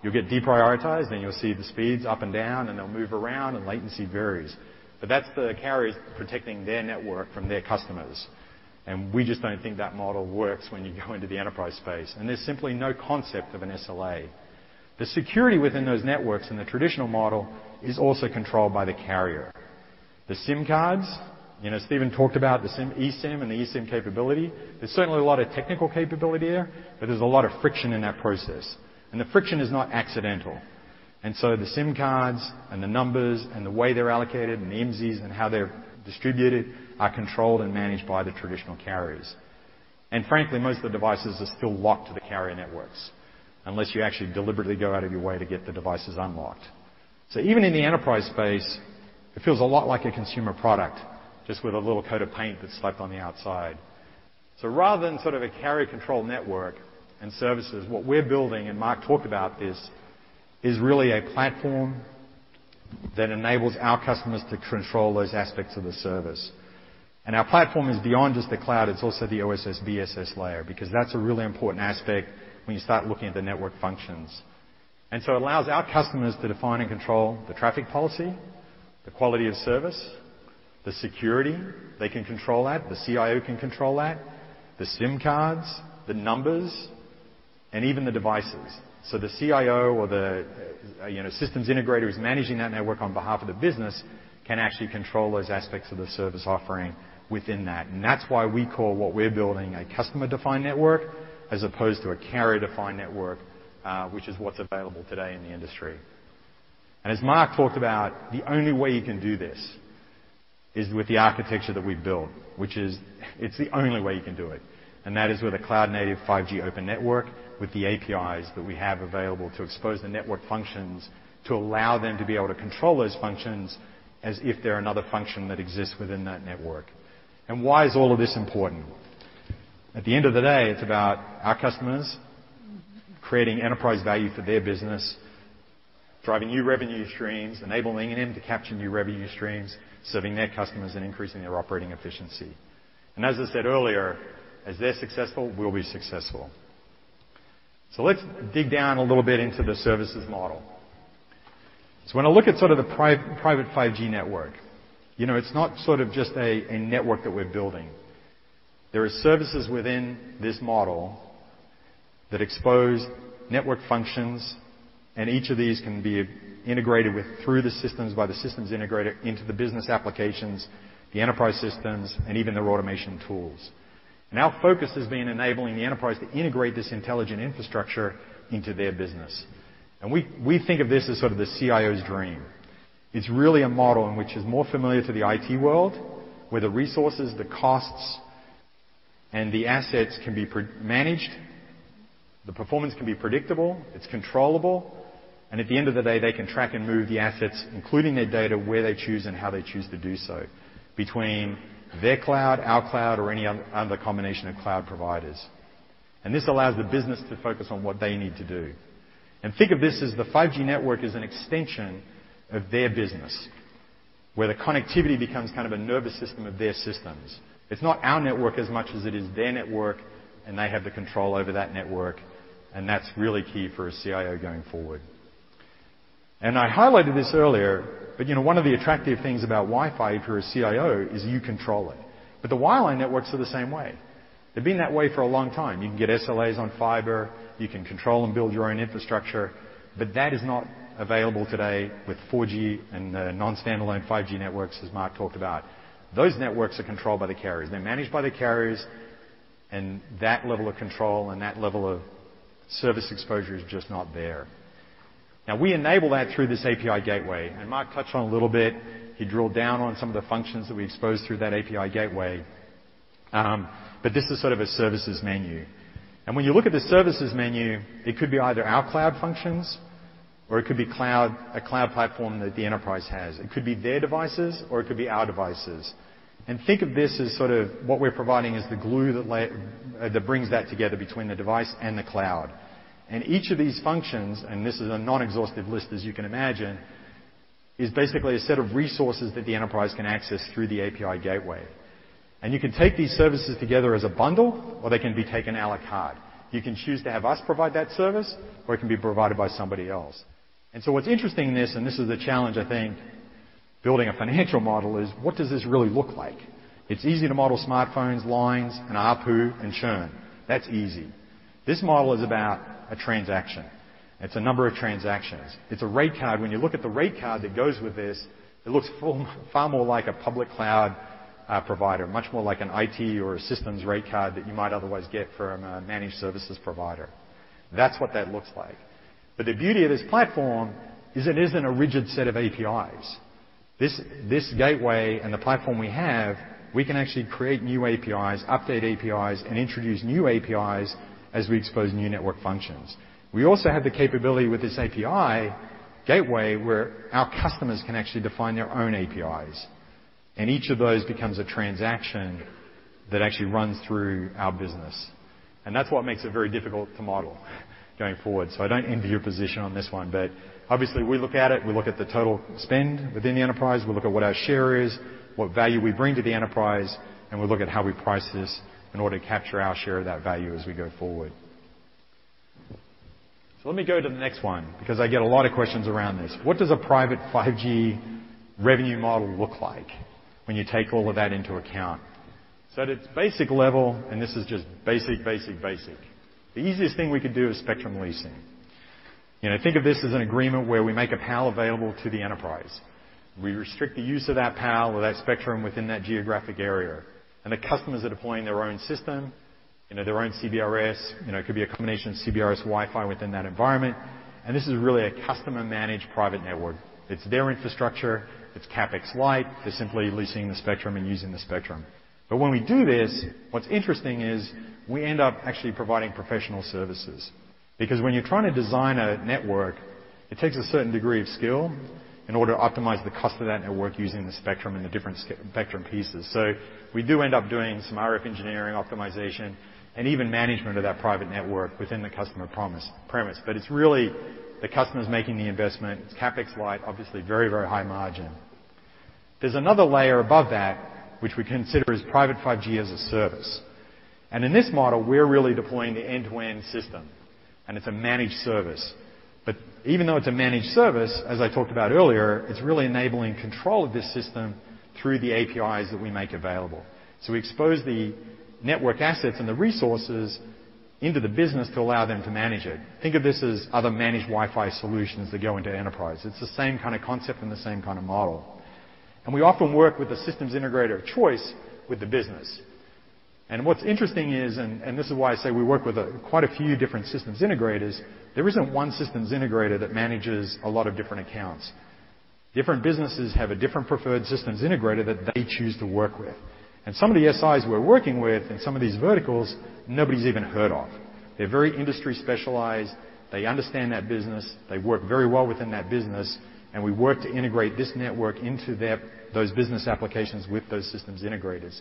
You'll get deprioritized, then you'll see the speeds up and down, and they'll move around, and latency varies. that's the carriers protecting their network from their customers, and we just don't think that model works when you go into the enterprise space. there's simply no concept of an SLA. The security within those networks in the traditional model is also controlled by the carrier. The SIM cards, you know, Stephen talked about the SIM, eSIM, and the eSIM capability. There's certainly a lot of technical capability there, but there's a lot of friction in that process, and the friction is not accidental. The SIM cards and the numbers and the way they're allocated and the IMSIs and how they're distributed are controlled and managed by the traditional carriers. Frankly, most of the devices are still locked to the carrier networks unless you actually deliberately go out of your way to get the devices unlocked. Even in the enterprise space, it feels a lot like a consumer product, just with a little coat of paint that's slapped on the outside. Rather than sort of a carrier-controlled network and services, what we're building, and Marc talked about this, is really a platform that enables our customers to control those aspects of the service. Our platform is beyond just the cloud, it's also the OSS/BSS layer, because that's a really important aspect when you start looking at the network functions. It allows our customers to define and control the traffic policy, the quality of service, the security, they can control that, the CIO can control that, the SIM cards, the numbers, and even the devices. The CIO or the, you know, systems integrator who's managing that network on behalf of the business can actually control those aspects of the service offering within that. That's why we call what we're building a customer-defined network as opposed to a carrier-defined network, which is what's available today in the industry. As Marc talked about, the only way you can do this is with the architecture that we've built. It's the only way you can do it, and that is with a cloud-native 5G open network with the APIs that we have available to expose the network functions to allow them to be able to control those functions as if they're another function that exists within that network. Why is all of this important? At the end of the day, it's about our customers creating enterprise value for their business, driving new revenue streams, enabling them to capture new revenue streams, serving their customers, and increasing their operating efficiency. As I said earlier, as they're successful, we'll be successful. Let's dig down a little bit into the services model. When I look at sort of the private 5G network, you know, it's not sort of just a network that we're building. There are services within this model that expose network functions, and each of these can be integrated with through the systems by the systems integrator into the business applications, the enterprise systems, and even their automation tools. Our focus has been enabling the enterprise to integrate this intelligent infrastructure into their business. We think of this as sort of the CIO's dream. It's really a model in which is more familiar to the IT world, where the resources, the costs, and the assets can be pre-managed, the performance can be predictable, it's controllable, and at the end of the day, they can track and move the assets, including their data, where they choose and how they choose to do so, between their cloud, our cloud, or any other combination of cloud providers. This allows the business to focus on what they need to do. Think of this as the 5G network as an extension of their business, where the connectivity becomes kind of a nervous system of their systems. It's not our network as much as it is their network, and they have the control over that network, and that's really key for a CIO going forward. I highlighted this earlier, but, you know, one of the attractive things about Wi-Fi if you're a CIO is you control it, but the wireline networks are the same way. They've been that way for a long time. You can get SLAs on fiber, you can control and build your own infrastructure, but that is not available today with 4G and the Non-Standalone 5G networks, as Marc Rouanne talked about. Those networks are controlled by the carriers. They're managed by the carriers, and that level of control and that level of service exposure is just not there. Now, we enable that through this API gateway, and Marc Rouanne touched on it a little bit. He drilled down on some of the functions that we expose through that API gateway, but this is sort of a services menu. When you look at the services menu, it could be either our cloud functions or it could be cloud, a cloud platform that the enterprise has. It could be their devices or it could be our devices. Think of this as sort of what we're providing is the glue that brings that together between the device and the cloud. Each of these functions, and this is a non-exhaustive list, as you can imagine, is basically a set of resources that the enterprise can access through the API gateway. You can take these services together as a bundle or they can be taken à la carte. You can choose to have us provide that service, or it can be provided by somebody else. What's interesting in this, and this is the challenge, I think, building a financial model, is what does this really look like? It's easy to model smartphones, lines, and ARPU, and churn. That's easy. This model is about a transaction. It's a number of transactions. It's a rate card. When you look at the rate card that goes with this, it looks far, far more like a public cloud provider, much more like an IT or a systems rate card that you might otherwise get from a managed services provider. That's what that looks like. But the beauty of this platform is it isn't a rigid set of APIs. This gateway and the platform we have, we can actually create new APIs, update APIs, and introduce new APIs as we expose new network functions. We also have the capability with this API gateway, where our customers can actually define their own APIs, and each of those becomes a transaction that actually runs through our business. That's what makes it very difficult to model going forward. I don't envy your position on this one, but obviously, we look at it. We look at the total spend within the enterprise. We look at what our share is, what value we bring to the enterprise, and we look at how we price this in order to capture our share of that value as we go forward. Let me go to the next one because I get a lot of questions around this. What does a private 5G revenue model look like when you take all of that into account? At its basic level, and this is just basic, the easiest thing we could do is spectrum leasing. You know, think of this as an agreement where we make a PAL available to the enterprise. We restrict the use of that PAL or that spectrum within that geographic area, and the customers are deploying their own system, you know, their own CBRS. You know, it could be a combination of CBRS Wi-Fi within that environment, and this is really a customer-managed private network. It's their infrastructure. It's CapEx light. They're simply leasing the spectrum and using the spectrum. When we do this, what's interesting is we end up actually providing professional services because when you're trying to design a network, it takes a certain degree of skill in order to optimize the cost of that network using the spectrum and the different spectrum pieces. We do end up doing some RF engineering optimization and even management of that private network within the customer premise. It's really the customers making the investment. It's CapEx light, obviously very, very high margin. There's another layer above that which we consider as private 5G-as-a-service. In this model, we're really deploying the end-to-end system, and it's a managed service. Even though it's a managed service, as I talked about earlier, it's really enabling control of this system through the APIs that we make available. We expose the network assets and the resources into the business to allow them to manage it. Think of this as other managed Wi-Fi solutions that go into enterprise. It's the same kind of concept and the same kind of model. We often work with the systems integrator of choice with the business. What's interesting is, and this is why I say we work with quite a few different systems integrators, there isn't one systems integrator that manages a lot of different accounts. Different businesses have a different preferred systems integrator that they choose to work with. Some of the SIs we're working with in some of these verticals, nobody's even heard of. They're very industry specialized. They understand that business. They work very well within that business, and we work to integrate this network into their business applications with those systems integrators.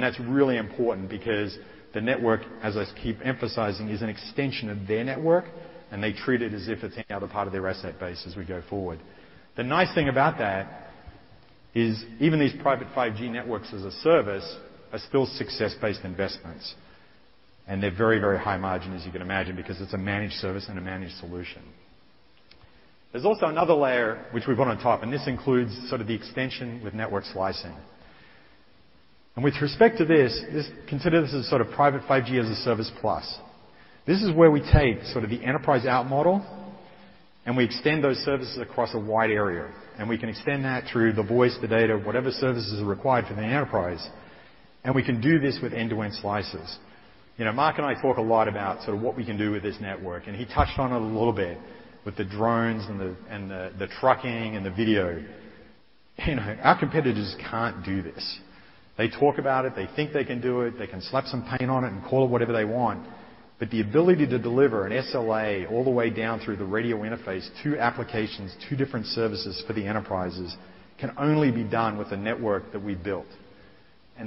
That's really important because the network, as I keep emphasizing, is an extension of their network, and they treat it as if it's any other part of their asset base as we go forward. The nice thing about that is even these private 5G networks as a service are still success-based investments. They're very, very high margin, as you can imagine, because it's a managed service and a managed solution. There's also another layer which we've gone on top, and this includes sort of the extension with network slicing. With respect to this, consider this as sort of private 5G-as-a-service plus. This is where we take sort of the enterprise out model, and we extend those services across a wide area. We can extend that through the voice, the data, whatever services are required for the enterprise. We can do this with end-to-end slices. You know, Marc and I talk a lot about sort of what we can do with this network, and he touched on it a little bit with the drones and the trucking and the video. You know, our competitors can't do this. They talk about it. They think they can do it. They can slap some paint on it and call it whatever they want. The ability to deliver an SLA all the way down through the radio interface to applications, to different services for the enterprises, can only be done with the network that we built.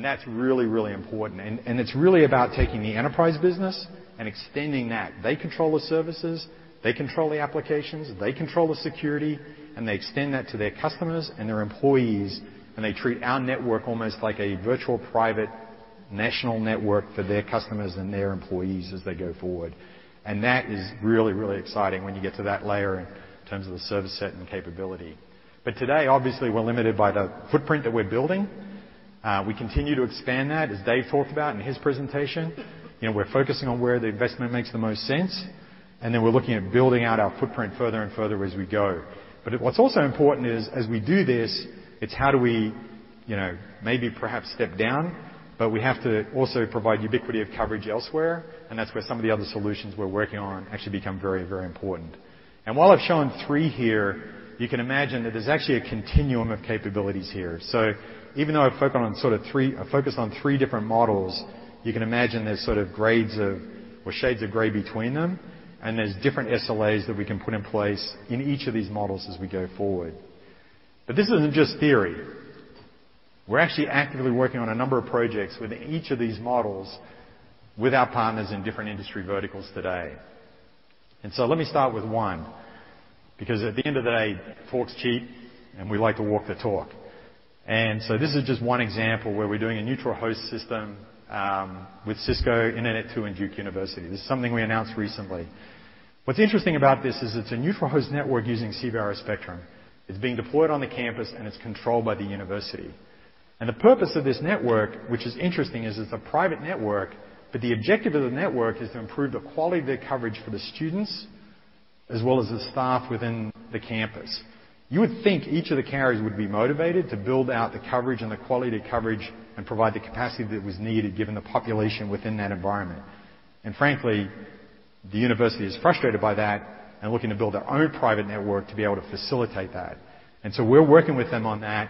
That's really, really important. It's really about taking the enterprise business and extending that. They control the services, they control the applications, they control the security, and they extend that to their customers and their employees, and they treat our network almost like a virtual private national network for their customers and their employees as they go forward. That is really, really exciting when you get to that layer in terms of the service set and capability. Today, obviously, we're limited by the footprint that we're building. We continue to expand that, as Dave talked about in his presentation. You know, we're focusing on where the investment makes the most sense, and then we're looking at building out our footprint further and further as we go. What's also important is, as we do this, it's how do we, you know, maybe perhaps step down, but we have to also provide ubiquity of coverage elsewhere. That's where some of the other solutions we're working on actually become very, very important. While I've shown three here, you can imagine that there's actually a continuum of capabilities here. Even though I've focused on three different models, you can imagine there's sort of grades of or shades of gray between them, and there's different SLAs that we can put in place in each of these models as we go forward. This isn't just theory. We're actually actively working on a number of projects with each of these models with our partners in different industry verticals today. Let me start with one, because at the end of the day, talk's cheap, and we like to walk the talk. This is just one example where we're doing a neutral host system with Cisco, Internet2, and Duke University. This is something we announced recently. What's interesting about this is it's a neutral host network using CBRS spectrum. It's being deployed on the campus, and it's controlled by the university. The purpose of this network, which is interesting, is it's a private network, but the objective of the network is to improve the quality of their coverage for the students as well as the staff within the campus. You would think each of the carriers would be motivated to build out the coverage and the quality of coverage and provide the capacity that was needed, given the population within that environment. The university is frustrated by that and looking to build their own private network to be able to facilitate that. We're working with them on that.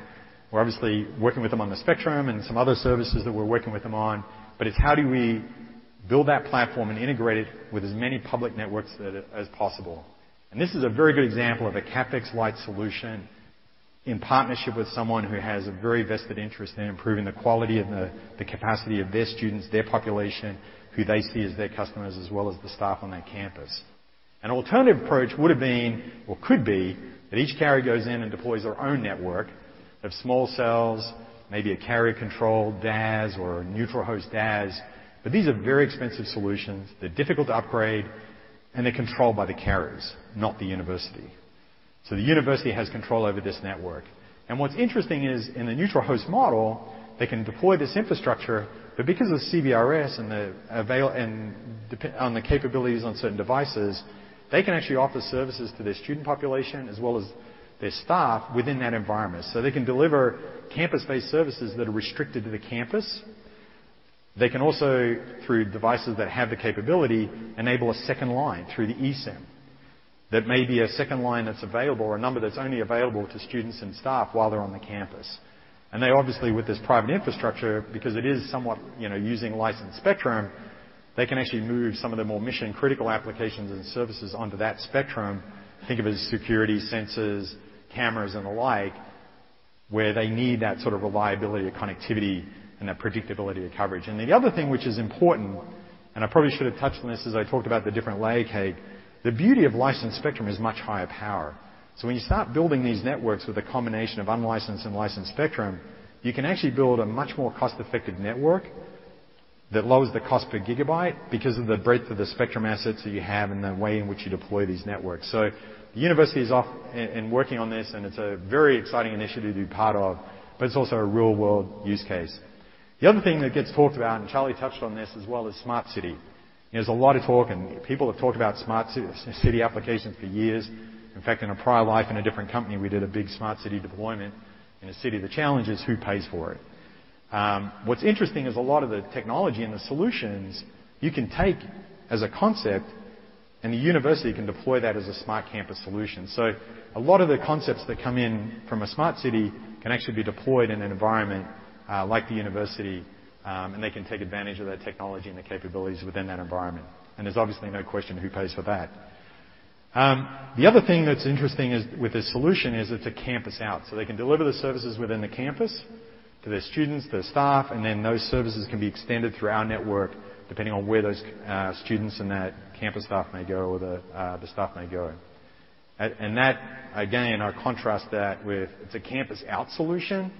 We're obviously working with them on the spectrum and some other services that we're working with them on, but it's how do we build that platform and integrate it with as many public networks as possible. This is a very good example of a CapEx-light solution in partnership with someone who has a very vested interest in improving the quality of the capacity of their students, their population, who they see as their customers, as well as the staff on that campus. An alternative approach would have been or could be that each carrier goes in and deploys their own network of small cells, maybe a carrier-controlled DAS or a neutral host DAS. These are very expensive solutions. They're difficult to upgrade, and they're controlled by the carriers, not the university. The university has control over this network. What's interesting is, in the neutral host model, they can deploy this infrastructure, but because of CBRS and the capabilities of certain devices, they can actually offer services to their student population as well as their staff within that environment. They can deliver campus-based services that are restricted to the campus. They can also, through devices that have the capability, enable a second line through the eSIM. That may be a second line that's available or a number that's only available to students and staff while they're on the campus. They obviously, with this private infrastructure, because it is somewhat, you know, using licensed spectrum, they can actually move some of the more mission-critical applications and services onto that spectrum. Think of it as security sensors, cameras and the like, where they need that sort of reliability of connectivity and that predictability of coverage. The other thing which is important, and I probably should have touched on this as I talked about the different layer cake, the beauty of licensed spectrum is much higher power. When you start building these networks with a combination of unlicensed and licensed spectrum, you can actually build a much more cost-effective network that lowers the cost per gigabyte because of the breadth of the spectrum assets that you have and the way in which you deploy these networks. The university is off and working on this, and it's a very exciting initiative to be part of, but it's also a real-world use case. The other thing that gets talked about, and Charlie touched on this as well, is smart city. There's a lot of talk, and people have talked about smart city applications for years. In fact, in a prior life in a different company, we did a big smart city deployment in a city. The challenge is who pays for it. What's interesting is a lot of the technology and the solutions you can take as a concept, and the university can deploy that as a smart campus solution. A lot of the concepts that come in from a smart city can actually be deployed in an environment, like the university, and they can take advantage of that technology and the capabilities within that environment. There's obviously no question who pays for that. The other thing that's interesting is, with this solution is it's a campus out, so they can deliver the services within the campus to their students, their staff, and then those services can be extended through our network, depending on where those students and that campus staff may go or the staff may go. That again, I contrast that with it's a campus out solution.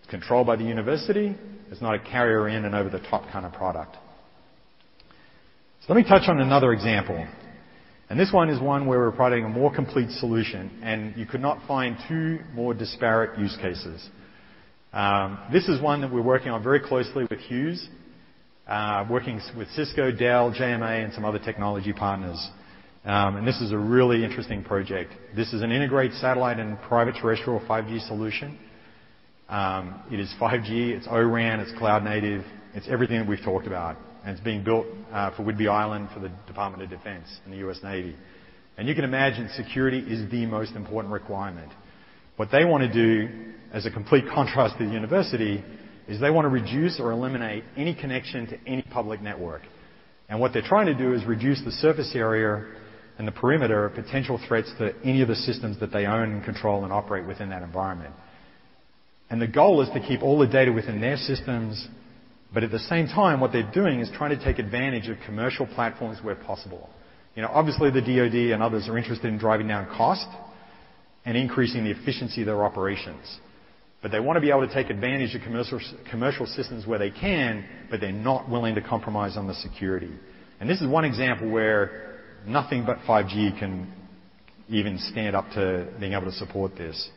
It's controlled by the university. It's not a carrier and over-the-top kind of product. Let me touch on another example. This one is one where we're providing a more complete solution. You could not find two more disparate use cases. This is one that we're working on very closely with Hughes, working with Cisco, Dell, JMA, and some other technology partners. This is a really interesting project. This is an integrated satellite and private terrestrial 5G solution. It is 5G, it's O-RAN, it's cloud-native. It's everything that we've talked about. It's being built for Whidbey Island, for the Department of Defense and the U.S. Navy. You can imagine security is the most important requirement. What they wanna do, as a complete contrast to the university, is they want to reduce or eliminate any connection to any public network. What they're trying to do is reduce the surface area and the perimeter of potential threats to any of the systems that they own and control and operate within that environment. The goal is to keep all the data within their systems, but at the same time, what they're doing is trying to take advantage of commercial platforms where possible. You know, obviously, the DoD and others are interested in driving down cost and increasing the efficiency of their operations. They want to be able to take advantage of commercial systems where they can, but they're not willing to compromise on the security. This is one example where nothing but 5G can even stand up to being able to support this.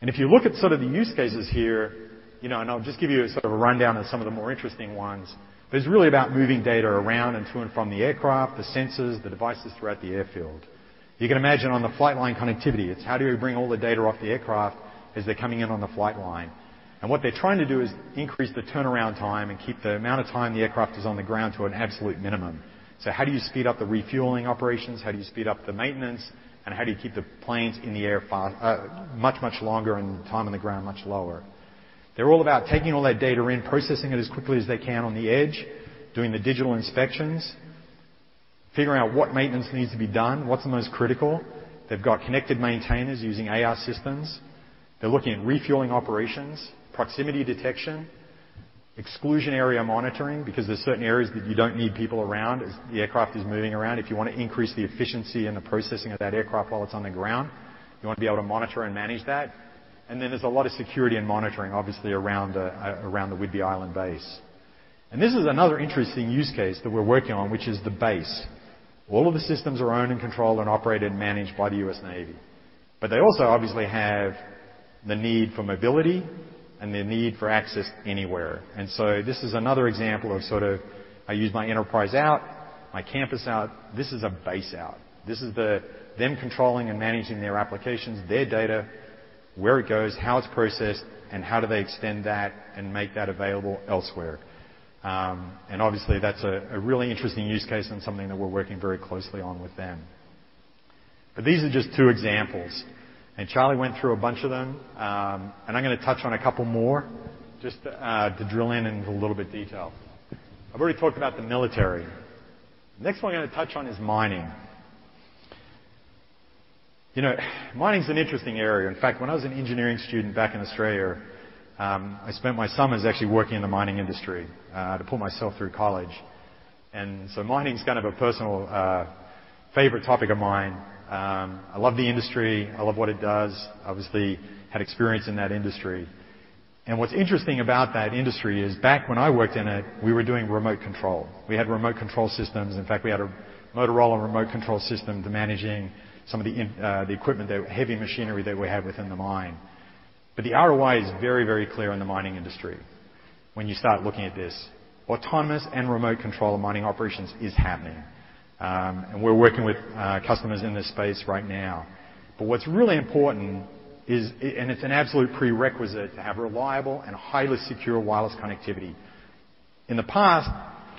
If you look at sort of the use cases here, you know, and I'll just give you sort of a rundown of some of the more interesting ones. It's really about moving data around and to and from the aircraft, the sensors, the devices throughout the airfield. You can imagine on the flight line connectivity, it's how do we bring all the data off the aircraft as they're coming in on the flight line. What they're trying to do is increase the turnaround time and keep the amount of time the aircraft is on the ground to an absolute minimum. How do you speed up the refueling operations? How do you speed up the maintenance? How do you keep the planes in the air much, much longer and the time on the ground much lower? They're all about taking all that data in, processing it as quickly as they can on the edge, doing the digital inspections, figuring out what maintenance needs to be done, what's the most critical. They've got connected maintainers using AR systems. They're looking at refueling operations, proximity detection, exclusion area monitoring, because there's certain areas that you don't need people around as the aircraft is moving around. If you wanna increase the efficiency and the processing of that aircraft while it's on the ground, you want to be able to monitor and manage that. There's a lot of security and monitoring, obviously, around the Whidbey Island base. This is another interesting use case that we're working on, which is the base. All of the systems are owned and controlled and operated and managed by the U.S. Navy. They also obviously have the need for mobility and the need for access anywhere. This is another example of sort of I use my enterprise out, my campus out. This is a base out. This is them controlling and managing their applications, their data, where it goes, how it's processed, and how do they extend that and make that available elsewhere. Obviously, that's a really interesting use case and something that we're working very closely on with them. These are just two examples. Charlie went through a bunch of them, and I'm gonna touch on a couple more just to to drill into a little bit detail. I've already talked about the military. The next one I'm gonna touch on is mining. You know, mining is an interesting area. In fact, when I was an engineering student back in Australia, I spent my summers actually working in the mining industry to put myself through college. Mining is kind of a personal favorite topic of mine. I love the industry. I love what it does. Obviously, had experience in that industry. What's interesting about that industry is back when I worked in it, we were doing remote control. We had remote control systems. In fact, we had a Motorola remote control system to managing some of the equipment, the heavy machinery that we had within the mine. The ROI is very, very clear in the mining industry when you start looking at this. Autonomous and remote control of mining operations is happening, and we're working with customers in this space right now. What's really important is, and it's an absolute prerequisite to have reliable and highly secure wireless connectivity. In the past,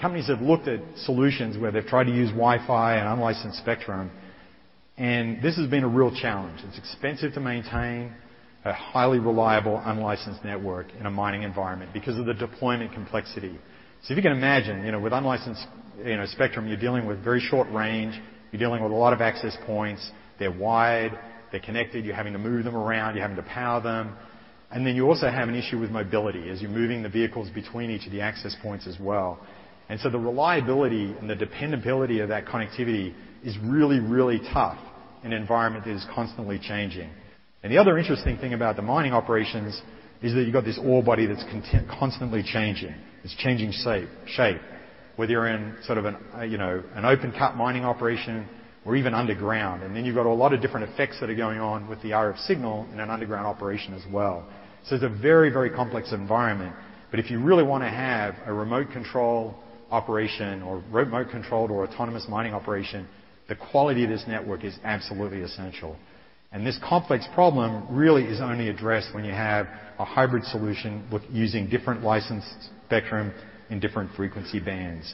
companies have looked at solutions where they've tried to use Wi-Fi and unlicensed spectrum, and this has been a real challenge. It's expensive to maintain a highly reliable, unlicensed network in a mining environment because of the deployment complexity. If you can imagine, you know, with unlicensed, you know, spectrum, you're dealing with very short range, you're dealing with a lot of access points. They're wired, they're connected, you're having to move them around, you're having to power them. Then you also have an issue with mobility as you're moving the vehicles between each of the access points as well. The reliability and the dependability of that connectivity is really, really tough in an environment that is constantly changing. The other interesting thing about the mining operations is that you've got this ore body that's constantly changing. It's changing its shape, whether you're in sort of an, you know, open-cut mining operation or even underground. You've got a lot of different effects that are going on with the RF signal in an underground operation as well. It's a very, very complex environment. If you really wanna have a remote control operation or remote-controlled or autonomous mining operation, the quality of this network is absolutely essential. This complex problem really is only addressed when you have a hybrid solution with using different licensed spectrum in different frequency bands.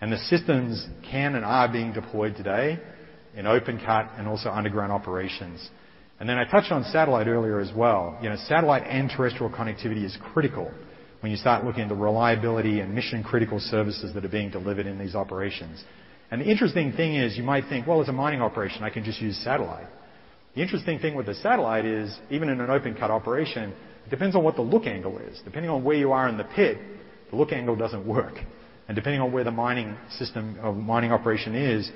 The systems can and are being deployed today in open cut and also underground operations. I touched on satellite earlier as well. You know, satellite and terrestrial connectivity is critical when you start looking at the reliability and mission-critical services that are being delivered in these operations. The interesting thing is you might think, "Well, it's a mining operation. I can just use satellite." The interesting thing with the satellite is, even in an open-cut operation, it depends on what the look angle is. Depending on where you are in the pit, the look angle doesn't work. Depending on where the mining system or mining operation is,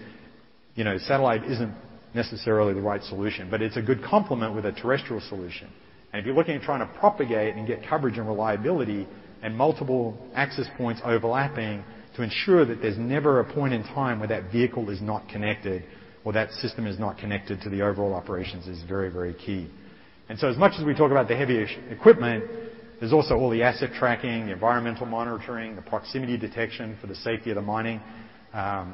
you know, satellite isn't necessarily the right solution, but it's a good complement with a terrestrial solution. If you're looking at trying to propagate and get coverage and reliability and multiple access points overlapping to ensure that there's never a point in time where that vehicle is not connected or that system is not connected to the overall operations is very, very key. As much as we talk about the heavy equipment, there's also all the asset tracking, the environmental monitoring, the proximity detection for the safety of the mining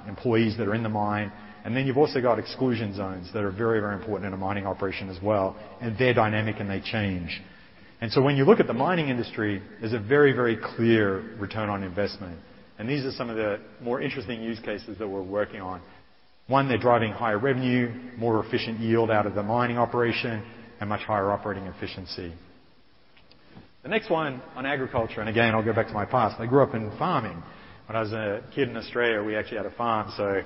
employees that are in the mine. Then you've also got exclusion zones that are very, very important in a mining operation as well, and they're dynamic and they change. When you look at the mining industry, there's a very, very clear return on investment. These are some of the more interesting use cases that we're working on. One, they're driving higher revenue, more efficient yield out of the mining operation and much higher operating efficiency. The next one on agriculture, and again, I'll go back to my past. I grew up in farming. When I was a kid in Australia, we actually had a farm, so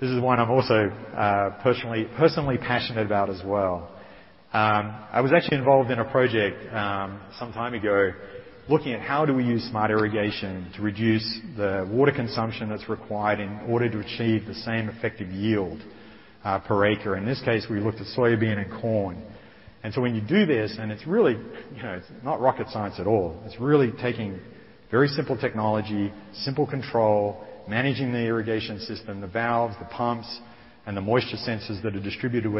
this is one I'm also personally passionate about as well. I was actually involved in a project some time ago, looking at how do we use smart irrigation to reduce the water consumption that's required in order to achieve the same effective yield per acre. In this case, we looked at soybean and corn. When you do this and it's really, you know, it's not rocket science at all. It's really taking very simple technology, simple control, managing the irrigation system, the valves, the pumps, and the moisture sensors that are distributed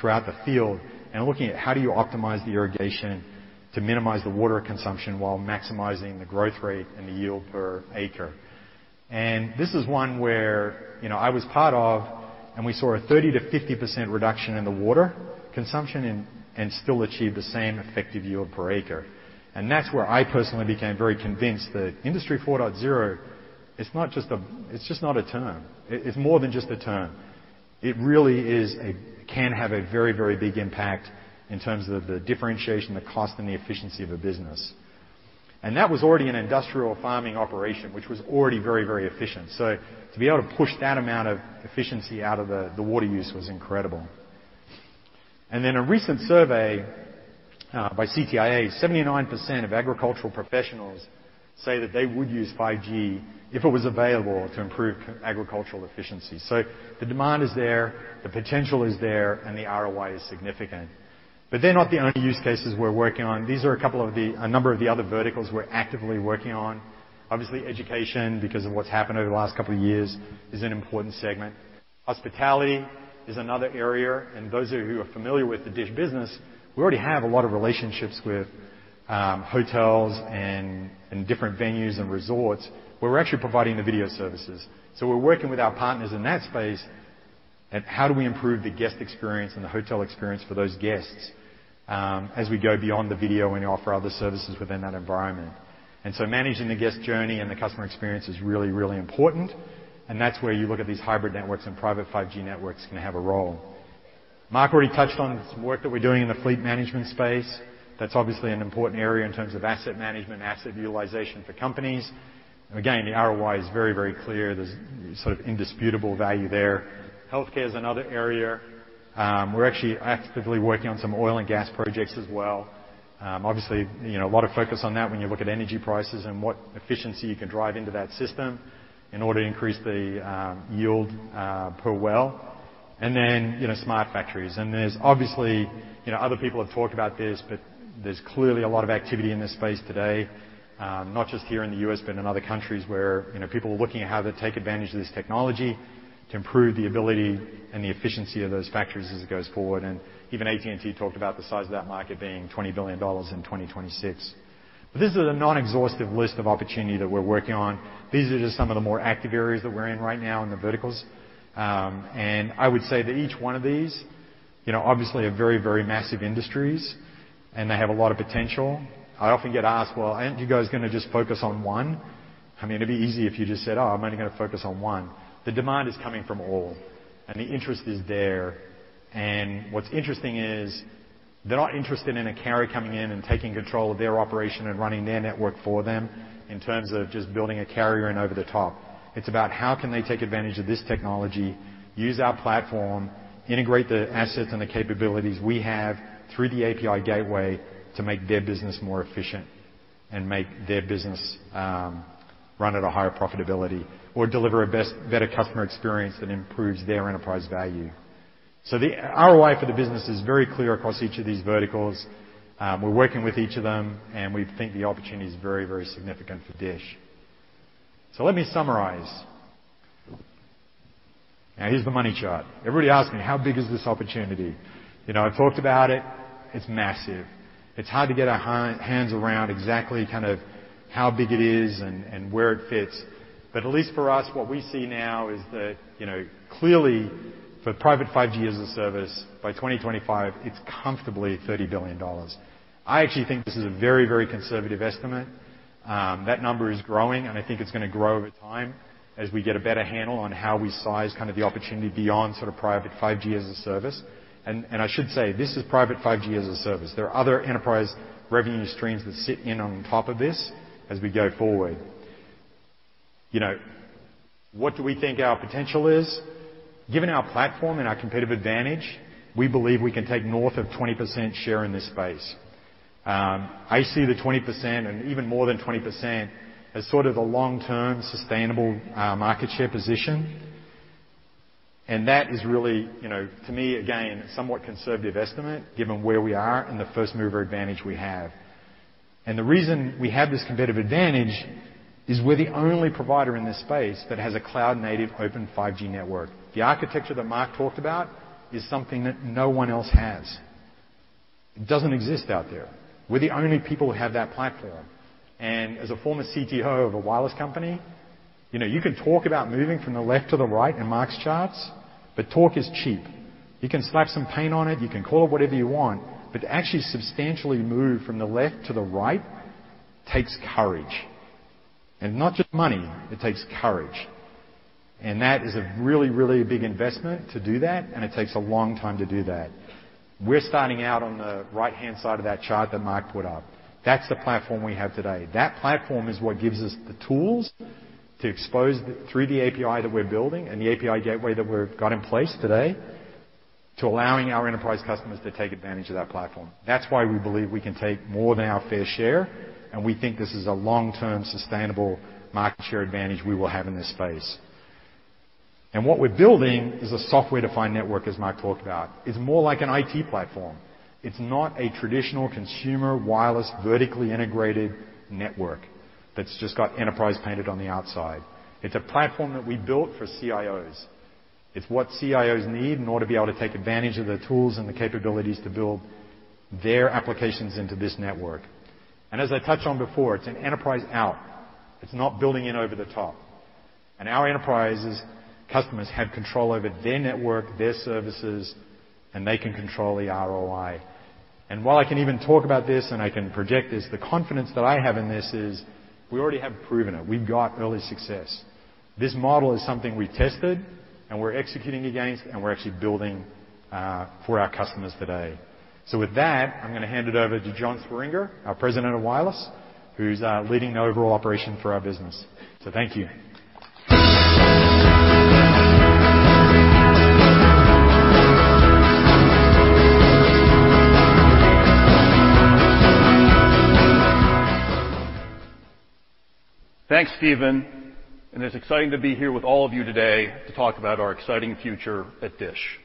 throughout the field and looking at how do you optimize the irrigation to minimize the water consumption while maximizing the growth rate and the yield per acre. This is one where, you know, I was part of and we saw a 30%-50% reduction in the water consumption and still achieve the same effective yield per acre. That's where I personally became very convinced that Industry 4.0 is not just a term. It's just not a term. It's more than just a term. It really can have a very, very big impact in terms of the differentiation, the cost and the efficiency of a business. That was already an industrial farming operation, which was already very, very efficient. To be able to push that amount of efficiency out of the water use was incredible. In a recent survey by CTIA, 79% of agricultural professionals say that they would use 5G if it was available to improve agricultural efficiency. The demand is there, the potential is there, and the ROI is significant. They're not the only use cases we're working on. These are a number of the other verticals we're actively working on. Obviously, education because of what's happened over the last couple of years is an important segment. Hospitality is another area, and those of you who are familiar with the DISH business, we already have a lot of relationships with hotels and different venues and resorts where we're actually providing the video services. We're working with our partners in that space on how do we improve the guest experience and the hotel experience for those guests, as we go beyond the video and offer other services within that environment. Managing the guest journey and the customer experience is really, really important. That's where you look at these hybrid networks and private 5G networks can have a role. Marc already touched on some work that we're doing in the fleet management space. That's obviously an important area in terms of asset management and asset utilization for companies. Again, the ROI is very, very clear. There's sort of indisputable value there. Healthcare is another area. We're actually actively working on some oil and gas projects as well. Obviously, you know, a lot of focus on that when you look at energy prices and what efficiency you can drive into that system in order to increase the yield per well. You know, smart factories. There's obviously, you know, other people have talked about this, but there's clearly a lot of activity in this space today, not just here in the U.S., but in other countries where, you know, people are looking at how to take advantage of this technology to improve the ability and the efficiency of those factories as it goes forward. Even AT&T talked about the size of that market being $20 billion in 2026. This is a non-exhaustive list of opportunities that we're working on. These are just some of the more active areas that we're in right now in the verticals. I would say that each one of these, you know, obviously are very, very massive industries, and they have a lot of potential. I often get asked, "Well, aren't you guys gonna just focus on one? I mean, it'd be easy if you just said, 'Oh, I'm only gonna focus on one.'" The demand is coming from all, and the interest is there. What's interesting is they're not interested in a carrier coming in and taking control of their operation and running their network for them in terms of just building a carrier and over-the-top. It's about how can they take advantage of this technology, use our platform, integrate the assets and the capabilities we have through the API gateway to make their business more efficient and make their business run at a higher profitability or deliver a better customer experience that improves their enterprise value. The ROI for the business is very clear across each of these verticals. We're working with each of them, and we think the opportunity is very, very significant for DISH. Let me summarize. Now, here's the money chart. Everybody asks me, how big is this opportunity? You know, I've talked about it. It's massive. It's hard to get our hands around exactly kind of how big it is and where it fits. At least for us, what we see now is that, you know, clearly for private 5G-as-a-service, by 2025, it's comfortably $30 billion. I actually think this is a very, very conservative estimate. That number is growing, and I think it's gonna grow over time as we get a better handle on how we size kind of the opportunity beyond sort of private 5G-as-a-service. And I should say, this is private 5G-as-a-service. There are other enterprise revenue streams that sit in on top of this as we go forward. You know, what do we think our potential is? Given our platform and our competitive advantage, we believe we can take north of 20% share in this space. I see the 20% and even more than 20% as sort of the long-term sustainable market share position. That is really, you know, to me, again, somewhat conservative estimate, given where we are and the first-mover advantage we have. The reason we have this competitive advantage is we're the only provider in this space that has a cloud-native Open 5G network. The architecture that Marc talked about is something that no one else has. It doesn't exist out there. We're the only people who have that platform. As a former CTO of a wireless company, you know, you can talk about moving from the left to the right in Marc's charts, but talk is cheap. You can slap some paint on it, you can call it whatever you want, but to actually substantially move from the left to the right takes courage. Not just money, it takes courage. That is a really, really big investment to do that, and it takes a long time to do that. We're starting out on the right-hand side of that chart that Marc put up. That's the platform we have today. That platform is what gives us the tools to expose through the API that we're building and the API gateway that we've got in place today to allow our enterprise customers to take advantage of that platform. That's why we believe we can take more than our fair share, and we think this is a long-term sustainable market share advantage we will have in this space. What we're building is a software-defined network, as Marc talked about. It's more like an IT platform. It's not a traditional consumer wireless, vertically integrated network that's just got enterprise painted on the outside. It's a platform that we built for CIOs. It's what CIOs need in order to be able to take advantage of the tools and the capabilities to build their applications into this network. As I touched on before, it's an enterprise API. It's not building in over-the-top. Our enterprise customers have control over their network, their services, and they can control the ROI. While I can even talk about this and I can project this, the confidence that I have in this is we already have proven it. We've got early success. This model is something we tested, and we're executing against, and we're actually building for our customers today. With that, I'm gonna hand it over to John Swieringa, our President of DISH Wireless, who's leading the overall operation for our business. Thank you. Thanks, Stephen, and it's exciting to be here with all of you today to talk about our exciting future at DISH.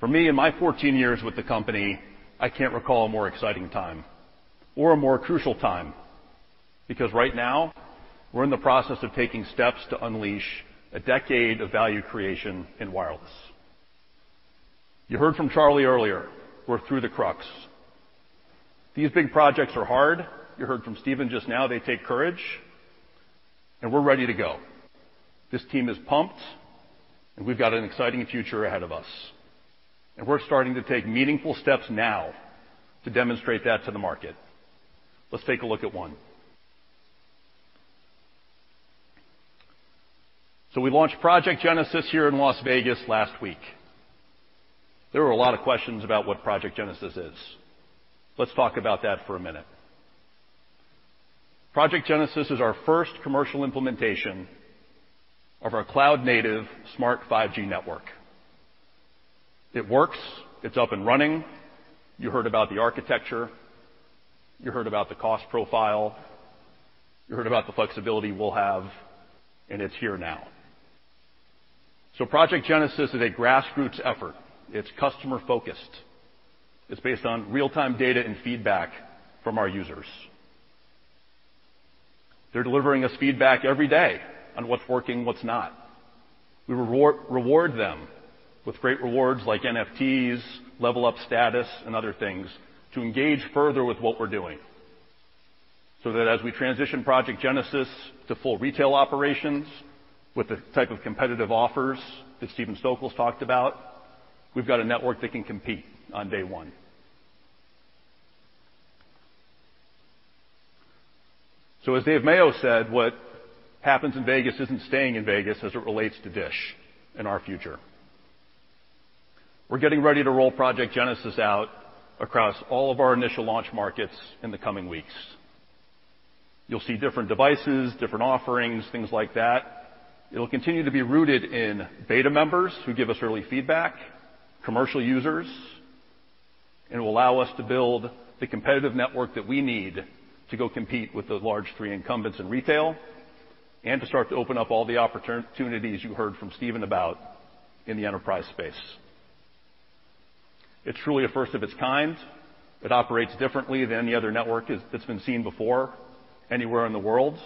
For me and my 14 years with the company, I can't recall a more exciting time or a more crucial time, because right now we're in the process of taking steps to unleash a decade of value creation in wireless. You heard from Charlie earlier. We're through the crux. These big projects are hard. You heard from Stephen just now. They take courage. We're ready to go. This team is pumped, and we've got an exciting future ahead of us. We're starting to take meaningful steps now to demonstrate that to the market. Let's take a look at one. We launched Project Genesis here in Las Vegas last week. There were a lot of questions about what Project Genesis is. Let's talk about that for a minute. Project Genesis is our first commercial implementation of our cloud-native smart 5G network. It works. It's up and running. You heard about the architecture, you heard about the cost profile, you heard about the flexibility we'll have, and it's here now. Project Genesis is a grassroots effort. It's customer-focused. It's based on real-time data and feedback from our users. They're delivering us feedback every day on what's working, what's not. We reward them with great rewards like NFTs, level up status and other things to engage further with what we're doing, so that as we transition Project Genesis to full retail operations with the type of competitive offers that Stephen Stokols talked about, we've got a network that can compete on day one. As Dave Mayo said, what happens in Vegas isn't staying in Vegas as it relates to DISH and our future. We're getting ready to roll Project Genesis out across all of our initial launch markets in the coming weeks. You'll see different devices, different offerings, things like that. It'll continue to be rooted in beta members who give us early feedback, commercial users. It will allow us to build the competitive network that we need to go compete with those large three incumbents in retail and to start to open up all the opportunities you heard from Stephen about in the enterprise space. It's truly a first of its kind. It operates differently than any other network that's been seen before anywhere in the world,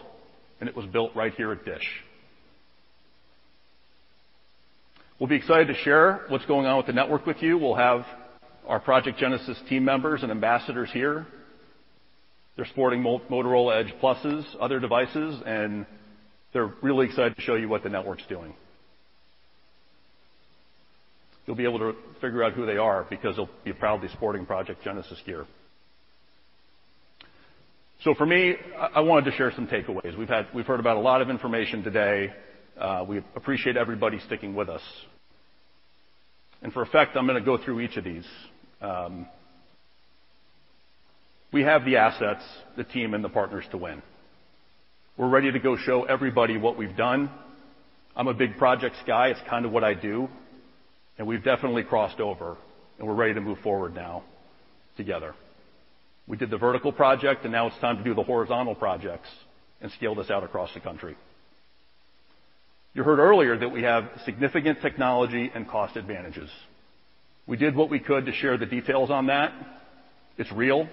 and it was built right here at DISH. We'll be excited to share what's going on with the network with you. We'll have our Project Genesis team members and ambassadors here. They're sporting Motorola Edge Pluses, other devices, and they're really excited to show you what the network's doing. You'll be able to figure out who they are because they'll be proudly sporting Project Genesis gear. For me, I wanted to share some takeaways. We've heard about a lot of information today. We appreciate everybody sticking with us. In fact, I'm gonna go through each of these. We have the assets, the team and the partners to win. We're ready to go show everybody what we've done. I'm a big projects guy. It's kind of what I do, and we've definitely crossed over, and we're ready to move forward now together. We did the vertical project, and now it's time to do the horizontal projects and scale this out across the country. You heard earlier that we have significant technology and cost advantages. We did what we could to share the details on that. It's real.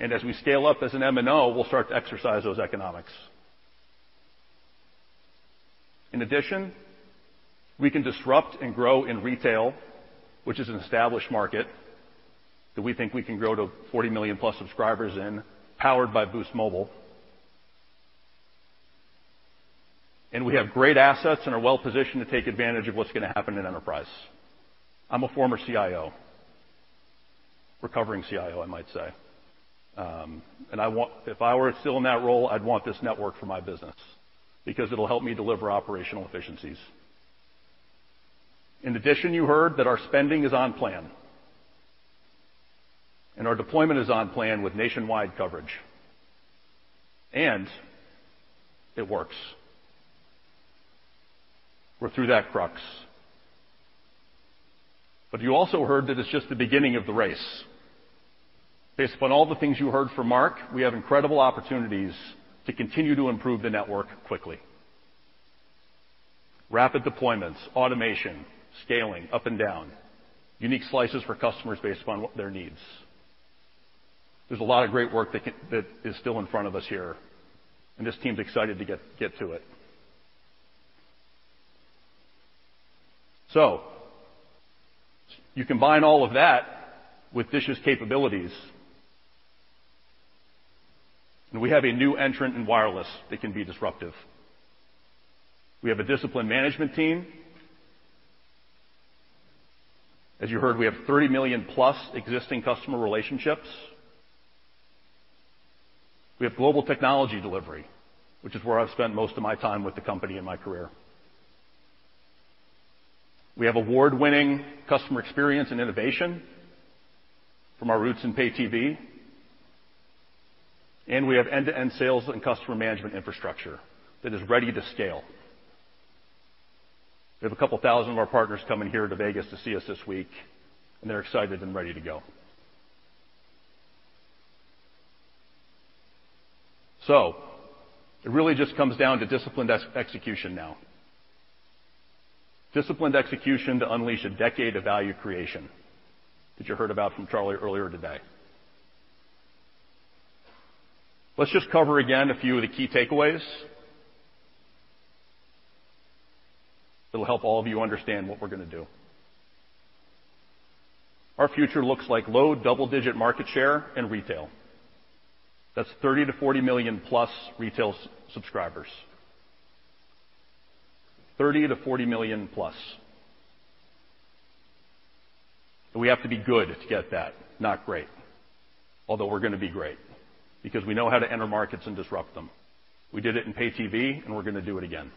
As we scale up as an MNO, we'll start to exercise those economics. In addition, we can disrupt and grow in retail, which is an established market that we think we can grow to 40 million-plus subscribers in powered by Boost Mobile. We have great assets and are well-positioned to take advantage of what's gonna happen in enterprise. I'm a former CIO. Recovering CIO, I might say. If I were still in that role, I'd want this network for my business because it'll help me deliver operational efficiencies. In addition, you heard that our spending is on plan and our deployment is on plan with nationwide coverage, and it works. We're through that crux. You also heard that it's just the beginning of the race. Based upon all the things you heard from Marc, we have incredible opportunities to continue to improve the network quickly. Rapid deployments, automation, scaling up and down, unique slices for customers based upon what their needs. There's a lot of great work that is still in front of us here, and this team's excited to get to it. You combine all of that with DISH's capabilities, and we have a new entrant in wireless that can be disruptive. We have a disciplined management team. As you heard, we have 30 million-plus existing customer relationships. We have global technology delivery, which is where I've spent most of my time with the company in my career. We have award-winning customer experience and innovation from our roots in Pay TV, and we have end-to-end sales and customer management infrastructure that is ready to scale. We have a couple thousand of our partners coming here to Vegas to see us this week, and they're excited and ready to go. It really just comes down to disciplined execution now. Disciplined execution to unleash a decade of value creation that you heard about from Charlie earlier today. Let's just cover again a few of the key takeaways. It'll help all of you understand what we're gonna do. Our future looks like low double-digit market share in retail. That's 30-40 million-plus retail subscribers. 30-40 million plus. We have to be good to get that, not great. Although we're gonna be great because we know how to enter markets and disrupt them. We did it in Pay TV, and we're gonna do it again.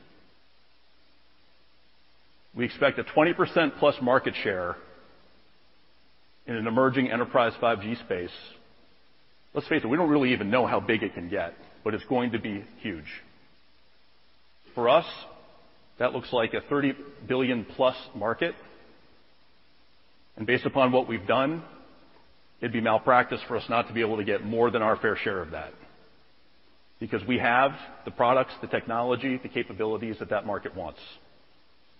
We expect a 20%+ market share in an emerging enterprise 5G space. Let's face it, we don't really even know how big it can get, but it's going to be huge. For us, that looks like a $30 billion-plus market, and based upon what we've done, it'd be malpractice for us not to be able to get more than our fair share of that because we have the products, the technology, the capabilities that that market wants.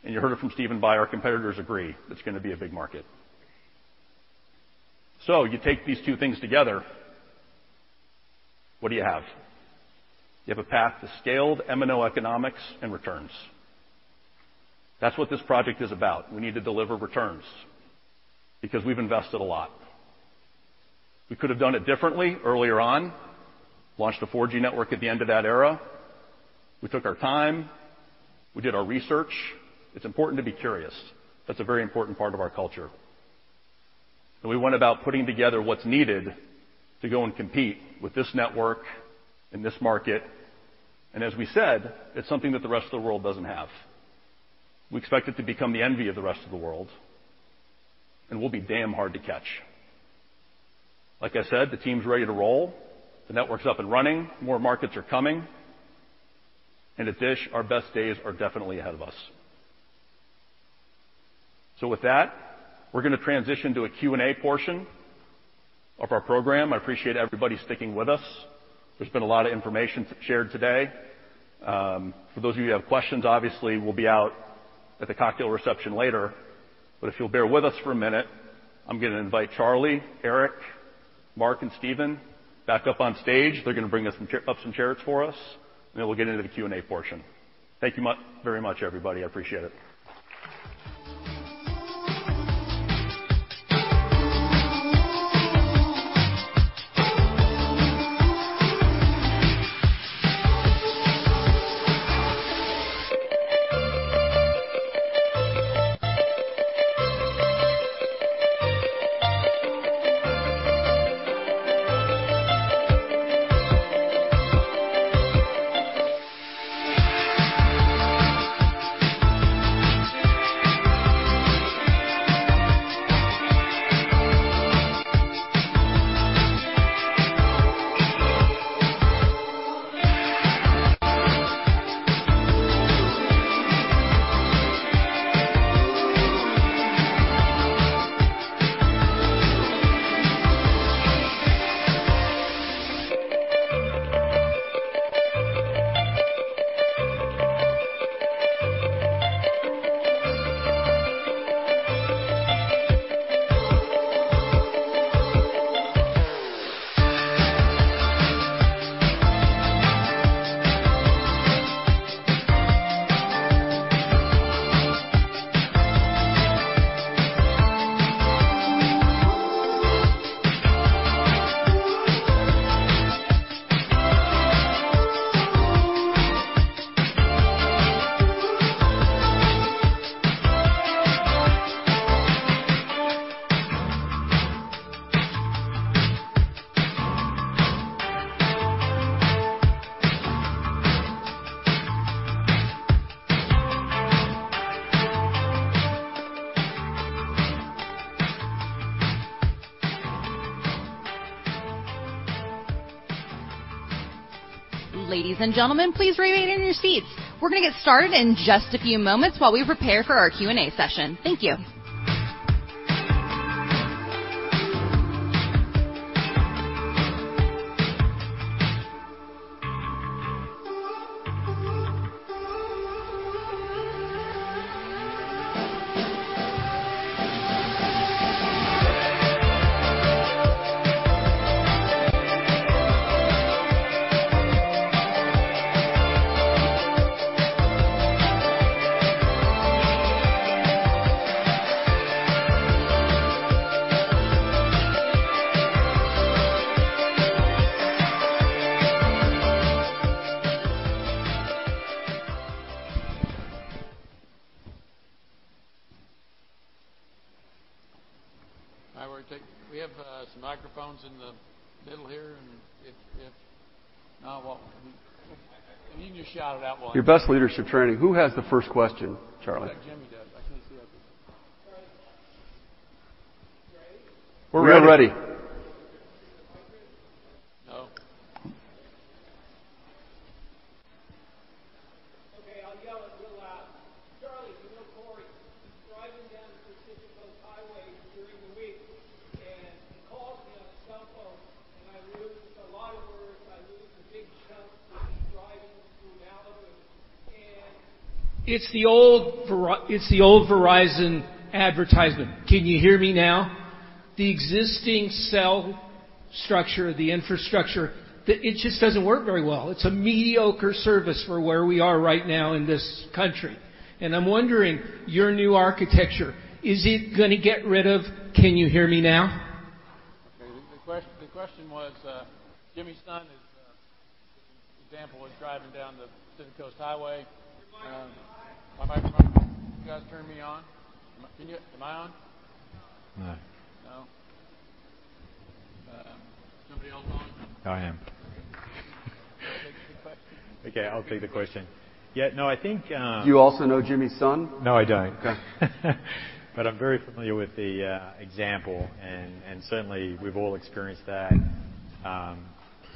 You heard it from Stephen Bye, our competitors agree it's gonna be a big market. You take these two things together, what do you have? You have a path to scaled MNO economics and returns. That's what this project is about. We need to deliver returns because we've invested a lot. We could have done it differently earlier on, launched a 4G network at the end of that era. We took our time. We did our research. It's important to be curious. That's a very important part of our culture. We went about putting together what's needed to go and compete with this network in this market, and as we said, it's something that the rest of the world doesn't have. We expect it to become the envy of the rest of the world, and we'll be damn hard to catch. Like I said, the team's ready to roll, the network's up and running, more markets are coming, and at DISH, our best days are definitely ahead of us. With that, we're gonna transition to a Q&A portion of our program. I appreciate everybody sticking with us. There's been a lot of information shared today. For those of you who have questions, obviously we'll be out at the cocktail reception later. If you'll bear with us for a minute, I'm gonna invite Charlie, Erik, Marc, and Stephen back up on stage. They're gonna bring us up some chairs for us, and then we'll get into the Q&A portion. Thank you very much, everybody. I appreciate it. Ladies and gentlemen, please remain in your seats. We're gonna get started in just a few moments while we prepare for our Q&A session. Thank you. All right, we have some microphones in the middle here. You can just shout it out, Walter. Your best leadership training. Who has the first question, Charlie? I bet Jimmy does. I can't see out this way. All right. You ready? We're born ready. No. Okay, I'll yell it real loud. Charlie, you know Corey. He's driving down the Pacific Coast Highway during the week, and he calls me on his cell phone, and I lose a lot of words. I lose a big chunk because he's driving through Malibu. It's the old Verizon advertisement. Can you hear me now? The existing cell structure, the infrastructure, it just doesn't work very well. It's a mediocre service for where we are right now in this country, and I'm wondering, your new architecture, is it gonna get rid of "Can you hear me now? Okay. The question was Jimmy Sun's example was driving down the Pacific Coast Highway. Your mic. My mic's not on. Can you guys turn me on? Am I on? No. No? Is somebody else on? I am. Okay, I'll take the question. Yeah, no, I think. Do you also know Jimmy Sun? No, I don't. Okay. I'm very familiar with the example, and certainly we've all experienced that,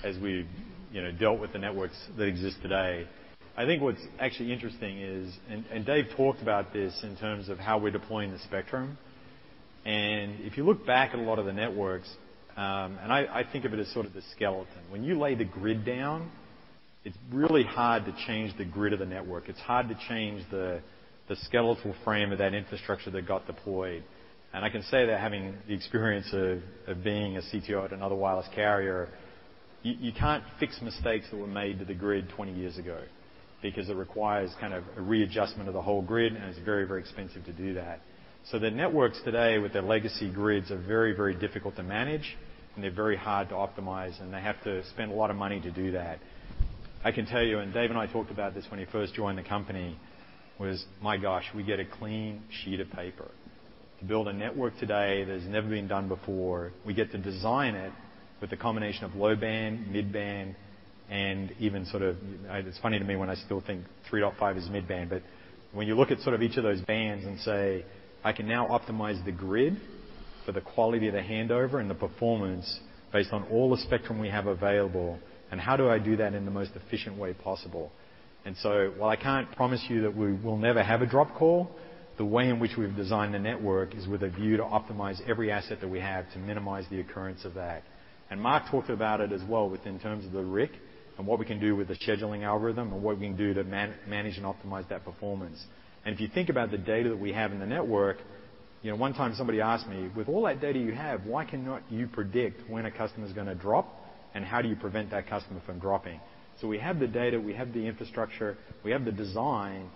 as we've, you know, dealt with the networks that exist today. I think what's actually interesting is, Dave talked about this in terms of how we're deploying the spectrum, and if you look back at a lot of the networks, and I think of it as sort of the skeleton. When you lay the grid down, it's really hard to change the grid of the network. It's hard to change the skeletal frame of that infrastructure that got deployed. I can say that having the experience of being a CTO at another wireless carrier, you can't fix mistakes that were made to the grid 20 years ago because it requires kind of a readjustment of the whole grid, and it's very, very expensive to do that. The networks today with their legacy grids are very, very difficult to manage, and they're very hard to optimize, and they have to spend a lot of money to do that. I can tell you, and Dave and I talked about this when he first joined the company. My gosh, we get a clean sheet of paper. To build a network today that has never been done before, we get to design it with the combination of low-band, mid-band and even sort of. It's funny to me when I still think 3.5 is mid-band, but when you look at sort of each of those bands and say, "I can now optimize the grid for the quality of the handover and the performance based on all the spectrum we have available, and how do I do that in the most efficient way possible?" While I can't promise you that we will never have a dropped call, the way in which we've designed the network is with a view to optimize every asset that we have to minimize the occurrence of that. Marc talked about it as well with in terms of the RIC and what we can do with the scheduling algorithm and what we can do to manage and optimize that performance. If you think about the data that we have in the network, you know, one time somebody asked me, "With all that data you have, why cannot you predict when a customer's gonna drop, and how do you prevent that customer from dropping?" We have the data, we have the infrastructure, we have the design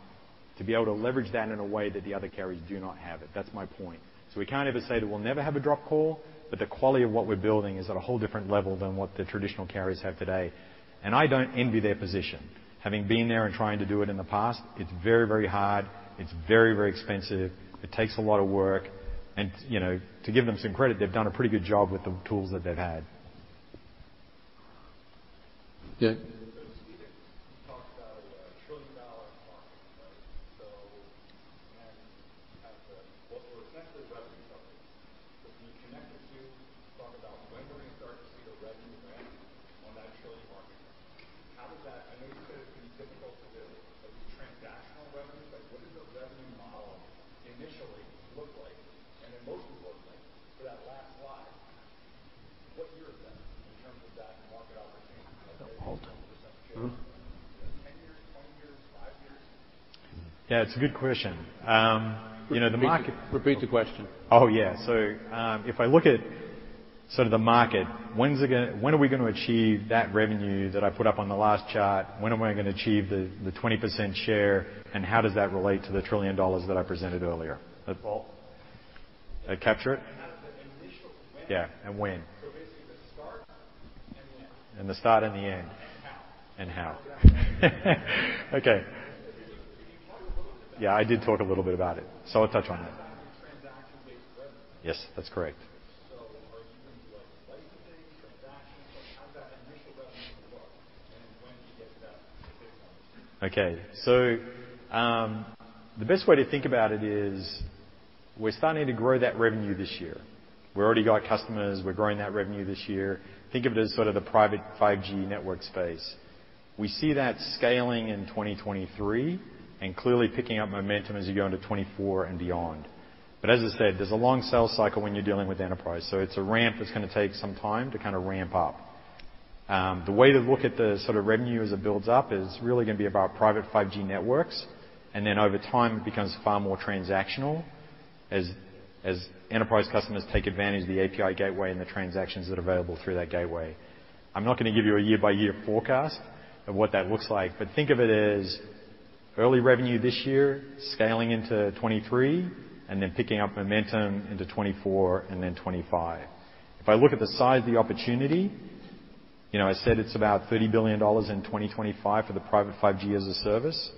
to be able to leverage that in a way that the other carriers do not have it. That's my point. We can't ever say that we'll never have a dropped call, but the quality of what we're building is at a whole different level than what the traditional carriers have today. I don't envy their position. Having been there and trying to do it in the past, it's very, very hard. It's very, very expensive. It takes a lot of work and, you know, to give them some credit, they've done a pretty good job with the tools that they've had. Yeah. Can you talk a little bit about? Yeah, I did talk a little bit about it, so I'll touch on that. About your transaction-based revenue. Yes, that's correct. Are you doing like licensing transactions? Like, how does that initial revenue look, and when did you get that, if it's- The best way to think about it is we're starting to grow that revenue this year. We've already got customers. We're growing that revenue this year. Think of it as sort of the private 5G network space. We see that scaling in 2023 and clearly picking up momentum as you go into 2024 and beyond. As I said, there's a long sales cycle when you're dealing with enterprise, so it's a ramp that's gonna take some time to kind of ramp up. The way to look at the sort of revenue as it builds up is really gonna be about private 5G networks, and then over time it becomes far more transactional as enterprise customers take advantage of the API gateway and the transactions that are available through that gateway. I'm not gonna give you a year-by-year forecast of what that looks like, but think of it as early revenue this year, scaling into 2023 and then picking up momentum into 2024 and then 2025. If I look at the size of the opportunity, you know, I said it's about $30 billion in 2025 for the private 5G-as-a-service.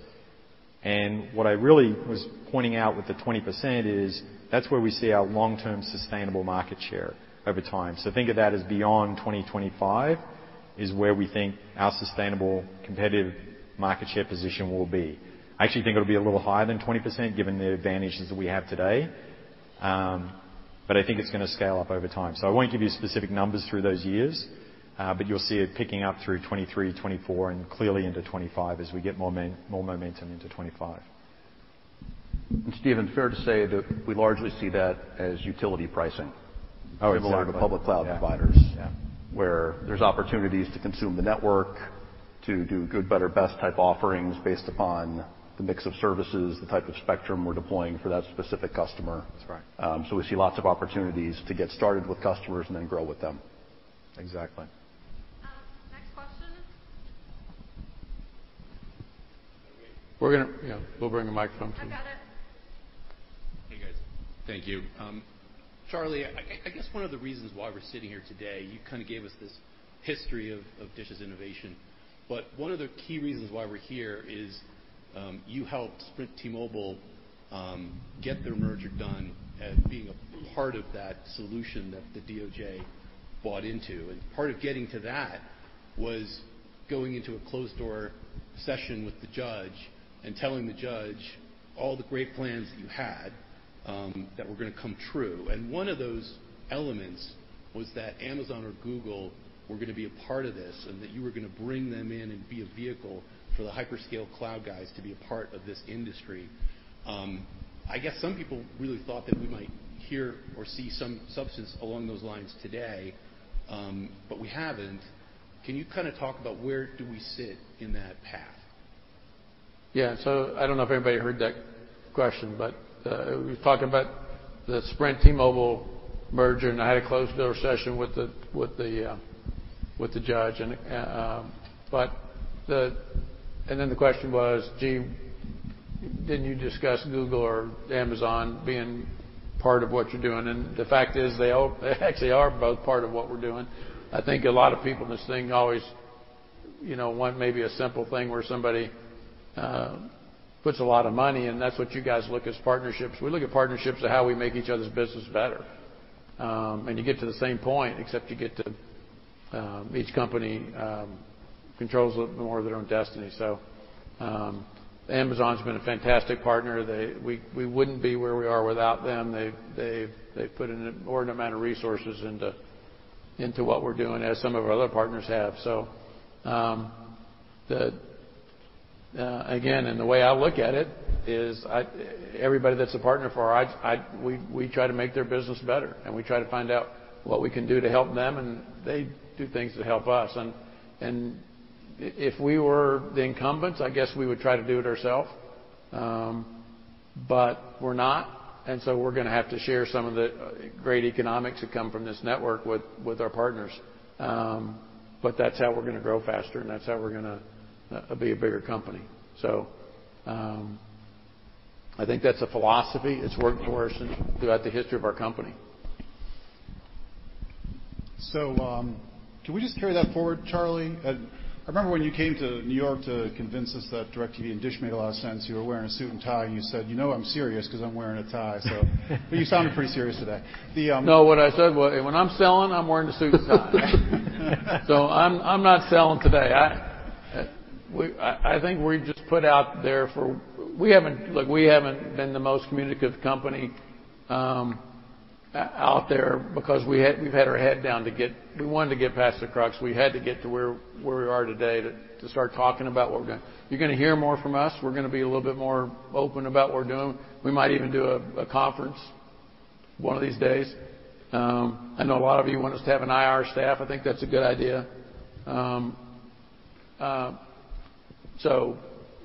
What I really was pointing out with the 20% is that's where we see our long-term sustainable market share over time. Think of that as beyond 2025 is where we think our sustainable competitive market share position will be. I actually think it'll be a little higher than 20% given the advantages that we have today. I think it's gonna scale up over time. I won't give you specific numbers through those years, but you'll see it picking up through 2023, 2024 and clearly into 2025 as we get more momentum into 2025. Stephen, fair to say that we largely see that as utility pricing. Oh, exactly. similar to public cloud providers. Yeah. where there's opportunities to consume the network. To do good better best type offerings based upon the mix of services, the type of spectrum we're deploying for that specific customer. That's right. We see lots of opportunities to get started with customers and then grow with them. Exactly. Next question. Yeah, we'll bring a mic to him. I've got it. Hey, guys. Thank you. Charlie, I guess one of the reasons why we're sitting here today, you kinda gave us this history of DISH's innovation, but one of the key reasons why we're here is you helped Sprint-T-Mobile get their merger done as being a part of that solution that the DOJ bought into. Part of getting to that was going into a closed-door session with the judge and telling the judge all the great plans that you had that were gonna come true. One of those elements was that Amazon or Google were gonna be a part of this, and that you were gonna bring them in and be a vehicle for the hyperscale cloud guys to be a part of this industry. I guess some people really thought that we might hear or see some substance along those lines today, but we haven't. Can you kinda talk about where do we sit in that path? Yeah. I don't know if everybody heard that question, but we were talking about the Sprint T-Mobile merger, and I had a closed-door session with the judge, and the question was, "Gee, didn't you discuss Google or Amazon being part of what you're doing?" The fact is they all actually are both part of what we're doing. I think a lot of people in this thing always, you know, want maybe a simple thing where somebody puts a lot of money, and that's what you guys look at as partnerships. We look at partnerships of how we make each other's business better. You get to the same point, except you get to each company controls a little more of their own destiny. Amazon's been a fantastic partner. We wouldn't be where we are without them. They've put in an inordinate amount of resources into what we're doing, as some of our other partners have. Again, the way I look at it is everybody that's a partner for our size, we try to make their business better. We try to find out what we can do to help them, and they do things to help us. If we were the incumbents, I guess we would try to do it ourselves. We're not, so we're gonna have to share some of the great economics that come from this network with our partners. That's how we're gonna grow faster, and that's how we're gonna be a bigger company. I think that's a philosophy. It's worked for us throughout the history of our company. Can we just carry that forward, Charlie? I remember when you came to New York to convince us that DIRECTV and DISH made a lot of sense, you were wearing a suit and tie, and you said, "You know I'm serious 'cause I'm wearing a tie." You sound pretty serious today. What I said was, "When I'm selling, I'm wearing a suit and tie." I'm not selling today. I think we just put out there. We haven't been the most communicative company out there because we've had our head down. We wanted to get past the crux. We had to get to where we are today to start talking about what we're doing. You're gonna hear more from us. We're gonna be a little bit more open about what we're doing. We might even do a conference one of these days. I know a lot of you want us to have an IR staff. I think that's a good idea.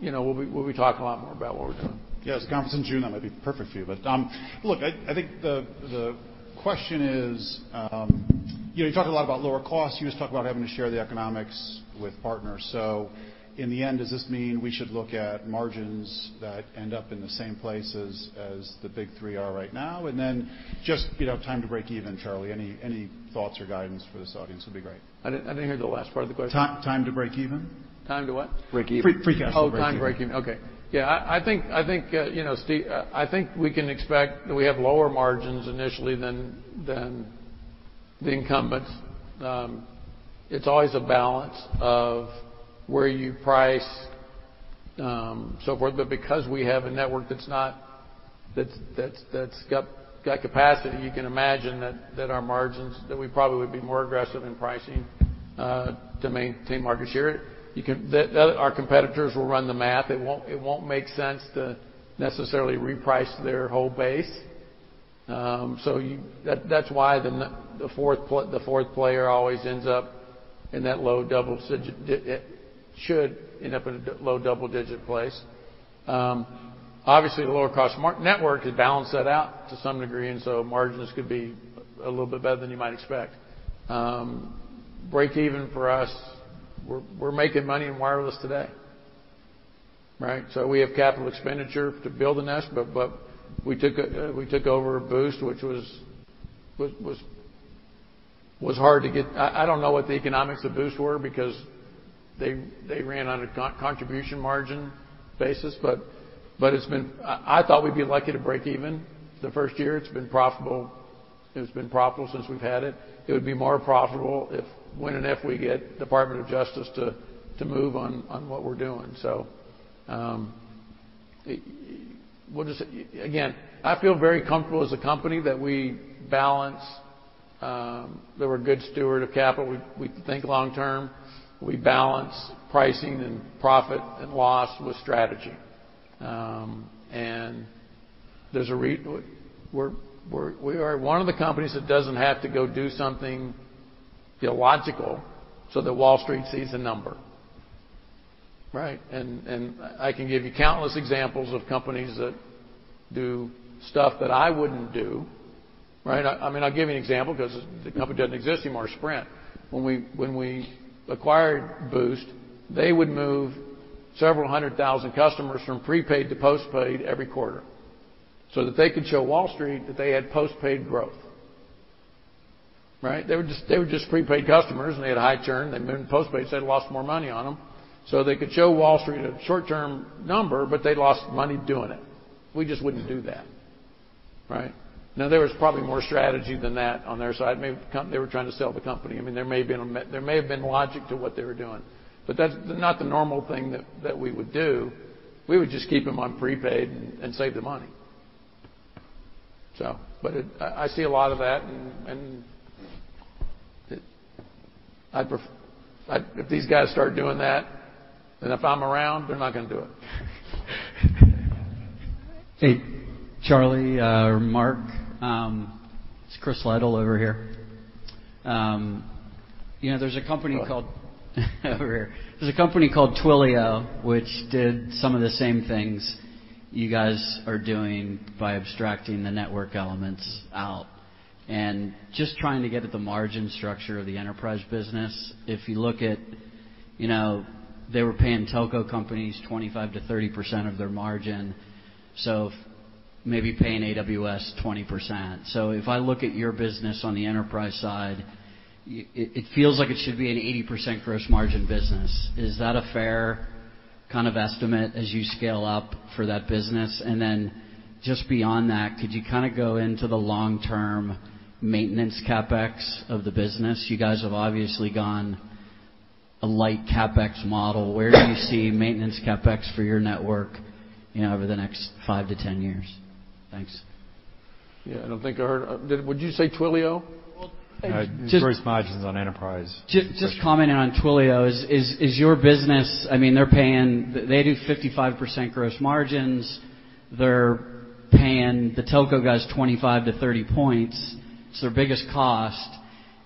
You know, we'll be talking a lot more about what we're doing. Yeah, there's a conference in June that might be perfect for you. Look, I think the question is, you know, you talked a lot about lower costs. You just talked about having to share the economics with partners. In the end, does this mean we should look at margins that end up in the same place as the big three are right now? Just, you know, time to break even, Charlie. Any thoughts or guidance for this audience would be great. I didn't hear the last part of the question. Time to break even. Time to what? Break even. Break even. Oh, time to break even. Okay. Yeah, I think, you know, Steve, I think we can expect that we have lower margins initially than the incumbents. It's always a balance of where you price, so forth. Because we have a network that's got capacity, you can imagine that our margins, that we probably would be more aggressive in pricing to maintain market share. Our competitors will run the math. It won't make sense to necessarily reprice their whole base. That, that's why the fourth player always ends up in that low double-digit place. Obviously, the lower cost network could balance that out to some degree, and margins could be a little bit better than you might expect. Break even for us, we're making money in wireless today, right? We have capital expenditure to build the network, but we took over Boost, which was hard to get. I don't know what the economics of Boost were because they ran on a contribution margin basis. It's been. I thought we'd be lucky to break even the first year. It's been profitable. It's been profitable since we've had it. It would be more profitable if when and if we get Department of Justice to move on what we're doing. Again, I feel very comfortable as a company that we balance that we're a good steward of capital. We think long term. We balance pricing and profit and loss with strategy. There's a reason we're one of the companies that doesn't have to go do something theological so that Wall Street sees a number, right? I can give you countless examples of companies that do stuff that I wouldn't do, right? I mean, I'll give you an example because the company doesn't exist anymore, Sprint. When we acquired Boost, they would move several hundred thousand customers from prepaid to postpaid every quarter so that they could show Wall Street that they had postpaid growth, right? They were just prepaid customers, and they had a high churn. They moved them to postpaid 'cause they'd lost more money on them. They could show Wall Street a short-term number, but they lost money doing it. We just wouldn't do that, right? Now, there was probably more strategy than that on their side. Maybe they were trying to sell the company. I mean, there may have been logic to what they were doing, but that's not the normal thing that we would do. We would just keep them on prepaid and save the money. I see a lot of that, and if these guys start doing that, and if I'm around, they're not gonna do it. Hey, Charlie, or Mark, it's Chris Liddell over here. You know, there's a company called- Hello. Over here. There's a company called Twilio which did some of the same things you guys are doing by abstracting the network elements out and just trying to get at the margin structure of the enterprise business. If you look at, you know, they were paying telco companies 25%-30% of their margin, so maybe paying AWS 20%. If I look at your business on the enterprise side, it feels like it should be an 80% gross margin business. Is that a fair kind of estimate as you scale up for that business? Just beyond that, could you kinda go into the long-term maintenance CapEx of the business? You guys have obviously gone a light CapEx model. Where do you see maintenance CapEx for your network, you know, over the next 5-10 years? Thanks. Yeah, I don't think I heard. What did you say Twilio? Well. Gross margins on enterprise. Just commenting on Twilio. Is your business, I mean, they're paying. They do 55% gross margins. They're paying the Telco guys 25-30 points. It's their biggest cost,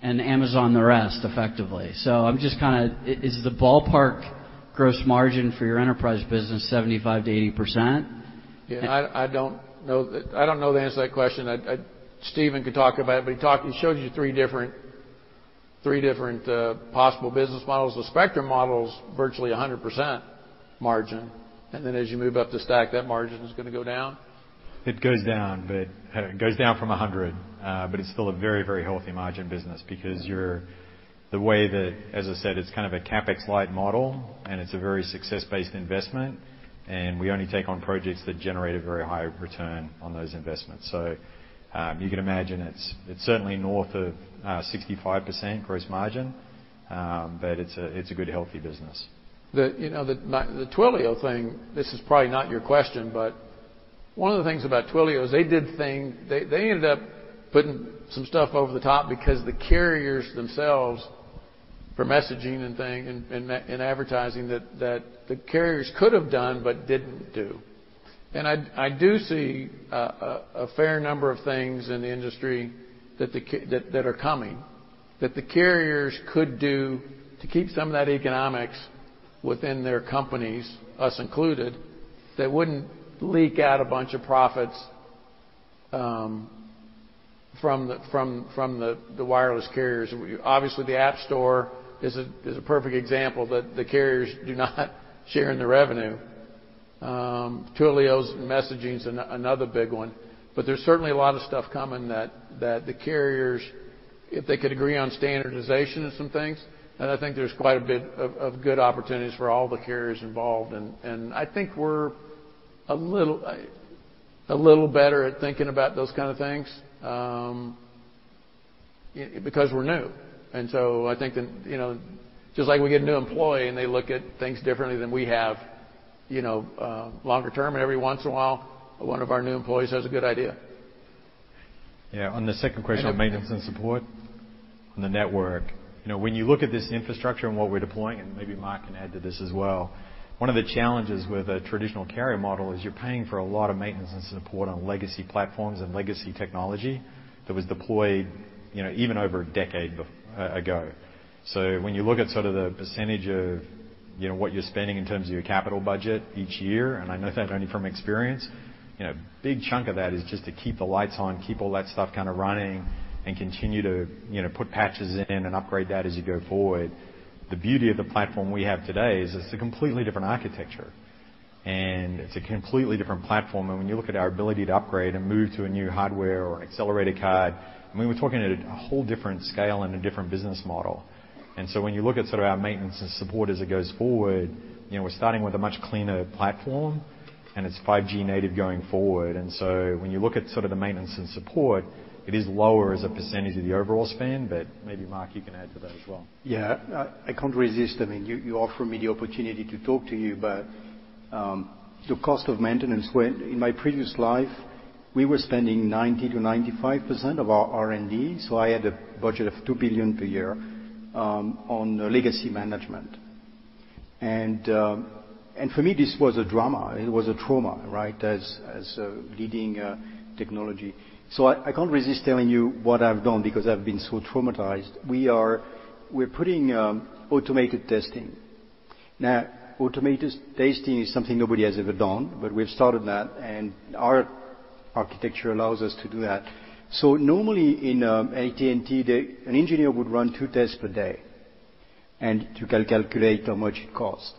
and Amazon the rest, effectively. I'm just kinda. Is the ballpark gross margin for your enterprise business 75%-80%? Yeah, I don't know the answer to that question. Steven could talk about it, but he showed you three different possible business models. The spectrum model's virtually 100% margin, and then as you move up the stack, that margin is gonna go down. It goes down from 100, but it's still a very, very healthy margin business because you're the way that as I said, it's kind of a CapEx-light model, and it's a very success-based investment, and we only take on projects that generate a very high return on those investments. You can imagine it's certainly north of 65% gross margin, but it's a good, healthy business. You know, the Twilio thing, this is probably not your question, but one of the things about Twilio is they did things. They ended up putting some stuff over-the-top because the carriers themselves, for messaging and things and marketing and advertising that the carriers could have done but didn't do. I do see a fair number of things in the industry that are coming, that the carriers could do to keep some of that economics within their companies, us included, that wouldn't leak out a bunch of profits from the wireless carriers. Obviously, the App Store is a perfect example that the carriers do not share in the revenue. Twilio's messaging's another big one. There's certainly a lot of stuff coming that the carriers, if they could agree on standardization of some things, then I think there's quite a bit of good opportunities for all the carriers involved. I think we're a little better at thinking about those kind of things because we're new. I think that, you know, just like we get a new employee, and they look at things differently than we have, you know, longer term, and every once in a while, one of our new employees has a good idea. Yeah. On the second question of maintenance and support on the network, you know, when you look at this infrastructure and what we're deploying, and maybe Marc can add to this as well, one of the challenges with a traditional carrier model is you're paying for a lot of maintenance and support on legacy platforms and legacy technology that was deployed, you know, even over a decade ago. When you look at sort of the percentage of, you know, what you're spending in terms of your capital budget each year, and I know that only from experience, you know, big chunk of that is just to keep the lights on, keep all that stuff kind of running, and continue to, you know, put patches in and upgrade that as you go forward. The beauty of the platform we have today is it's a completely different architecture, and it's a completely different platform. When you look at our ability to upgrade and move to a new hardware or an accelerator card, I mean, we're talking at a whole different scale and a different business model. When you look at sort of our maintenance and support as it goes forward, you know, we're starting with a much cleaner platform, and it's 5G-native going forward. When you look at sort of the maintenance and support, it is lower as a percentage of the overall spend. Maybe, Marc, you can add to that as well. Yeah. I can't resist. I mean, you offer me the opportunity to talk to you, but in my previous life, we were spending 90%-95% of our R&D, so I had a budget of $2 billion per year on legacy management. For me, this was a drama. It was a trauma, right? Leading technology. I can't resist telling you what I've done because I've been so traumatized. We're putting automated testing. Now, automated testing is something nobody has ever done, but we've started that, and our architecture allows us to do that. Normally, in AT&T, an engineer would run two tests per day, and you can calculate how much it costs.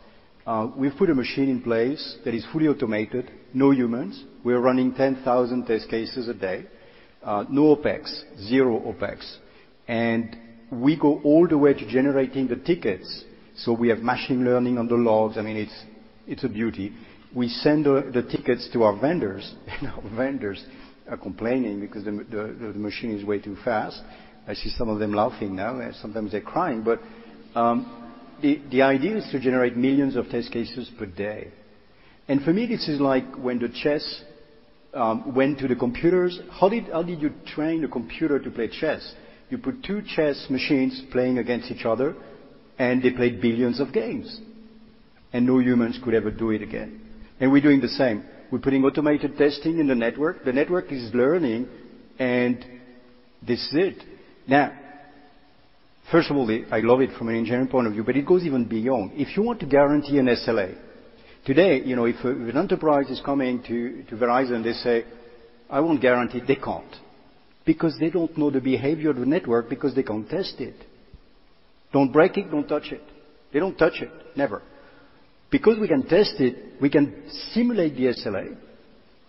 We've put a machine in place that is fully automated, no humans. We are running 10,000 test cases a day, no OpEx, 0 OpEx. We go all the way to generating the tickets. We have machine learning on the logs. I mean, it's a beauty. We send the tickets to our vendors, and our vendors are complaining because the machine is way too fast. I see some of them laughing now, and sometimes they're crying. The idea is to generate millions of test cases per day. For me, this is like when chess went to the computers. How did you train a computer to play chess? You put two chess machines playing against each other, and they played billions of games, and no humans could ever do it again. We're doing the same. We're putting automated testing in the network. The network is learning, and this is it. Now, first of all, I love it from an engineering point of view, but it goes even beyond. If you want to guarantee an SLA, today, you know, if an enterprise is coming to Verizon, they say, "I want guarantee." They can't because they don't know the behavior of the network because they can't test it. Don't break it. Don't touch it. They don't touch it, never. Because we can test it, we can simulate the SLA,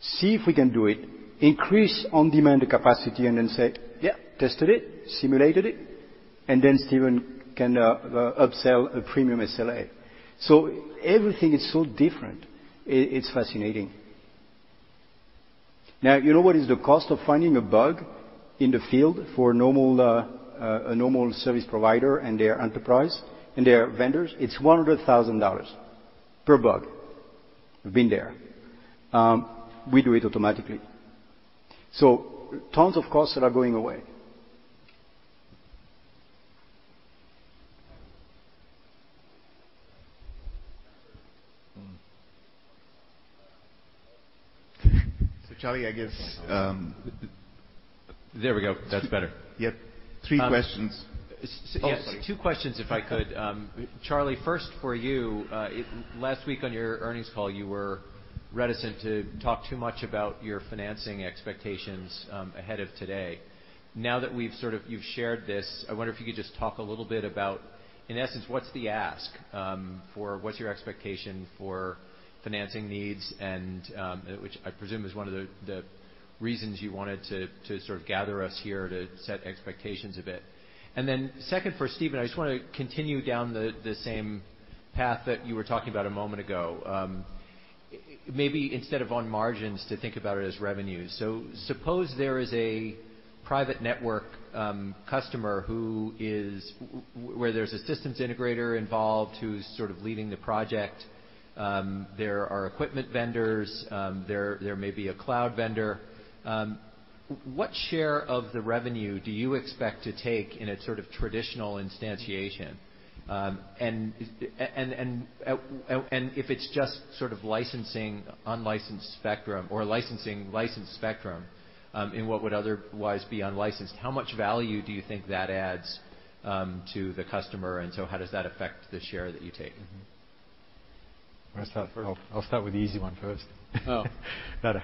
see if we can do it, increase on-demand capacity, and then say, "Yeah, tested it, simulated it," and then Stephen Stokols can upsell a premium SLA. Everything is so different. It's fascinating. Now, you know what is the cost of finding a bug in the field for a normal service provider and their enterprise and their vendors? It's $100,000 per bug. I've been there. We do it automatically. Tons of costs that are going away. Charlie, I guess. There we go. That's better. Yep. Three questions. Yes. Two questions if I could. Charlie, first for you. Last week on your earnings call, you were reticent to talk too much about your financing expectations, ahead of today. Now that you've shared this, I wonder if you could just talk a little bit about, in essence, what's the ask, for what's your expectation for financing needs and, which I presume is one of the reasons you wanted to sort of gather us here to set expectations a bit. Then second, for Stephen, I just want to continue down the same path that you were talking about a moment ago. Maybe instead of on margins to think about it as revenues. Suppose there is a private network customer who is where there's a systems integrator involved who's sort of leading the project. There are equipment vendors. There may be a cloud vendor. What share of the revenue do you expect to take in a sort of traditional instantiation? If it's just sort of licensing unlicensed spectrum or licensing licensed spectrum in what would otherwise be unlicensed, how much value do you think that adds to the customer, and so how does that affect the share that you take? You wanna start first? I'll start with the easy one first. Oh. Better.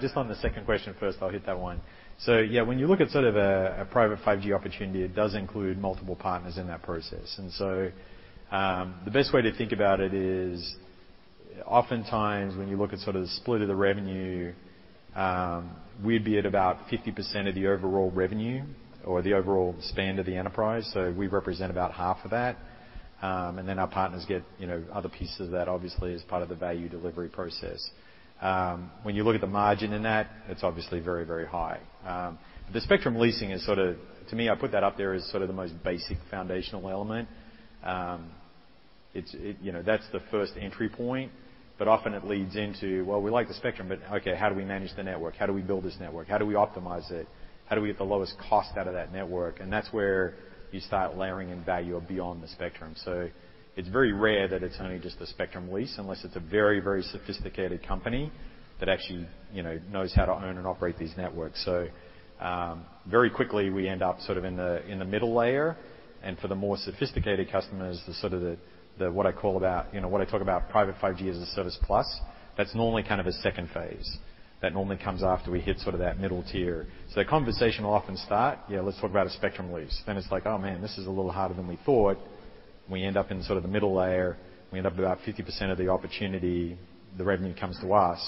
Just on the second question first, I'll hit that one. Yeah, when you look at sort of a private 5G opportunity, it does include multiple partners in that process. The best way to think about it is oftentimes when you look at sort of the split of the revenue, we'd be at about 50% of the overall revenue or the overall spend of the enterprise. We represent about half of that. And then our partners get, you know, other pieces of that obviously as part of the value delivery process. When you look at the margin in that, it's obviously very, very high. The spectrum leasing is sort of, to me, I put that up there as sort of the most basic foundational element. You know, that's the first entry point, but often it leads into, well, we like the spectrum, but okay, how do we manage the network? How do we build this network? How do we optimize it? How do we get the lowest cost out of that network? That's where you start layering in value beyond the spectrum. It's very rare that it's only just a spectrum lease, unless it's a very, very sophisticated company that actually, you know, knows how to own and operate these networks. Very quickly, we end up sort of in the middle layer. For the more sophisticated customers, the sort of the what I call about, you know, what I talk about private 5G-as-a-service plus, that's normally kind of a second phase. That normally comes after we hit sort of that middle tier. The conversation will often start, yeah, let's talk about a spectrum lease. It's like, "Oh, man, this is a little harder than we thought." We end up in sort of the middle layer. We end up about 50% of the opportunity, the revenue comes to us.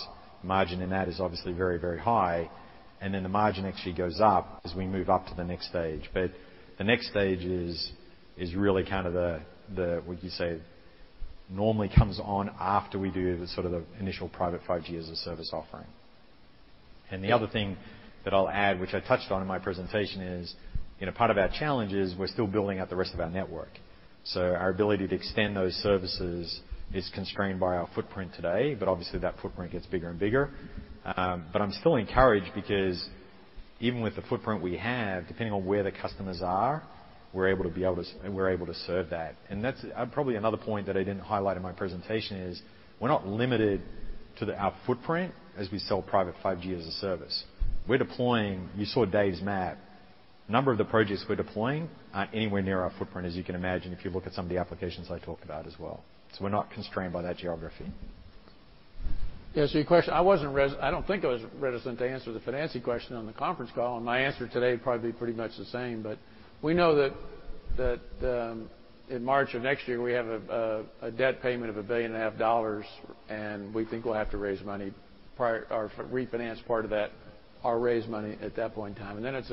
Margin in that is obviously very, very high. The margin actually goes up as we move up to the next stage. The next stage is really kind of the what you say, normally comes on after we do the sort of the initial private 5G-as-a-service offering. The other thing that I'll add, which I touched on in my presentation is, you know, part of our challenge is we're still building out the rest of our network. Our ability to extend those services is constrained by our footprint today, but obviously, that footprint gets bigger and bigger. I'm still encouraged because Even with the footprint we have, depending on where the customers are, we're able to serve that. That's probably another point that I didn't highlight in my presentation, is we're not limited to our footprint as we sell private 5G-as-a-service. We're deploying. You saw Dave's map. A number of the projects we're deploying aren't anywhere near our footprint, as you can imagine, if you look at some of the applications I talk about as well. We're not constrained by that geography. Yeah. Your question, I wasn't. I don't think I was reticent to answer the financing question on the conference call, and my answer today would probably be pretty much the same. We know that in March of next year, we have a debt payment of $1.5 billion, and we think we'll have to raise money prior or refinance part of that or raise money at that point in time. Then it's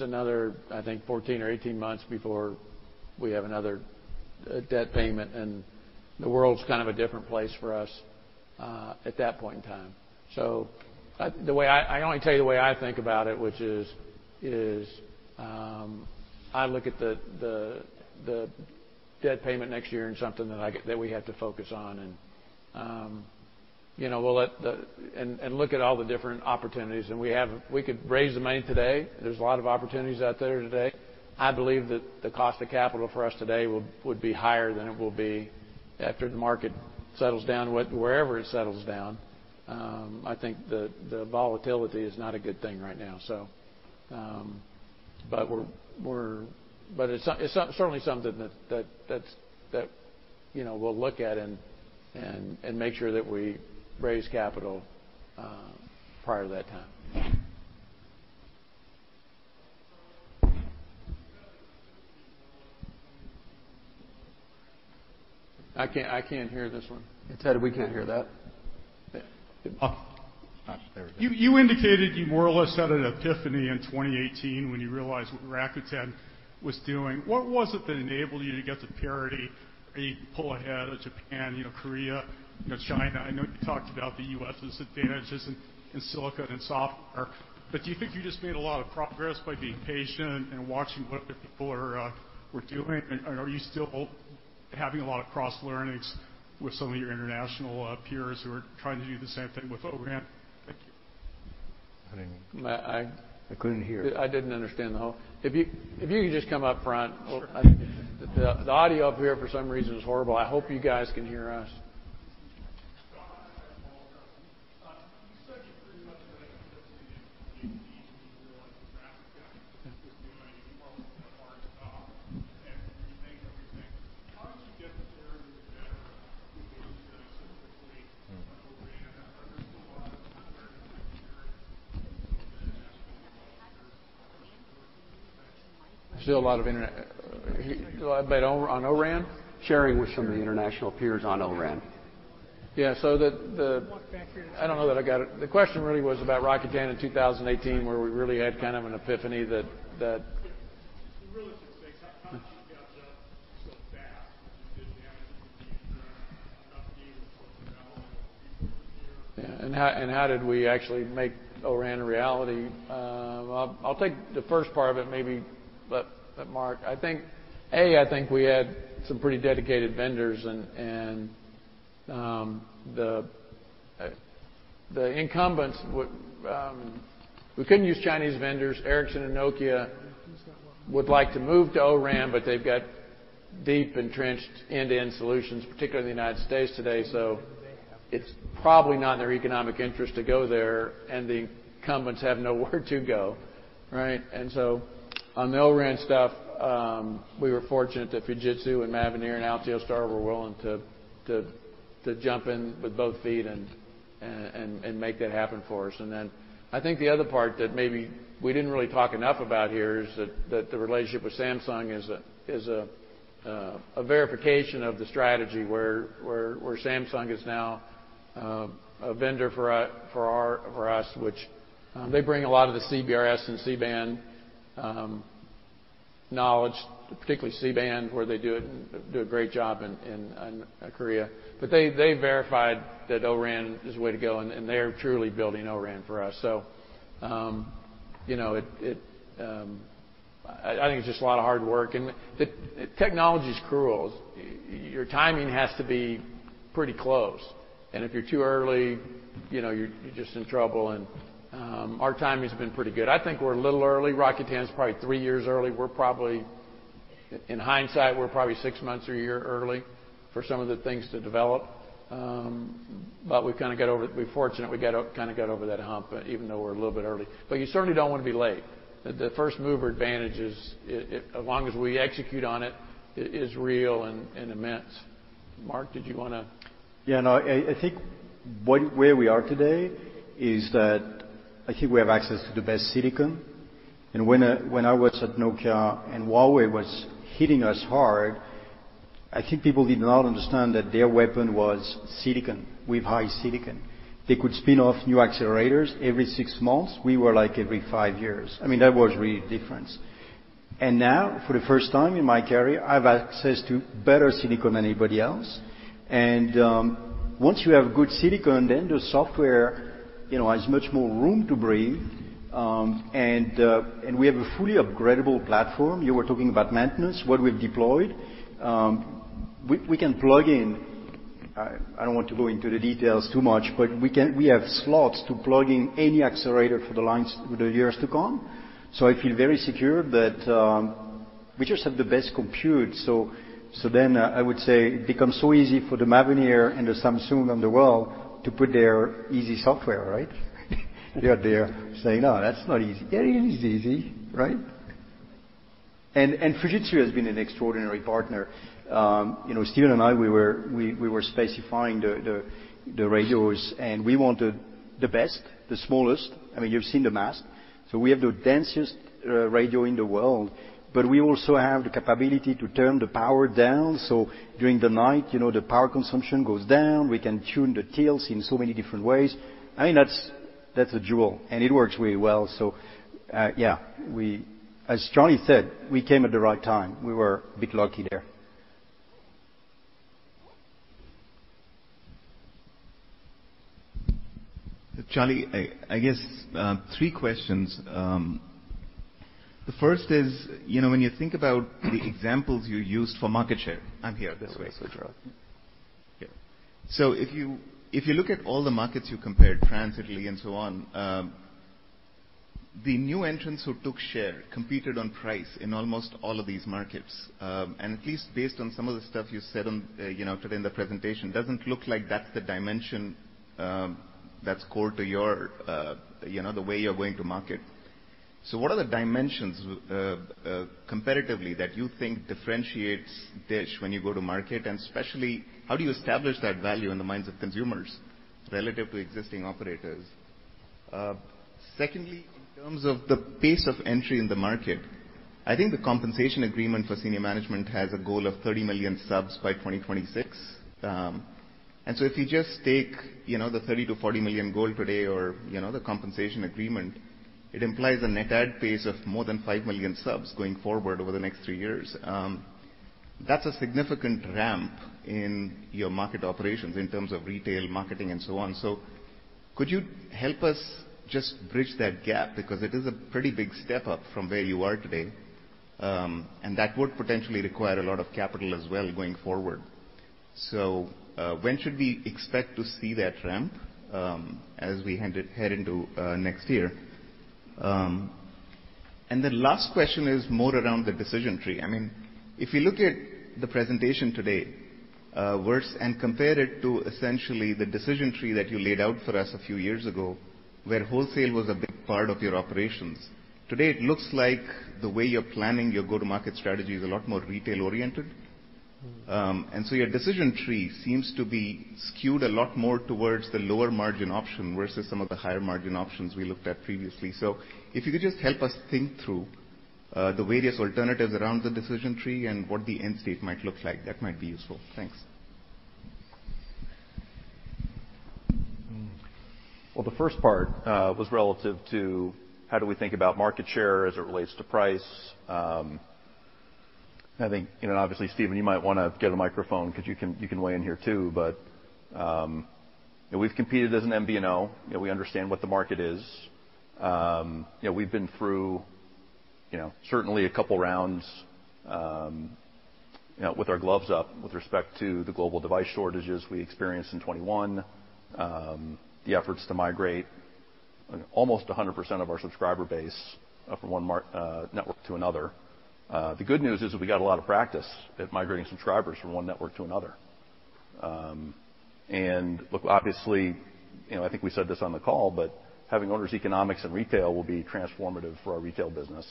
another, I think, 14 or 18 months before we have another debt payment, and the world's kind of a different place for us at that point in time. I, the way I I can only tell you the way I think about it, which is, I look at the debt payment next year and something that we have to focus on, you know, and look at all the different opportunities. We could raise the money today. There's a lot of opportunities out there today. I believe that the cost of capital for us today would be higher than it will be after the market settles down wherever it settles down. I think the volatility is not a good thing right now, so, it's certainly something that, you know, we'll look at and make sure that we raise capital prior to that time. I can't hear this one. Ted, we can't hear that. Yeah. Oh. There we go. You indicated you more or less had an epiphany in 2018 when you realized what Rakuten was doing. What was it that enabled you to get to parity and pull ahead of Japan, you know, Korea, you know, China? I know you talked about the U.S.'s advantages in silicon and software, but do you think you just made a lot of progress by being patient and watching what the people were doing? Are you still having a lot of cross-learnings with some of your international peers who are trying to do the same thing with O-RAN? Thank you. I didn't- My-- I- I couldn't hear. I didn't understand. If you could just come up front. Sure. The audio up here for some reason is horrible. I hope you guys can hear us. You said you pretty much had an epiphany in 2018 when you realized what Rakuten was doing. You probably did a hard stop and rethink everything. How did you get to parity with them so quickly on O-RAN? I understand there's a lot of sharing with international peers. About O-RAN? Sharing with some of the international peers on O-RAN. Yeah. One factor. I don't know that I got it. The question really was about Rakuten in 2018, where we really had kind of an epiphany that, In relative stakes, how did you catch up so fast? Did you have a unique set of companies with technology or people or what? Yeah. How did we actually make O-RAN a reality? I'll take the first part of it and maybe let Marc. I think we had some pretty dedicated vendors and the incumbents would. We couldn't use Chinese vendors. Ericsson and Nokia would like to move to O-RAN, but they've got deep entrenched end-to-end solutions, particularly in the United States today. It's probably not in their economic interest to go there, and the incumbents have nowhere to go, right? On the O-RAN stuff, we were fortunate that Fujitsu and Mavenir and Altiostar were willing to jump in with both feet and make that happen for us. I think the other part that maybe we didn't really talk enough about here is that the relationship with Samsung is a verification of the strategy where Samsung is now a vendor for us, which they bring a lot of the CBRS and C-band knowledge, particularly C-band, where they do it and do a great job in Korea. They verified that O-RAN is the way to go, and they are truly building O-RAN for us. You know, it I think it's just a lot of hard work, and the technology's cruel. Your timing has to be pretty close, and if you're too early, you know, you're just in trouble. Our timing's been pretty good. I think we're a little early. Rakuten's probably three years early. In hindsight, we're probably six months or one year early for some of the things to develop. We're fortunate we kind of got over that hump, even though we're a little bit early. You certainly don't want to be late. The first-mover advantage is, it, as long as we execute on it, real and immense. Marc, did you wanna? Yeah. No. I think one way we are today is that I think we have access to the best silicon. When I was at Nokia, and Huawei was hitting us hard, I think people did not understand that their weapon was silicon, with high silicon. They could spin off new accelerators every six months. We were, like, every five years. I mean, that was really different. Now, for the first time in my career, I have access to better silicon than anybody else. Once you have good silicon, then the software, you know, has much more room to breathe. We have a fully upgradeable platform. You were talking about maintenance, what we've deployed. We can plug in. I don't want to go into the details too much, but we have slots to plug in any accelerator for the lines for the years to come. I feel very secure that we just have the best compute. Then I would say it becomes so easy for the Mavenir and the Samsung of the world to put their easy software, right? They are saying, "No, that's not easy." It is easy, right? Fujitsu has been an extraordinary partner. You know, Stephen and I were specifying the radios, and we want the best, the smallest. I mean, you've seen the mask. We have the densest radio in the world, but we also have the capability to turn the power down. During the night, you know, the power consumption goes down. We can tune the tilts in so many different ways. I mean, that's a jewel, and it works really well. As Charlie said, we came at the right time. We were a bit lucky there. Charlie, I guess three questions. The first is, you know, when you think about the examples you used for market share. I'm here, this way, Sujal. Yeah. If you look at all the markets you compared, France, Italy, and so on, the new entrants who took share competed on price in almost all of these markets. And at least based on some of the stuff you said on, you know, today in the presentation, it doesn't look like that's the dimension that's core to your, you know, the way you're going to market. What are the dimensions of comparatively that you think differentiates DISH when you go to market? And especially how do you establish that value in the minds of consumers relative to existing operators? Secondly, in terms of the pace of entry in the market, I think the compensation agreement for senior management has a goal of 30 million subs by 2026. If you just take, you know, the 30-40 million goal today or, you know, the compensation agreement, it implies a net add pace of more than 5 million subs going forward over the next 3 years. That's a significant ramp in your market operations in terms of retail, marketing, and so on. Could you help us just bridge that gap? Because it is a pretty big step up from where you are today, and that would potentially require a lot of capital as well going forward. When should we expect to see that ramp, as we head into next year? The last question is more around the decision tree. I mean, if you look at the presentation today and compare it to essentially the decision tree that you laid out for us a few years ago, where wholesale was a big part of your operations. Today, it looks like the way you're planning your go-to-market strategy is a lot more retail-oriented. Your decision tree seems to be skewed a lot more towards the lower margin option versus some of the higher margin options we looked at previously. If you could just help us think through the various alternatives around the decision tree and what the end state might look like, that might be useful. Thanks. Well, the first part was relative to how do we think about market share as it relates to price. I think, you know, obviously, Stephen, you might wanna get a microphone 'cause you can weigh in here too. We've competed as an MVNO, you know, we understand what the market is. You know, we've been through, you know, certainly a couple rounds, you know, with our gloves up with respect to the global device shortages we experienced in 2021, the efforts to migrate almost 100% of our subscriber base from one network to another. The good news is we got a lot of practice at migrating subscribers from one network to another. Look, obviously, you know, I think we said this on the call, but having owner's economics in retail will be transformative for our retail business.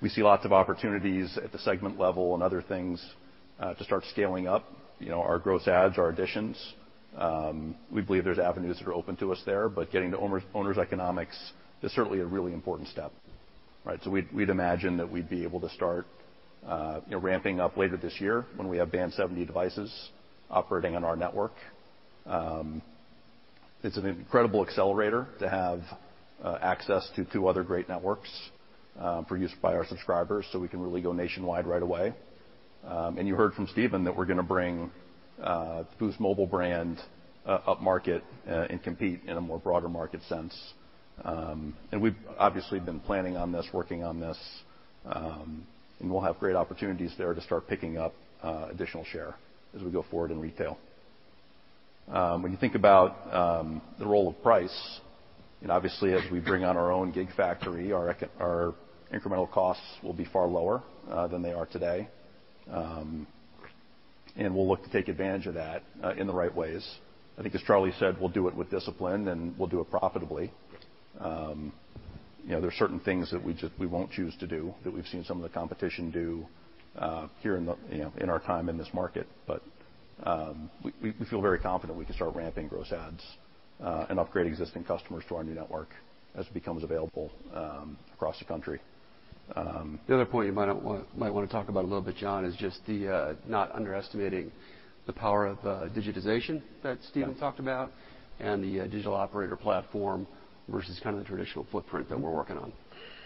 We see lots of opportunities at the segment level and other things to start scaling up, you know, our gross adds, our additions. We believe there's avenues that are open to us there, but getting to owner's economics is certainly a really important step, right? We'd imagine that we'd be able to start, you know, ramping up later this year when we have Band 70 devices operating on our network. It's an incredible accelerator to have access to two other great networks for use by our subscribers, so we can really go nationwide right away. You heard from Stephen that we're gonna bring the Boost Mobile brand up, upmarket and compete in a more broader market sense. We've obviously been planning on this, working on this, and we'll have great opportunities there to start picking up additional share as we go forward in retail. When you think about the role of price, and obviously as we bring on our own gig factory, our incremental costs will be far lower than they are today. We'll look to take advantage of that in the right ways. I think as Charlie said, we'll do it with discipline, and we'll do it profitably. You know, there are certain things that we won't choose to do that we've seen some of the competition do here in our time in this market. We feel very confident we can start ramping gross adds and upgrade existing customers to our new network as it becomes available across the country. The other point you might want to talk about a little bit, John, is just not underestimating the power of digitization that Stephen talked about and the digital operator platform versus kind of the traditional footprint that we're working on.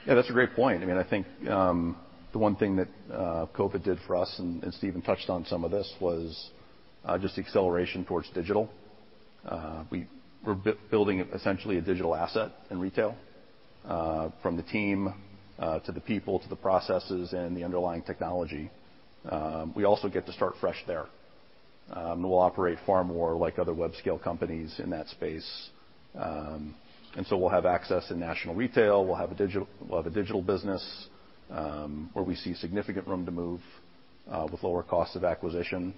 Yeah, that's a great point. I mean, I think, the one thing that COVID did for us, and Stephen touched on some of this, was just the acceleration towards digital. We're building essentially a digital asset in retail, from the team, to the people, to the processes and the underlying technology. We also get to start fresh there. We'll operate far more like other web-scale companies in that space. We'll have access in national retail. We'll have a digital business, where we see significant room to move, with lower cost of acquisition.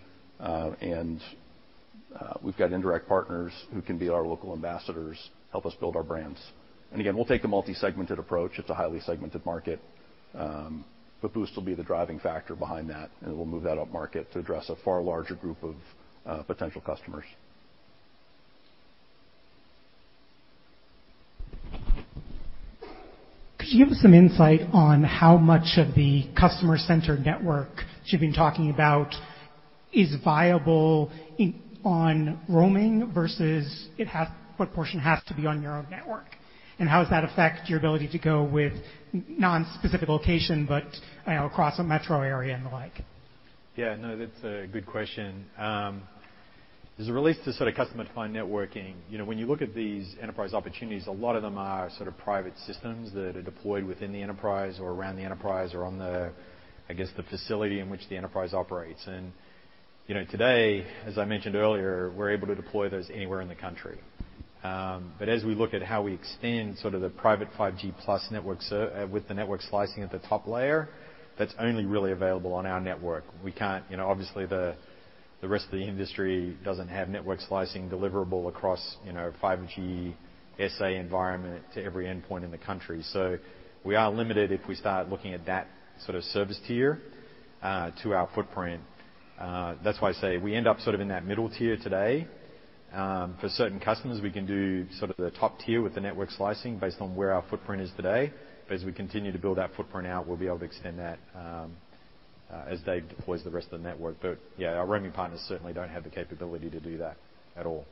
We've got indirect partners who can be our local ambassadors, help us build our brands. We'll take the multi-segmented approach. It's a highly segmented market. Boost will be the driving factor behind that, and we'll move that upmarket to address a far larger group of potential customers. Could you give us some insight on how much of the customer-centered network that you've been talking about is viable on roaming versus what portion has to be on your own network? How does that affect your ability to go with non-specific location, but, you know, across a metro area and the like? Yeah, no, that's a good question. As it relates to sort of customer-defined networking, you know, when you look at these enterprise opportunities, a lot of them are sort of private systems that are deployed within the enterprise or around the enterprise or on the, I guess, the facility in which the enterprise operates. You know, today, as I mentioned earlier, we're able to deploy those anywhere in the country. But as we look at how we extend sort of the private 5G plus network with the network slicing at the top layer, that's only really available on our network. You know, obviously, the rest of the industry doesn't have network slicing deliverable across, you know, 5G SA environment to every endpoint in the country. We are limited if we start looking at that sort of service tier to our footprint. That's why I say we end up sort of in that middle tier today. For certain customers, we can do sort of the top tier with the network slicing based on where our footprint is today. As we continue to build that footprint out, we'll be able to extend that, as Dave deploys the rest of the network. Yeah, our roaming partners certainly don't have the capability to do that at all.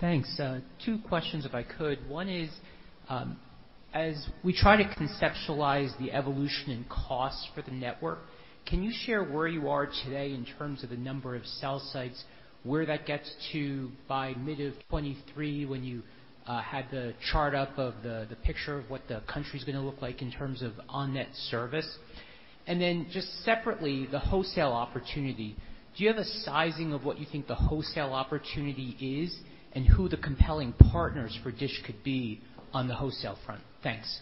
Thanks. Two questions if I could. One is, as we try to conceptualize the evolution in cost for the network, can you share where you are today in terms of the number of cell sites, where that gets to by mid-2023 when you had the chart up of the picture of what the country is gonna look like in terms of on-net service? And then just separately, the wholesale opportunity. Do you have a sizing of what you think the wholesale opportunity is and who the compelling partners for DISH could be on the wholesale front? Thanks.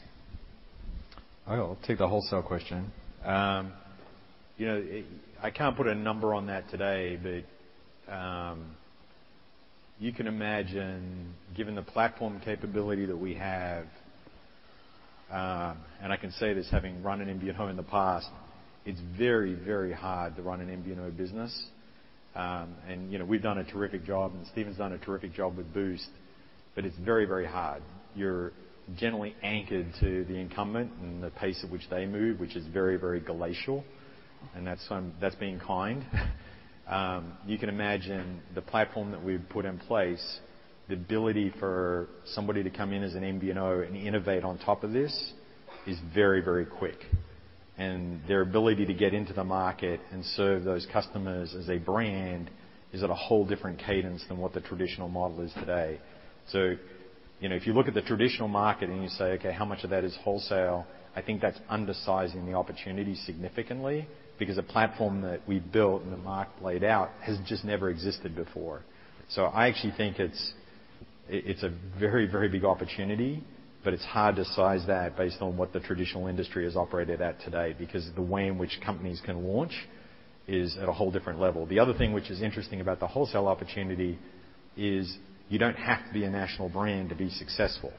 I'll take the wholesale question. You know, I can't put a number on that today, but you can imagine, given the platform capability that we have, and I can say this having run an MVNO in the past, it's very, very hard to run an MVNO business. You know, we've done a terrific job, and Stephen's done a terrific job with Boost, but it's very, very hard. You're generally anchored to the incumbent and the pace at which they move, which is very, very glacial. That's being kind. You can imagine the platform that we've put in place, the ability for somebody to come in as an MVNO and innovate on top of this is very, very quick. Their ability to get into the market and serve those customers as a brand is at a whole different cadence than what the traditional model is today. You know, if you look at the traditional market and you say, "Okay, how much of that is wholesale?" I think that's undersizing the opportunity significantly because the platform that we've built and that Marc laid out has just never existed before. I actually think it's a very, very big opportunity, but it's hard to size that based on what the traditional industry has operated at today, because the way in which companies can launch is at a whole different level. The other thing which is interesting about the wholesale opportunity is you don't have to be a national brand to be successful.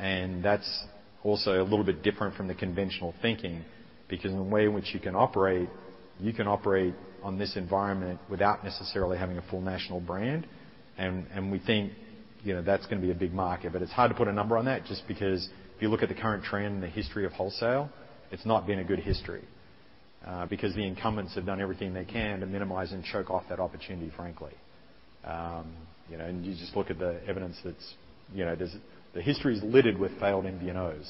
That's also a little bit different from the conventional thinking, because the way in which you can operate on this environment without necessarily having a full national brand. We think, you know, that's gonna be a big market, but it's hard to put a number on that just because if you look at the current trend and the history of wholesale, it's not been a good history, because the incumbents have done everything they can to minimize and choke off that opportunity, frankly. You know, and you just look at the evidence that's, you know, there's. The history is littered with failed MVNOs,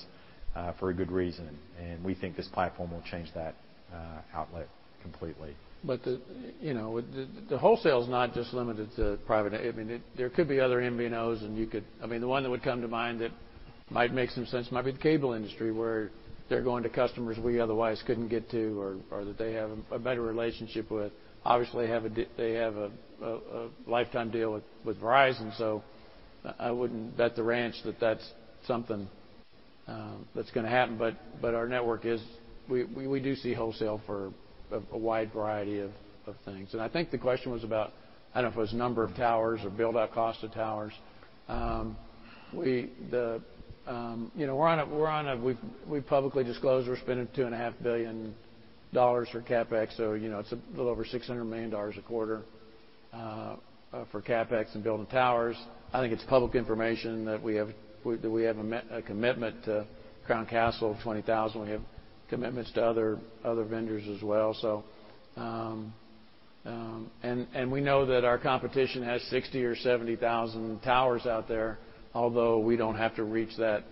for a good reason, and we think this platform will change that outlet completely. The wholesale is not just limited to private. I mean, there could be other MVNOs. I mean, the one that would come to mind that might make some sense might be the cable industry, where they're going to customers we otherwise couldn't get to or that they have a better relationship with. Obviously, they have a lifetime deal with Verizon, so I wouldn't bet the ranch that that's something that's gonna happen. Our network is. We do see wholesale for a wide variety of things. I think the question was about. I don't know if it was number of towers or build out cost of towers. You know, we're on a. We've publicly disclosed we're spending $2.5 billion for CapEx, so you know, it's a little over $600 million a quarter for CapEx and building towers. I think it's public information that we have a commitment to Crown Castle of 20,000. We have commitments to other vendors as well. We know that our competition has 60,000 or 70,000 towers out there, although we don't have to reach that.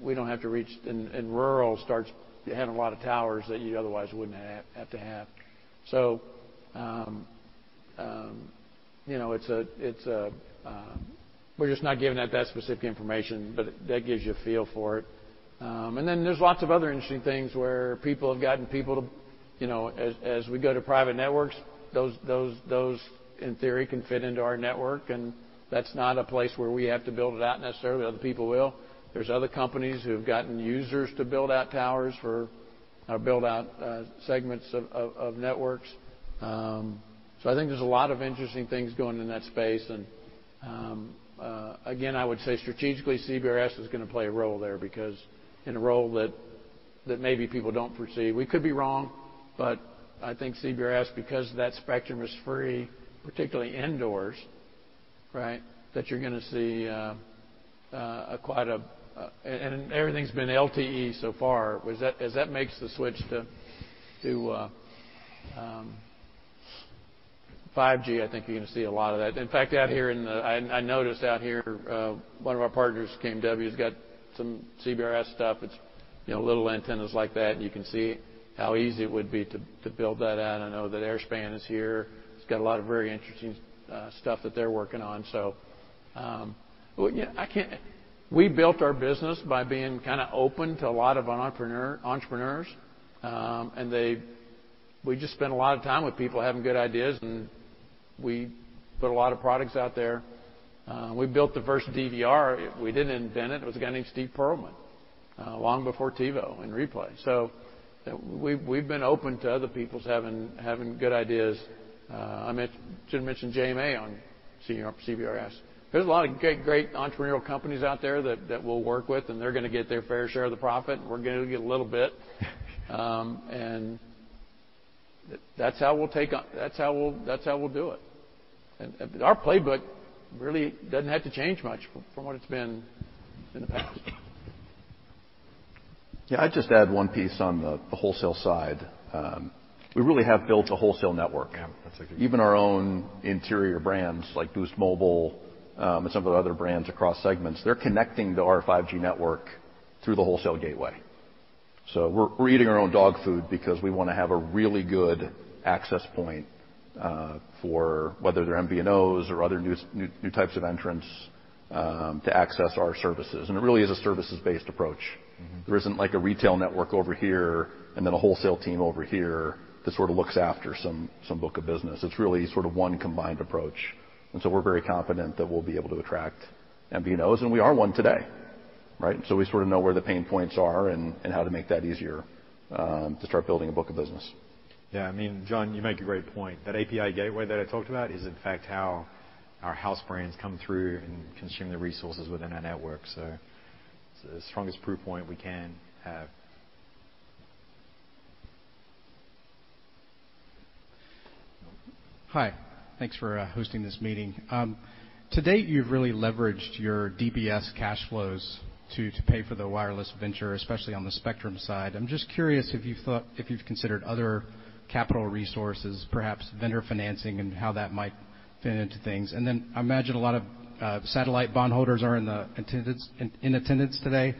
We don't have to reach in rural starts, you had a lot of towers that you otherwise wouldn't have to have. You know, it's we're just not giving out that specific information, but that gives you a feel for it. There's lots of other interesting things where people have gotten people to, you know, as we go to private networks, those in theory can fit into our network, and that's not a place where we have to build it out necessarily, other people will. There are other companies who've gotten users to build out towers for or build out segments of networks. I think there's a lot of interesting things going in that space. Again, I would say strategically, CBRS is gonna play a role there because in a role that maybe people don't foresee. We could be wrong, but I think CBRS, because that spectrum is free, particularly indoors, right? That you're gonna see quite. Everything's been LTE so far. As that makes the switch to 5G, I think you're gonna see a lot of that. In fact, out here I noticed out here one of our partners, KMW, has got some CBRS stuff. It's you know little antennas like that, and you can see how easy it would be to build that out. I know that Airspan is here. It's got a lot of very interesting stuff that they're working on. We built our business by being kinda open to a lot of entrepreneurs, and we just spent a lot of time with people having good ideas, and we put a lot of products out there. We built the first DVR. We didn't invent it. It was a guy named Steve Perlman long before TiVo and Replay. We've been open to other people having good ideas. I should mention JMA on CBRS. There's a lot of great entrepreneurial companies out there that we'll work with, and they're gonna get their fair share of the profit, and we're gonna get a little bit. That's how we'll do it. Our playbook really doesn't have to change much from what it's been in the past. Yeah. I'd just add one piece on the wholesale side. We really have built a wholesale network. Yeah. Even our own internal brands like Boost Mobile and some of the other brands across segments, they're connecting to our 5G network through the wholesale gateway. We're eating our own dog food because we wanna have a really good access point for whether they're MVNOs or other new types of entrants to access our services. It really is a services-based approach. Mm-hmm. There isn't like a retail network over here and then a wholesale team over here that sort of looks after some book of business. It's really sort of one combined approach, and we're very confident that we'll be able to attract MVNOs, and we are one today, right? We sort of know where the pain points are and how to make that easier to start building a book of business. Yeah. I mean, John, you make a great point. That API gateway that I talked about is in fact how our house brands come through and consume the resources within our network. It's the strongest proof point we can have. Hi. Thanks for hosting this meeting. To date, you've really leveraged your DBS cash flows to pay for the wireless venture, especially on the spectrum side. I'm just curious if you've considered other capital resources, perhaps vendor financing and how that might fit into things. Then I imagine a lot of satellite bondholders are in attendance today.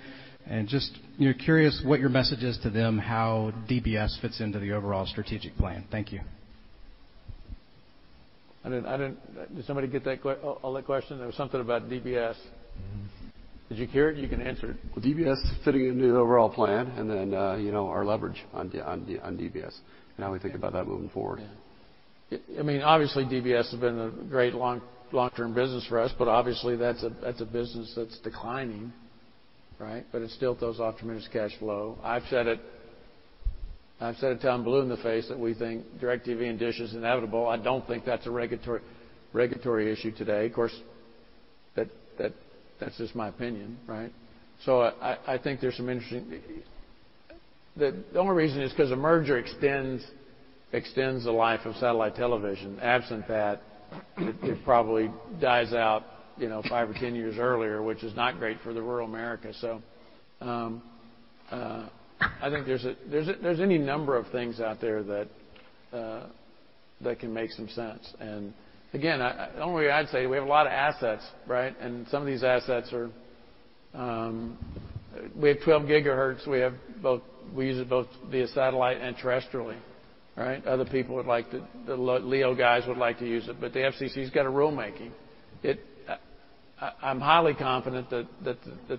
Just, you know, curious what your message is to them, how DBS fits into the overall strategic plan. Thank you. I didn't. Did somebody get all that question? There was something about DBS. Mm-hmm. Did you hear it? You can answer it. Well, DBS fitting into the overall plan, and then, you know, our leverage on DBS, and how we think about that moving forward. I mean, obviously, DBS has been a great long-term business for us, but obviously, that's a business that's declining, right? But it still throws off tremendous cash flow. I've said it till I'm blue in the face that we think DIRECTV and DISH is inevitable. I don't think that's a regulatory issue today. Of course, that's just my opinion, right? I think there's some interesting. The only reason is 'cause a merger extends the life of satellite television. Absent that, it probably dies out, you know, 5 or 10 years earlier, which is not great for rural America. I think there's any number of things out there that can make some sense. Again, I... The only way I'd say, we have a lot of assets, right? Some of these assets are. We have 12 GHz. We use it both via satellite and terrestrially, right? Other people would like to. The LEO guys would like to use it, but the FCC's got a rulemaking. I'm highly confident that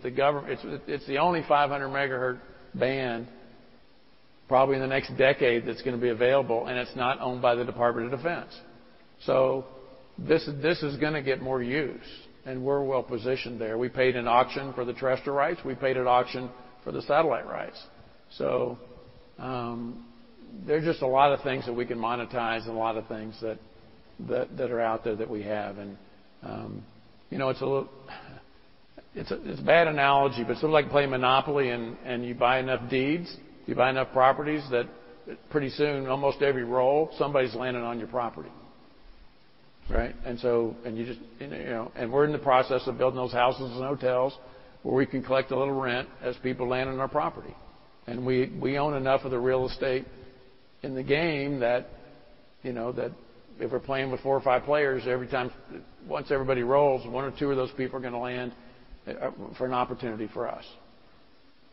the government. It's the only 500 megahertz band probably in the next decade that's gonna be available, and it's not owned by the Department of Defense. This is gonna get more use, and we're well-positioned there. We paid in an auction for the terrestrial rights. We paid in an auction for the satellite rights. There's just a lot of things that we can monetize and a lot of things that are out there that we have. You know, it's a little. It's a bad analogy, but it's sort of like playing Monopoly, and you buy enough deeds, you buy enough properties that pretty soon, almost every roll, somebody's landing on your property. Right? You just, you know, and we're in the process of building those houses and hotels where we can collect a little rent as people land on our property. We own enough of the real estate in the game that, you know, that if we're playing with four or five players, every time, once everybody rolls, one or two of those people are gonna land for an opportunity for us.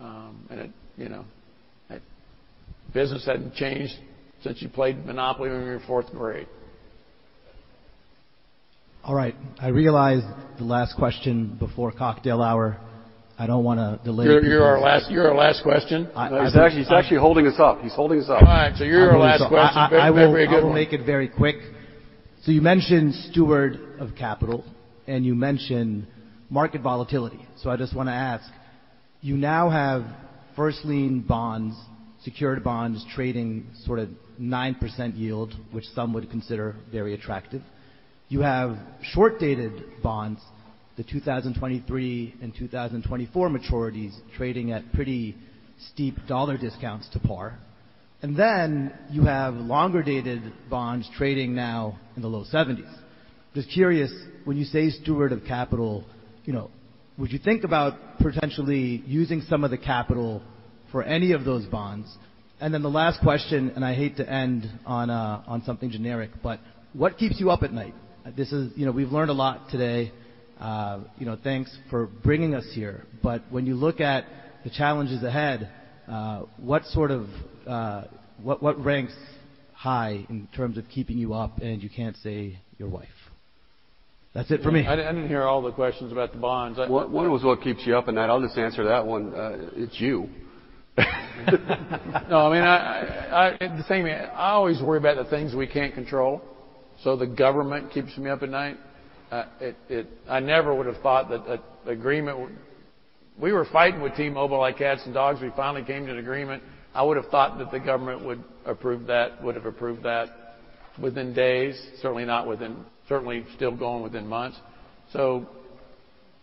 You know, business hadn't changed since you played Monopoly when you were in fourth grade. All right. I realize the last question before cocktail hour. I don't wanna delay. You're our last question? I-I- He's actually holding us up. He's holding us up. All right, you're our last question. I will. Be a very good one. I will make it very quick. You mentioned steward of capital, and you mentioned market volatility. I just wanna ask, you now have first lien bonds, secured bonds trading sort of 9% yield, which some would consider very attractive. You have short-dated bonds, the 2023 and 2024 maturities trading at pretty steep dollar discounts to par. Then you have longer-dated bonds trading now in the low 70s. Just curious, when you say steward of capital, you know, would you think about potentially using some of the capital for any of those bonds? Then the last question, and I hate to end on something generic, but what keeps you up at night? This is, you know, we've learned a lot today. You know, thanks for bringing us here. When you look at the challenges ahead, what sort of what ranks high in terms of keeping you up, and you can't say your wife? That's it for me. I didn't hear all the questions about the bonds. One was what keeps you up at night. I'll just answer that one. It's you. No, I mean, the thing, I always worry about the things we can't control, so the government keeps me up at night. I never would have thought that an agreement would. We were fighting with T-Mobile like cats and dogs. We finally came to an agreement. I would have thought that the government would approve that, would have approved that within days, certainly not still going within months.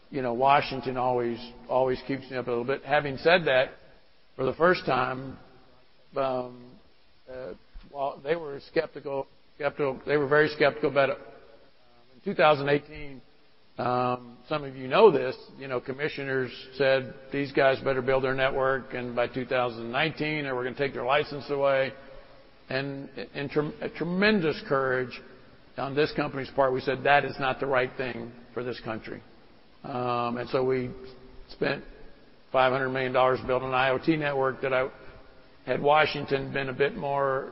You know, Washington always keeps me up a little bit. Having said that, for the first time, while they were skeptical, they were very skeptical about it. In 2018, some of you know this, you know, commissioners said, "These guys better build their network, and by 2019, or we're gonna take their license away." With tremendous courage on this company's part, we said, "That is not the right thing for this country." We spent $500 million building an IoT network. Had Washington been a bit more,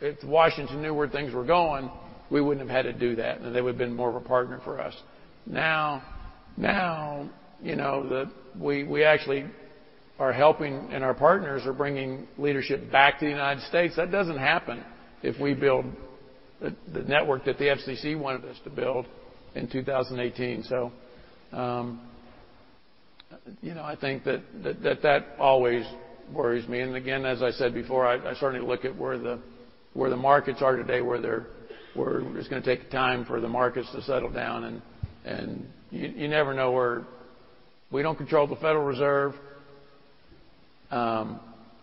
if Washington knew where things were going, we wouldn't have had to do that, and they would've been more of a partner for us. Now, you know, we actually are helping, and our partners are bringing leadership back to the United States. That doesn't happen if we build the network that the FCC wanted us to build in 2018. I think that always worries me. Again, as I said before, I certainly look at where the markets are today, where it's gonna take time for the markets to settle down, and you never know where. We don't control the Federal Reserve.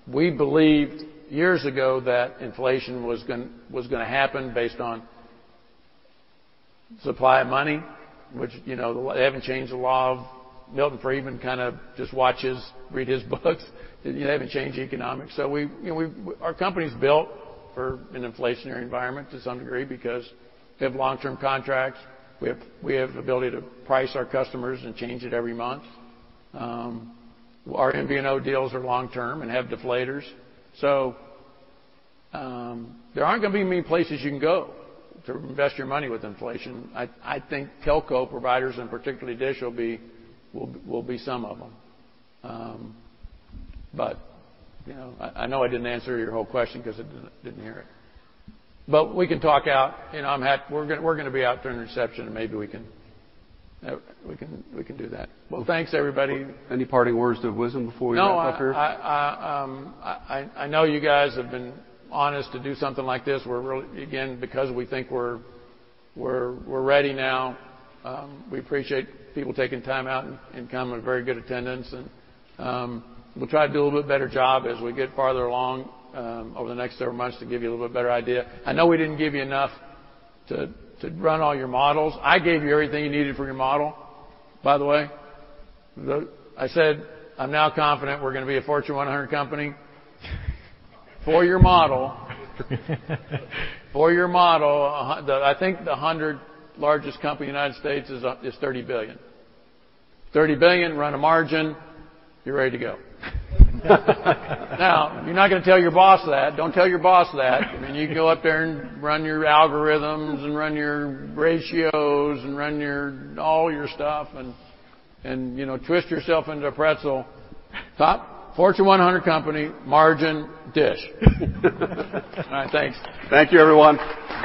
We believed years ago that inflation was gonna happen based on supply of money, which, you know, they haven't changed the law of. Milton Friedman kind of just watches, read his books. They haven't changed economics. We, you know, our company's built for an inflationary environment to some degree because we have long-term contracts. We have ability to price our customers and change it every month. Our MVNO deals are long-term and have deflators. There aren't gonna be many places you can go to invest your money with inflation. I think telco providers and particularly DISH will be some of them. You know, I know I didn't answer your whole question 'cause I didn't hear it. We can talk about it. You know, we're gonna be out there in reception, and maybe we can do that. Well, thanks, everybody. Any parting words of wisdom before you go up here? No, I know you guys have been want to do something like this. We're really, again, because we think we're ready now. We appreciate people taking time out and coming. Very good attendance, and we'll try to do a little bit better job as we get farther along, over the next several months to give you a little bit better idea. I know we didn't give you enough to run all your models. I gave you everything you needed for your model, by the way. I said, I'm now confident we're gonna be a Fortune 100 company. For your model, the, I think the 100 largest company in the United States is up, is $30 billion. $30 billion, run a margin, you're ready to go. Now, you're not gonna tell your boss that. Don't tell your boss that. I mean, you can go up there and run your algorithms and run your ratios and run your all your stuff and you know twist yourself into a pretzel. Top Fortune 100 company, margin, DISH. All right, thanks. Thank you, everyone.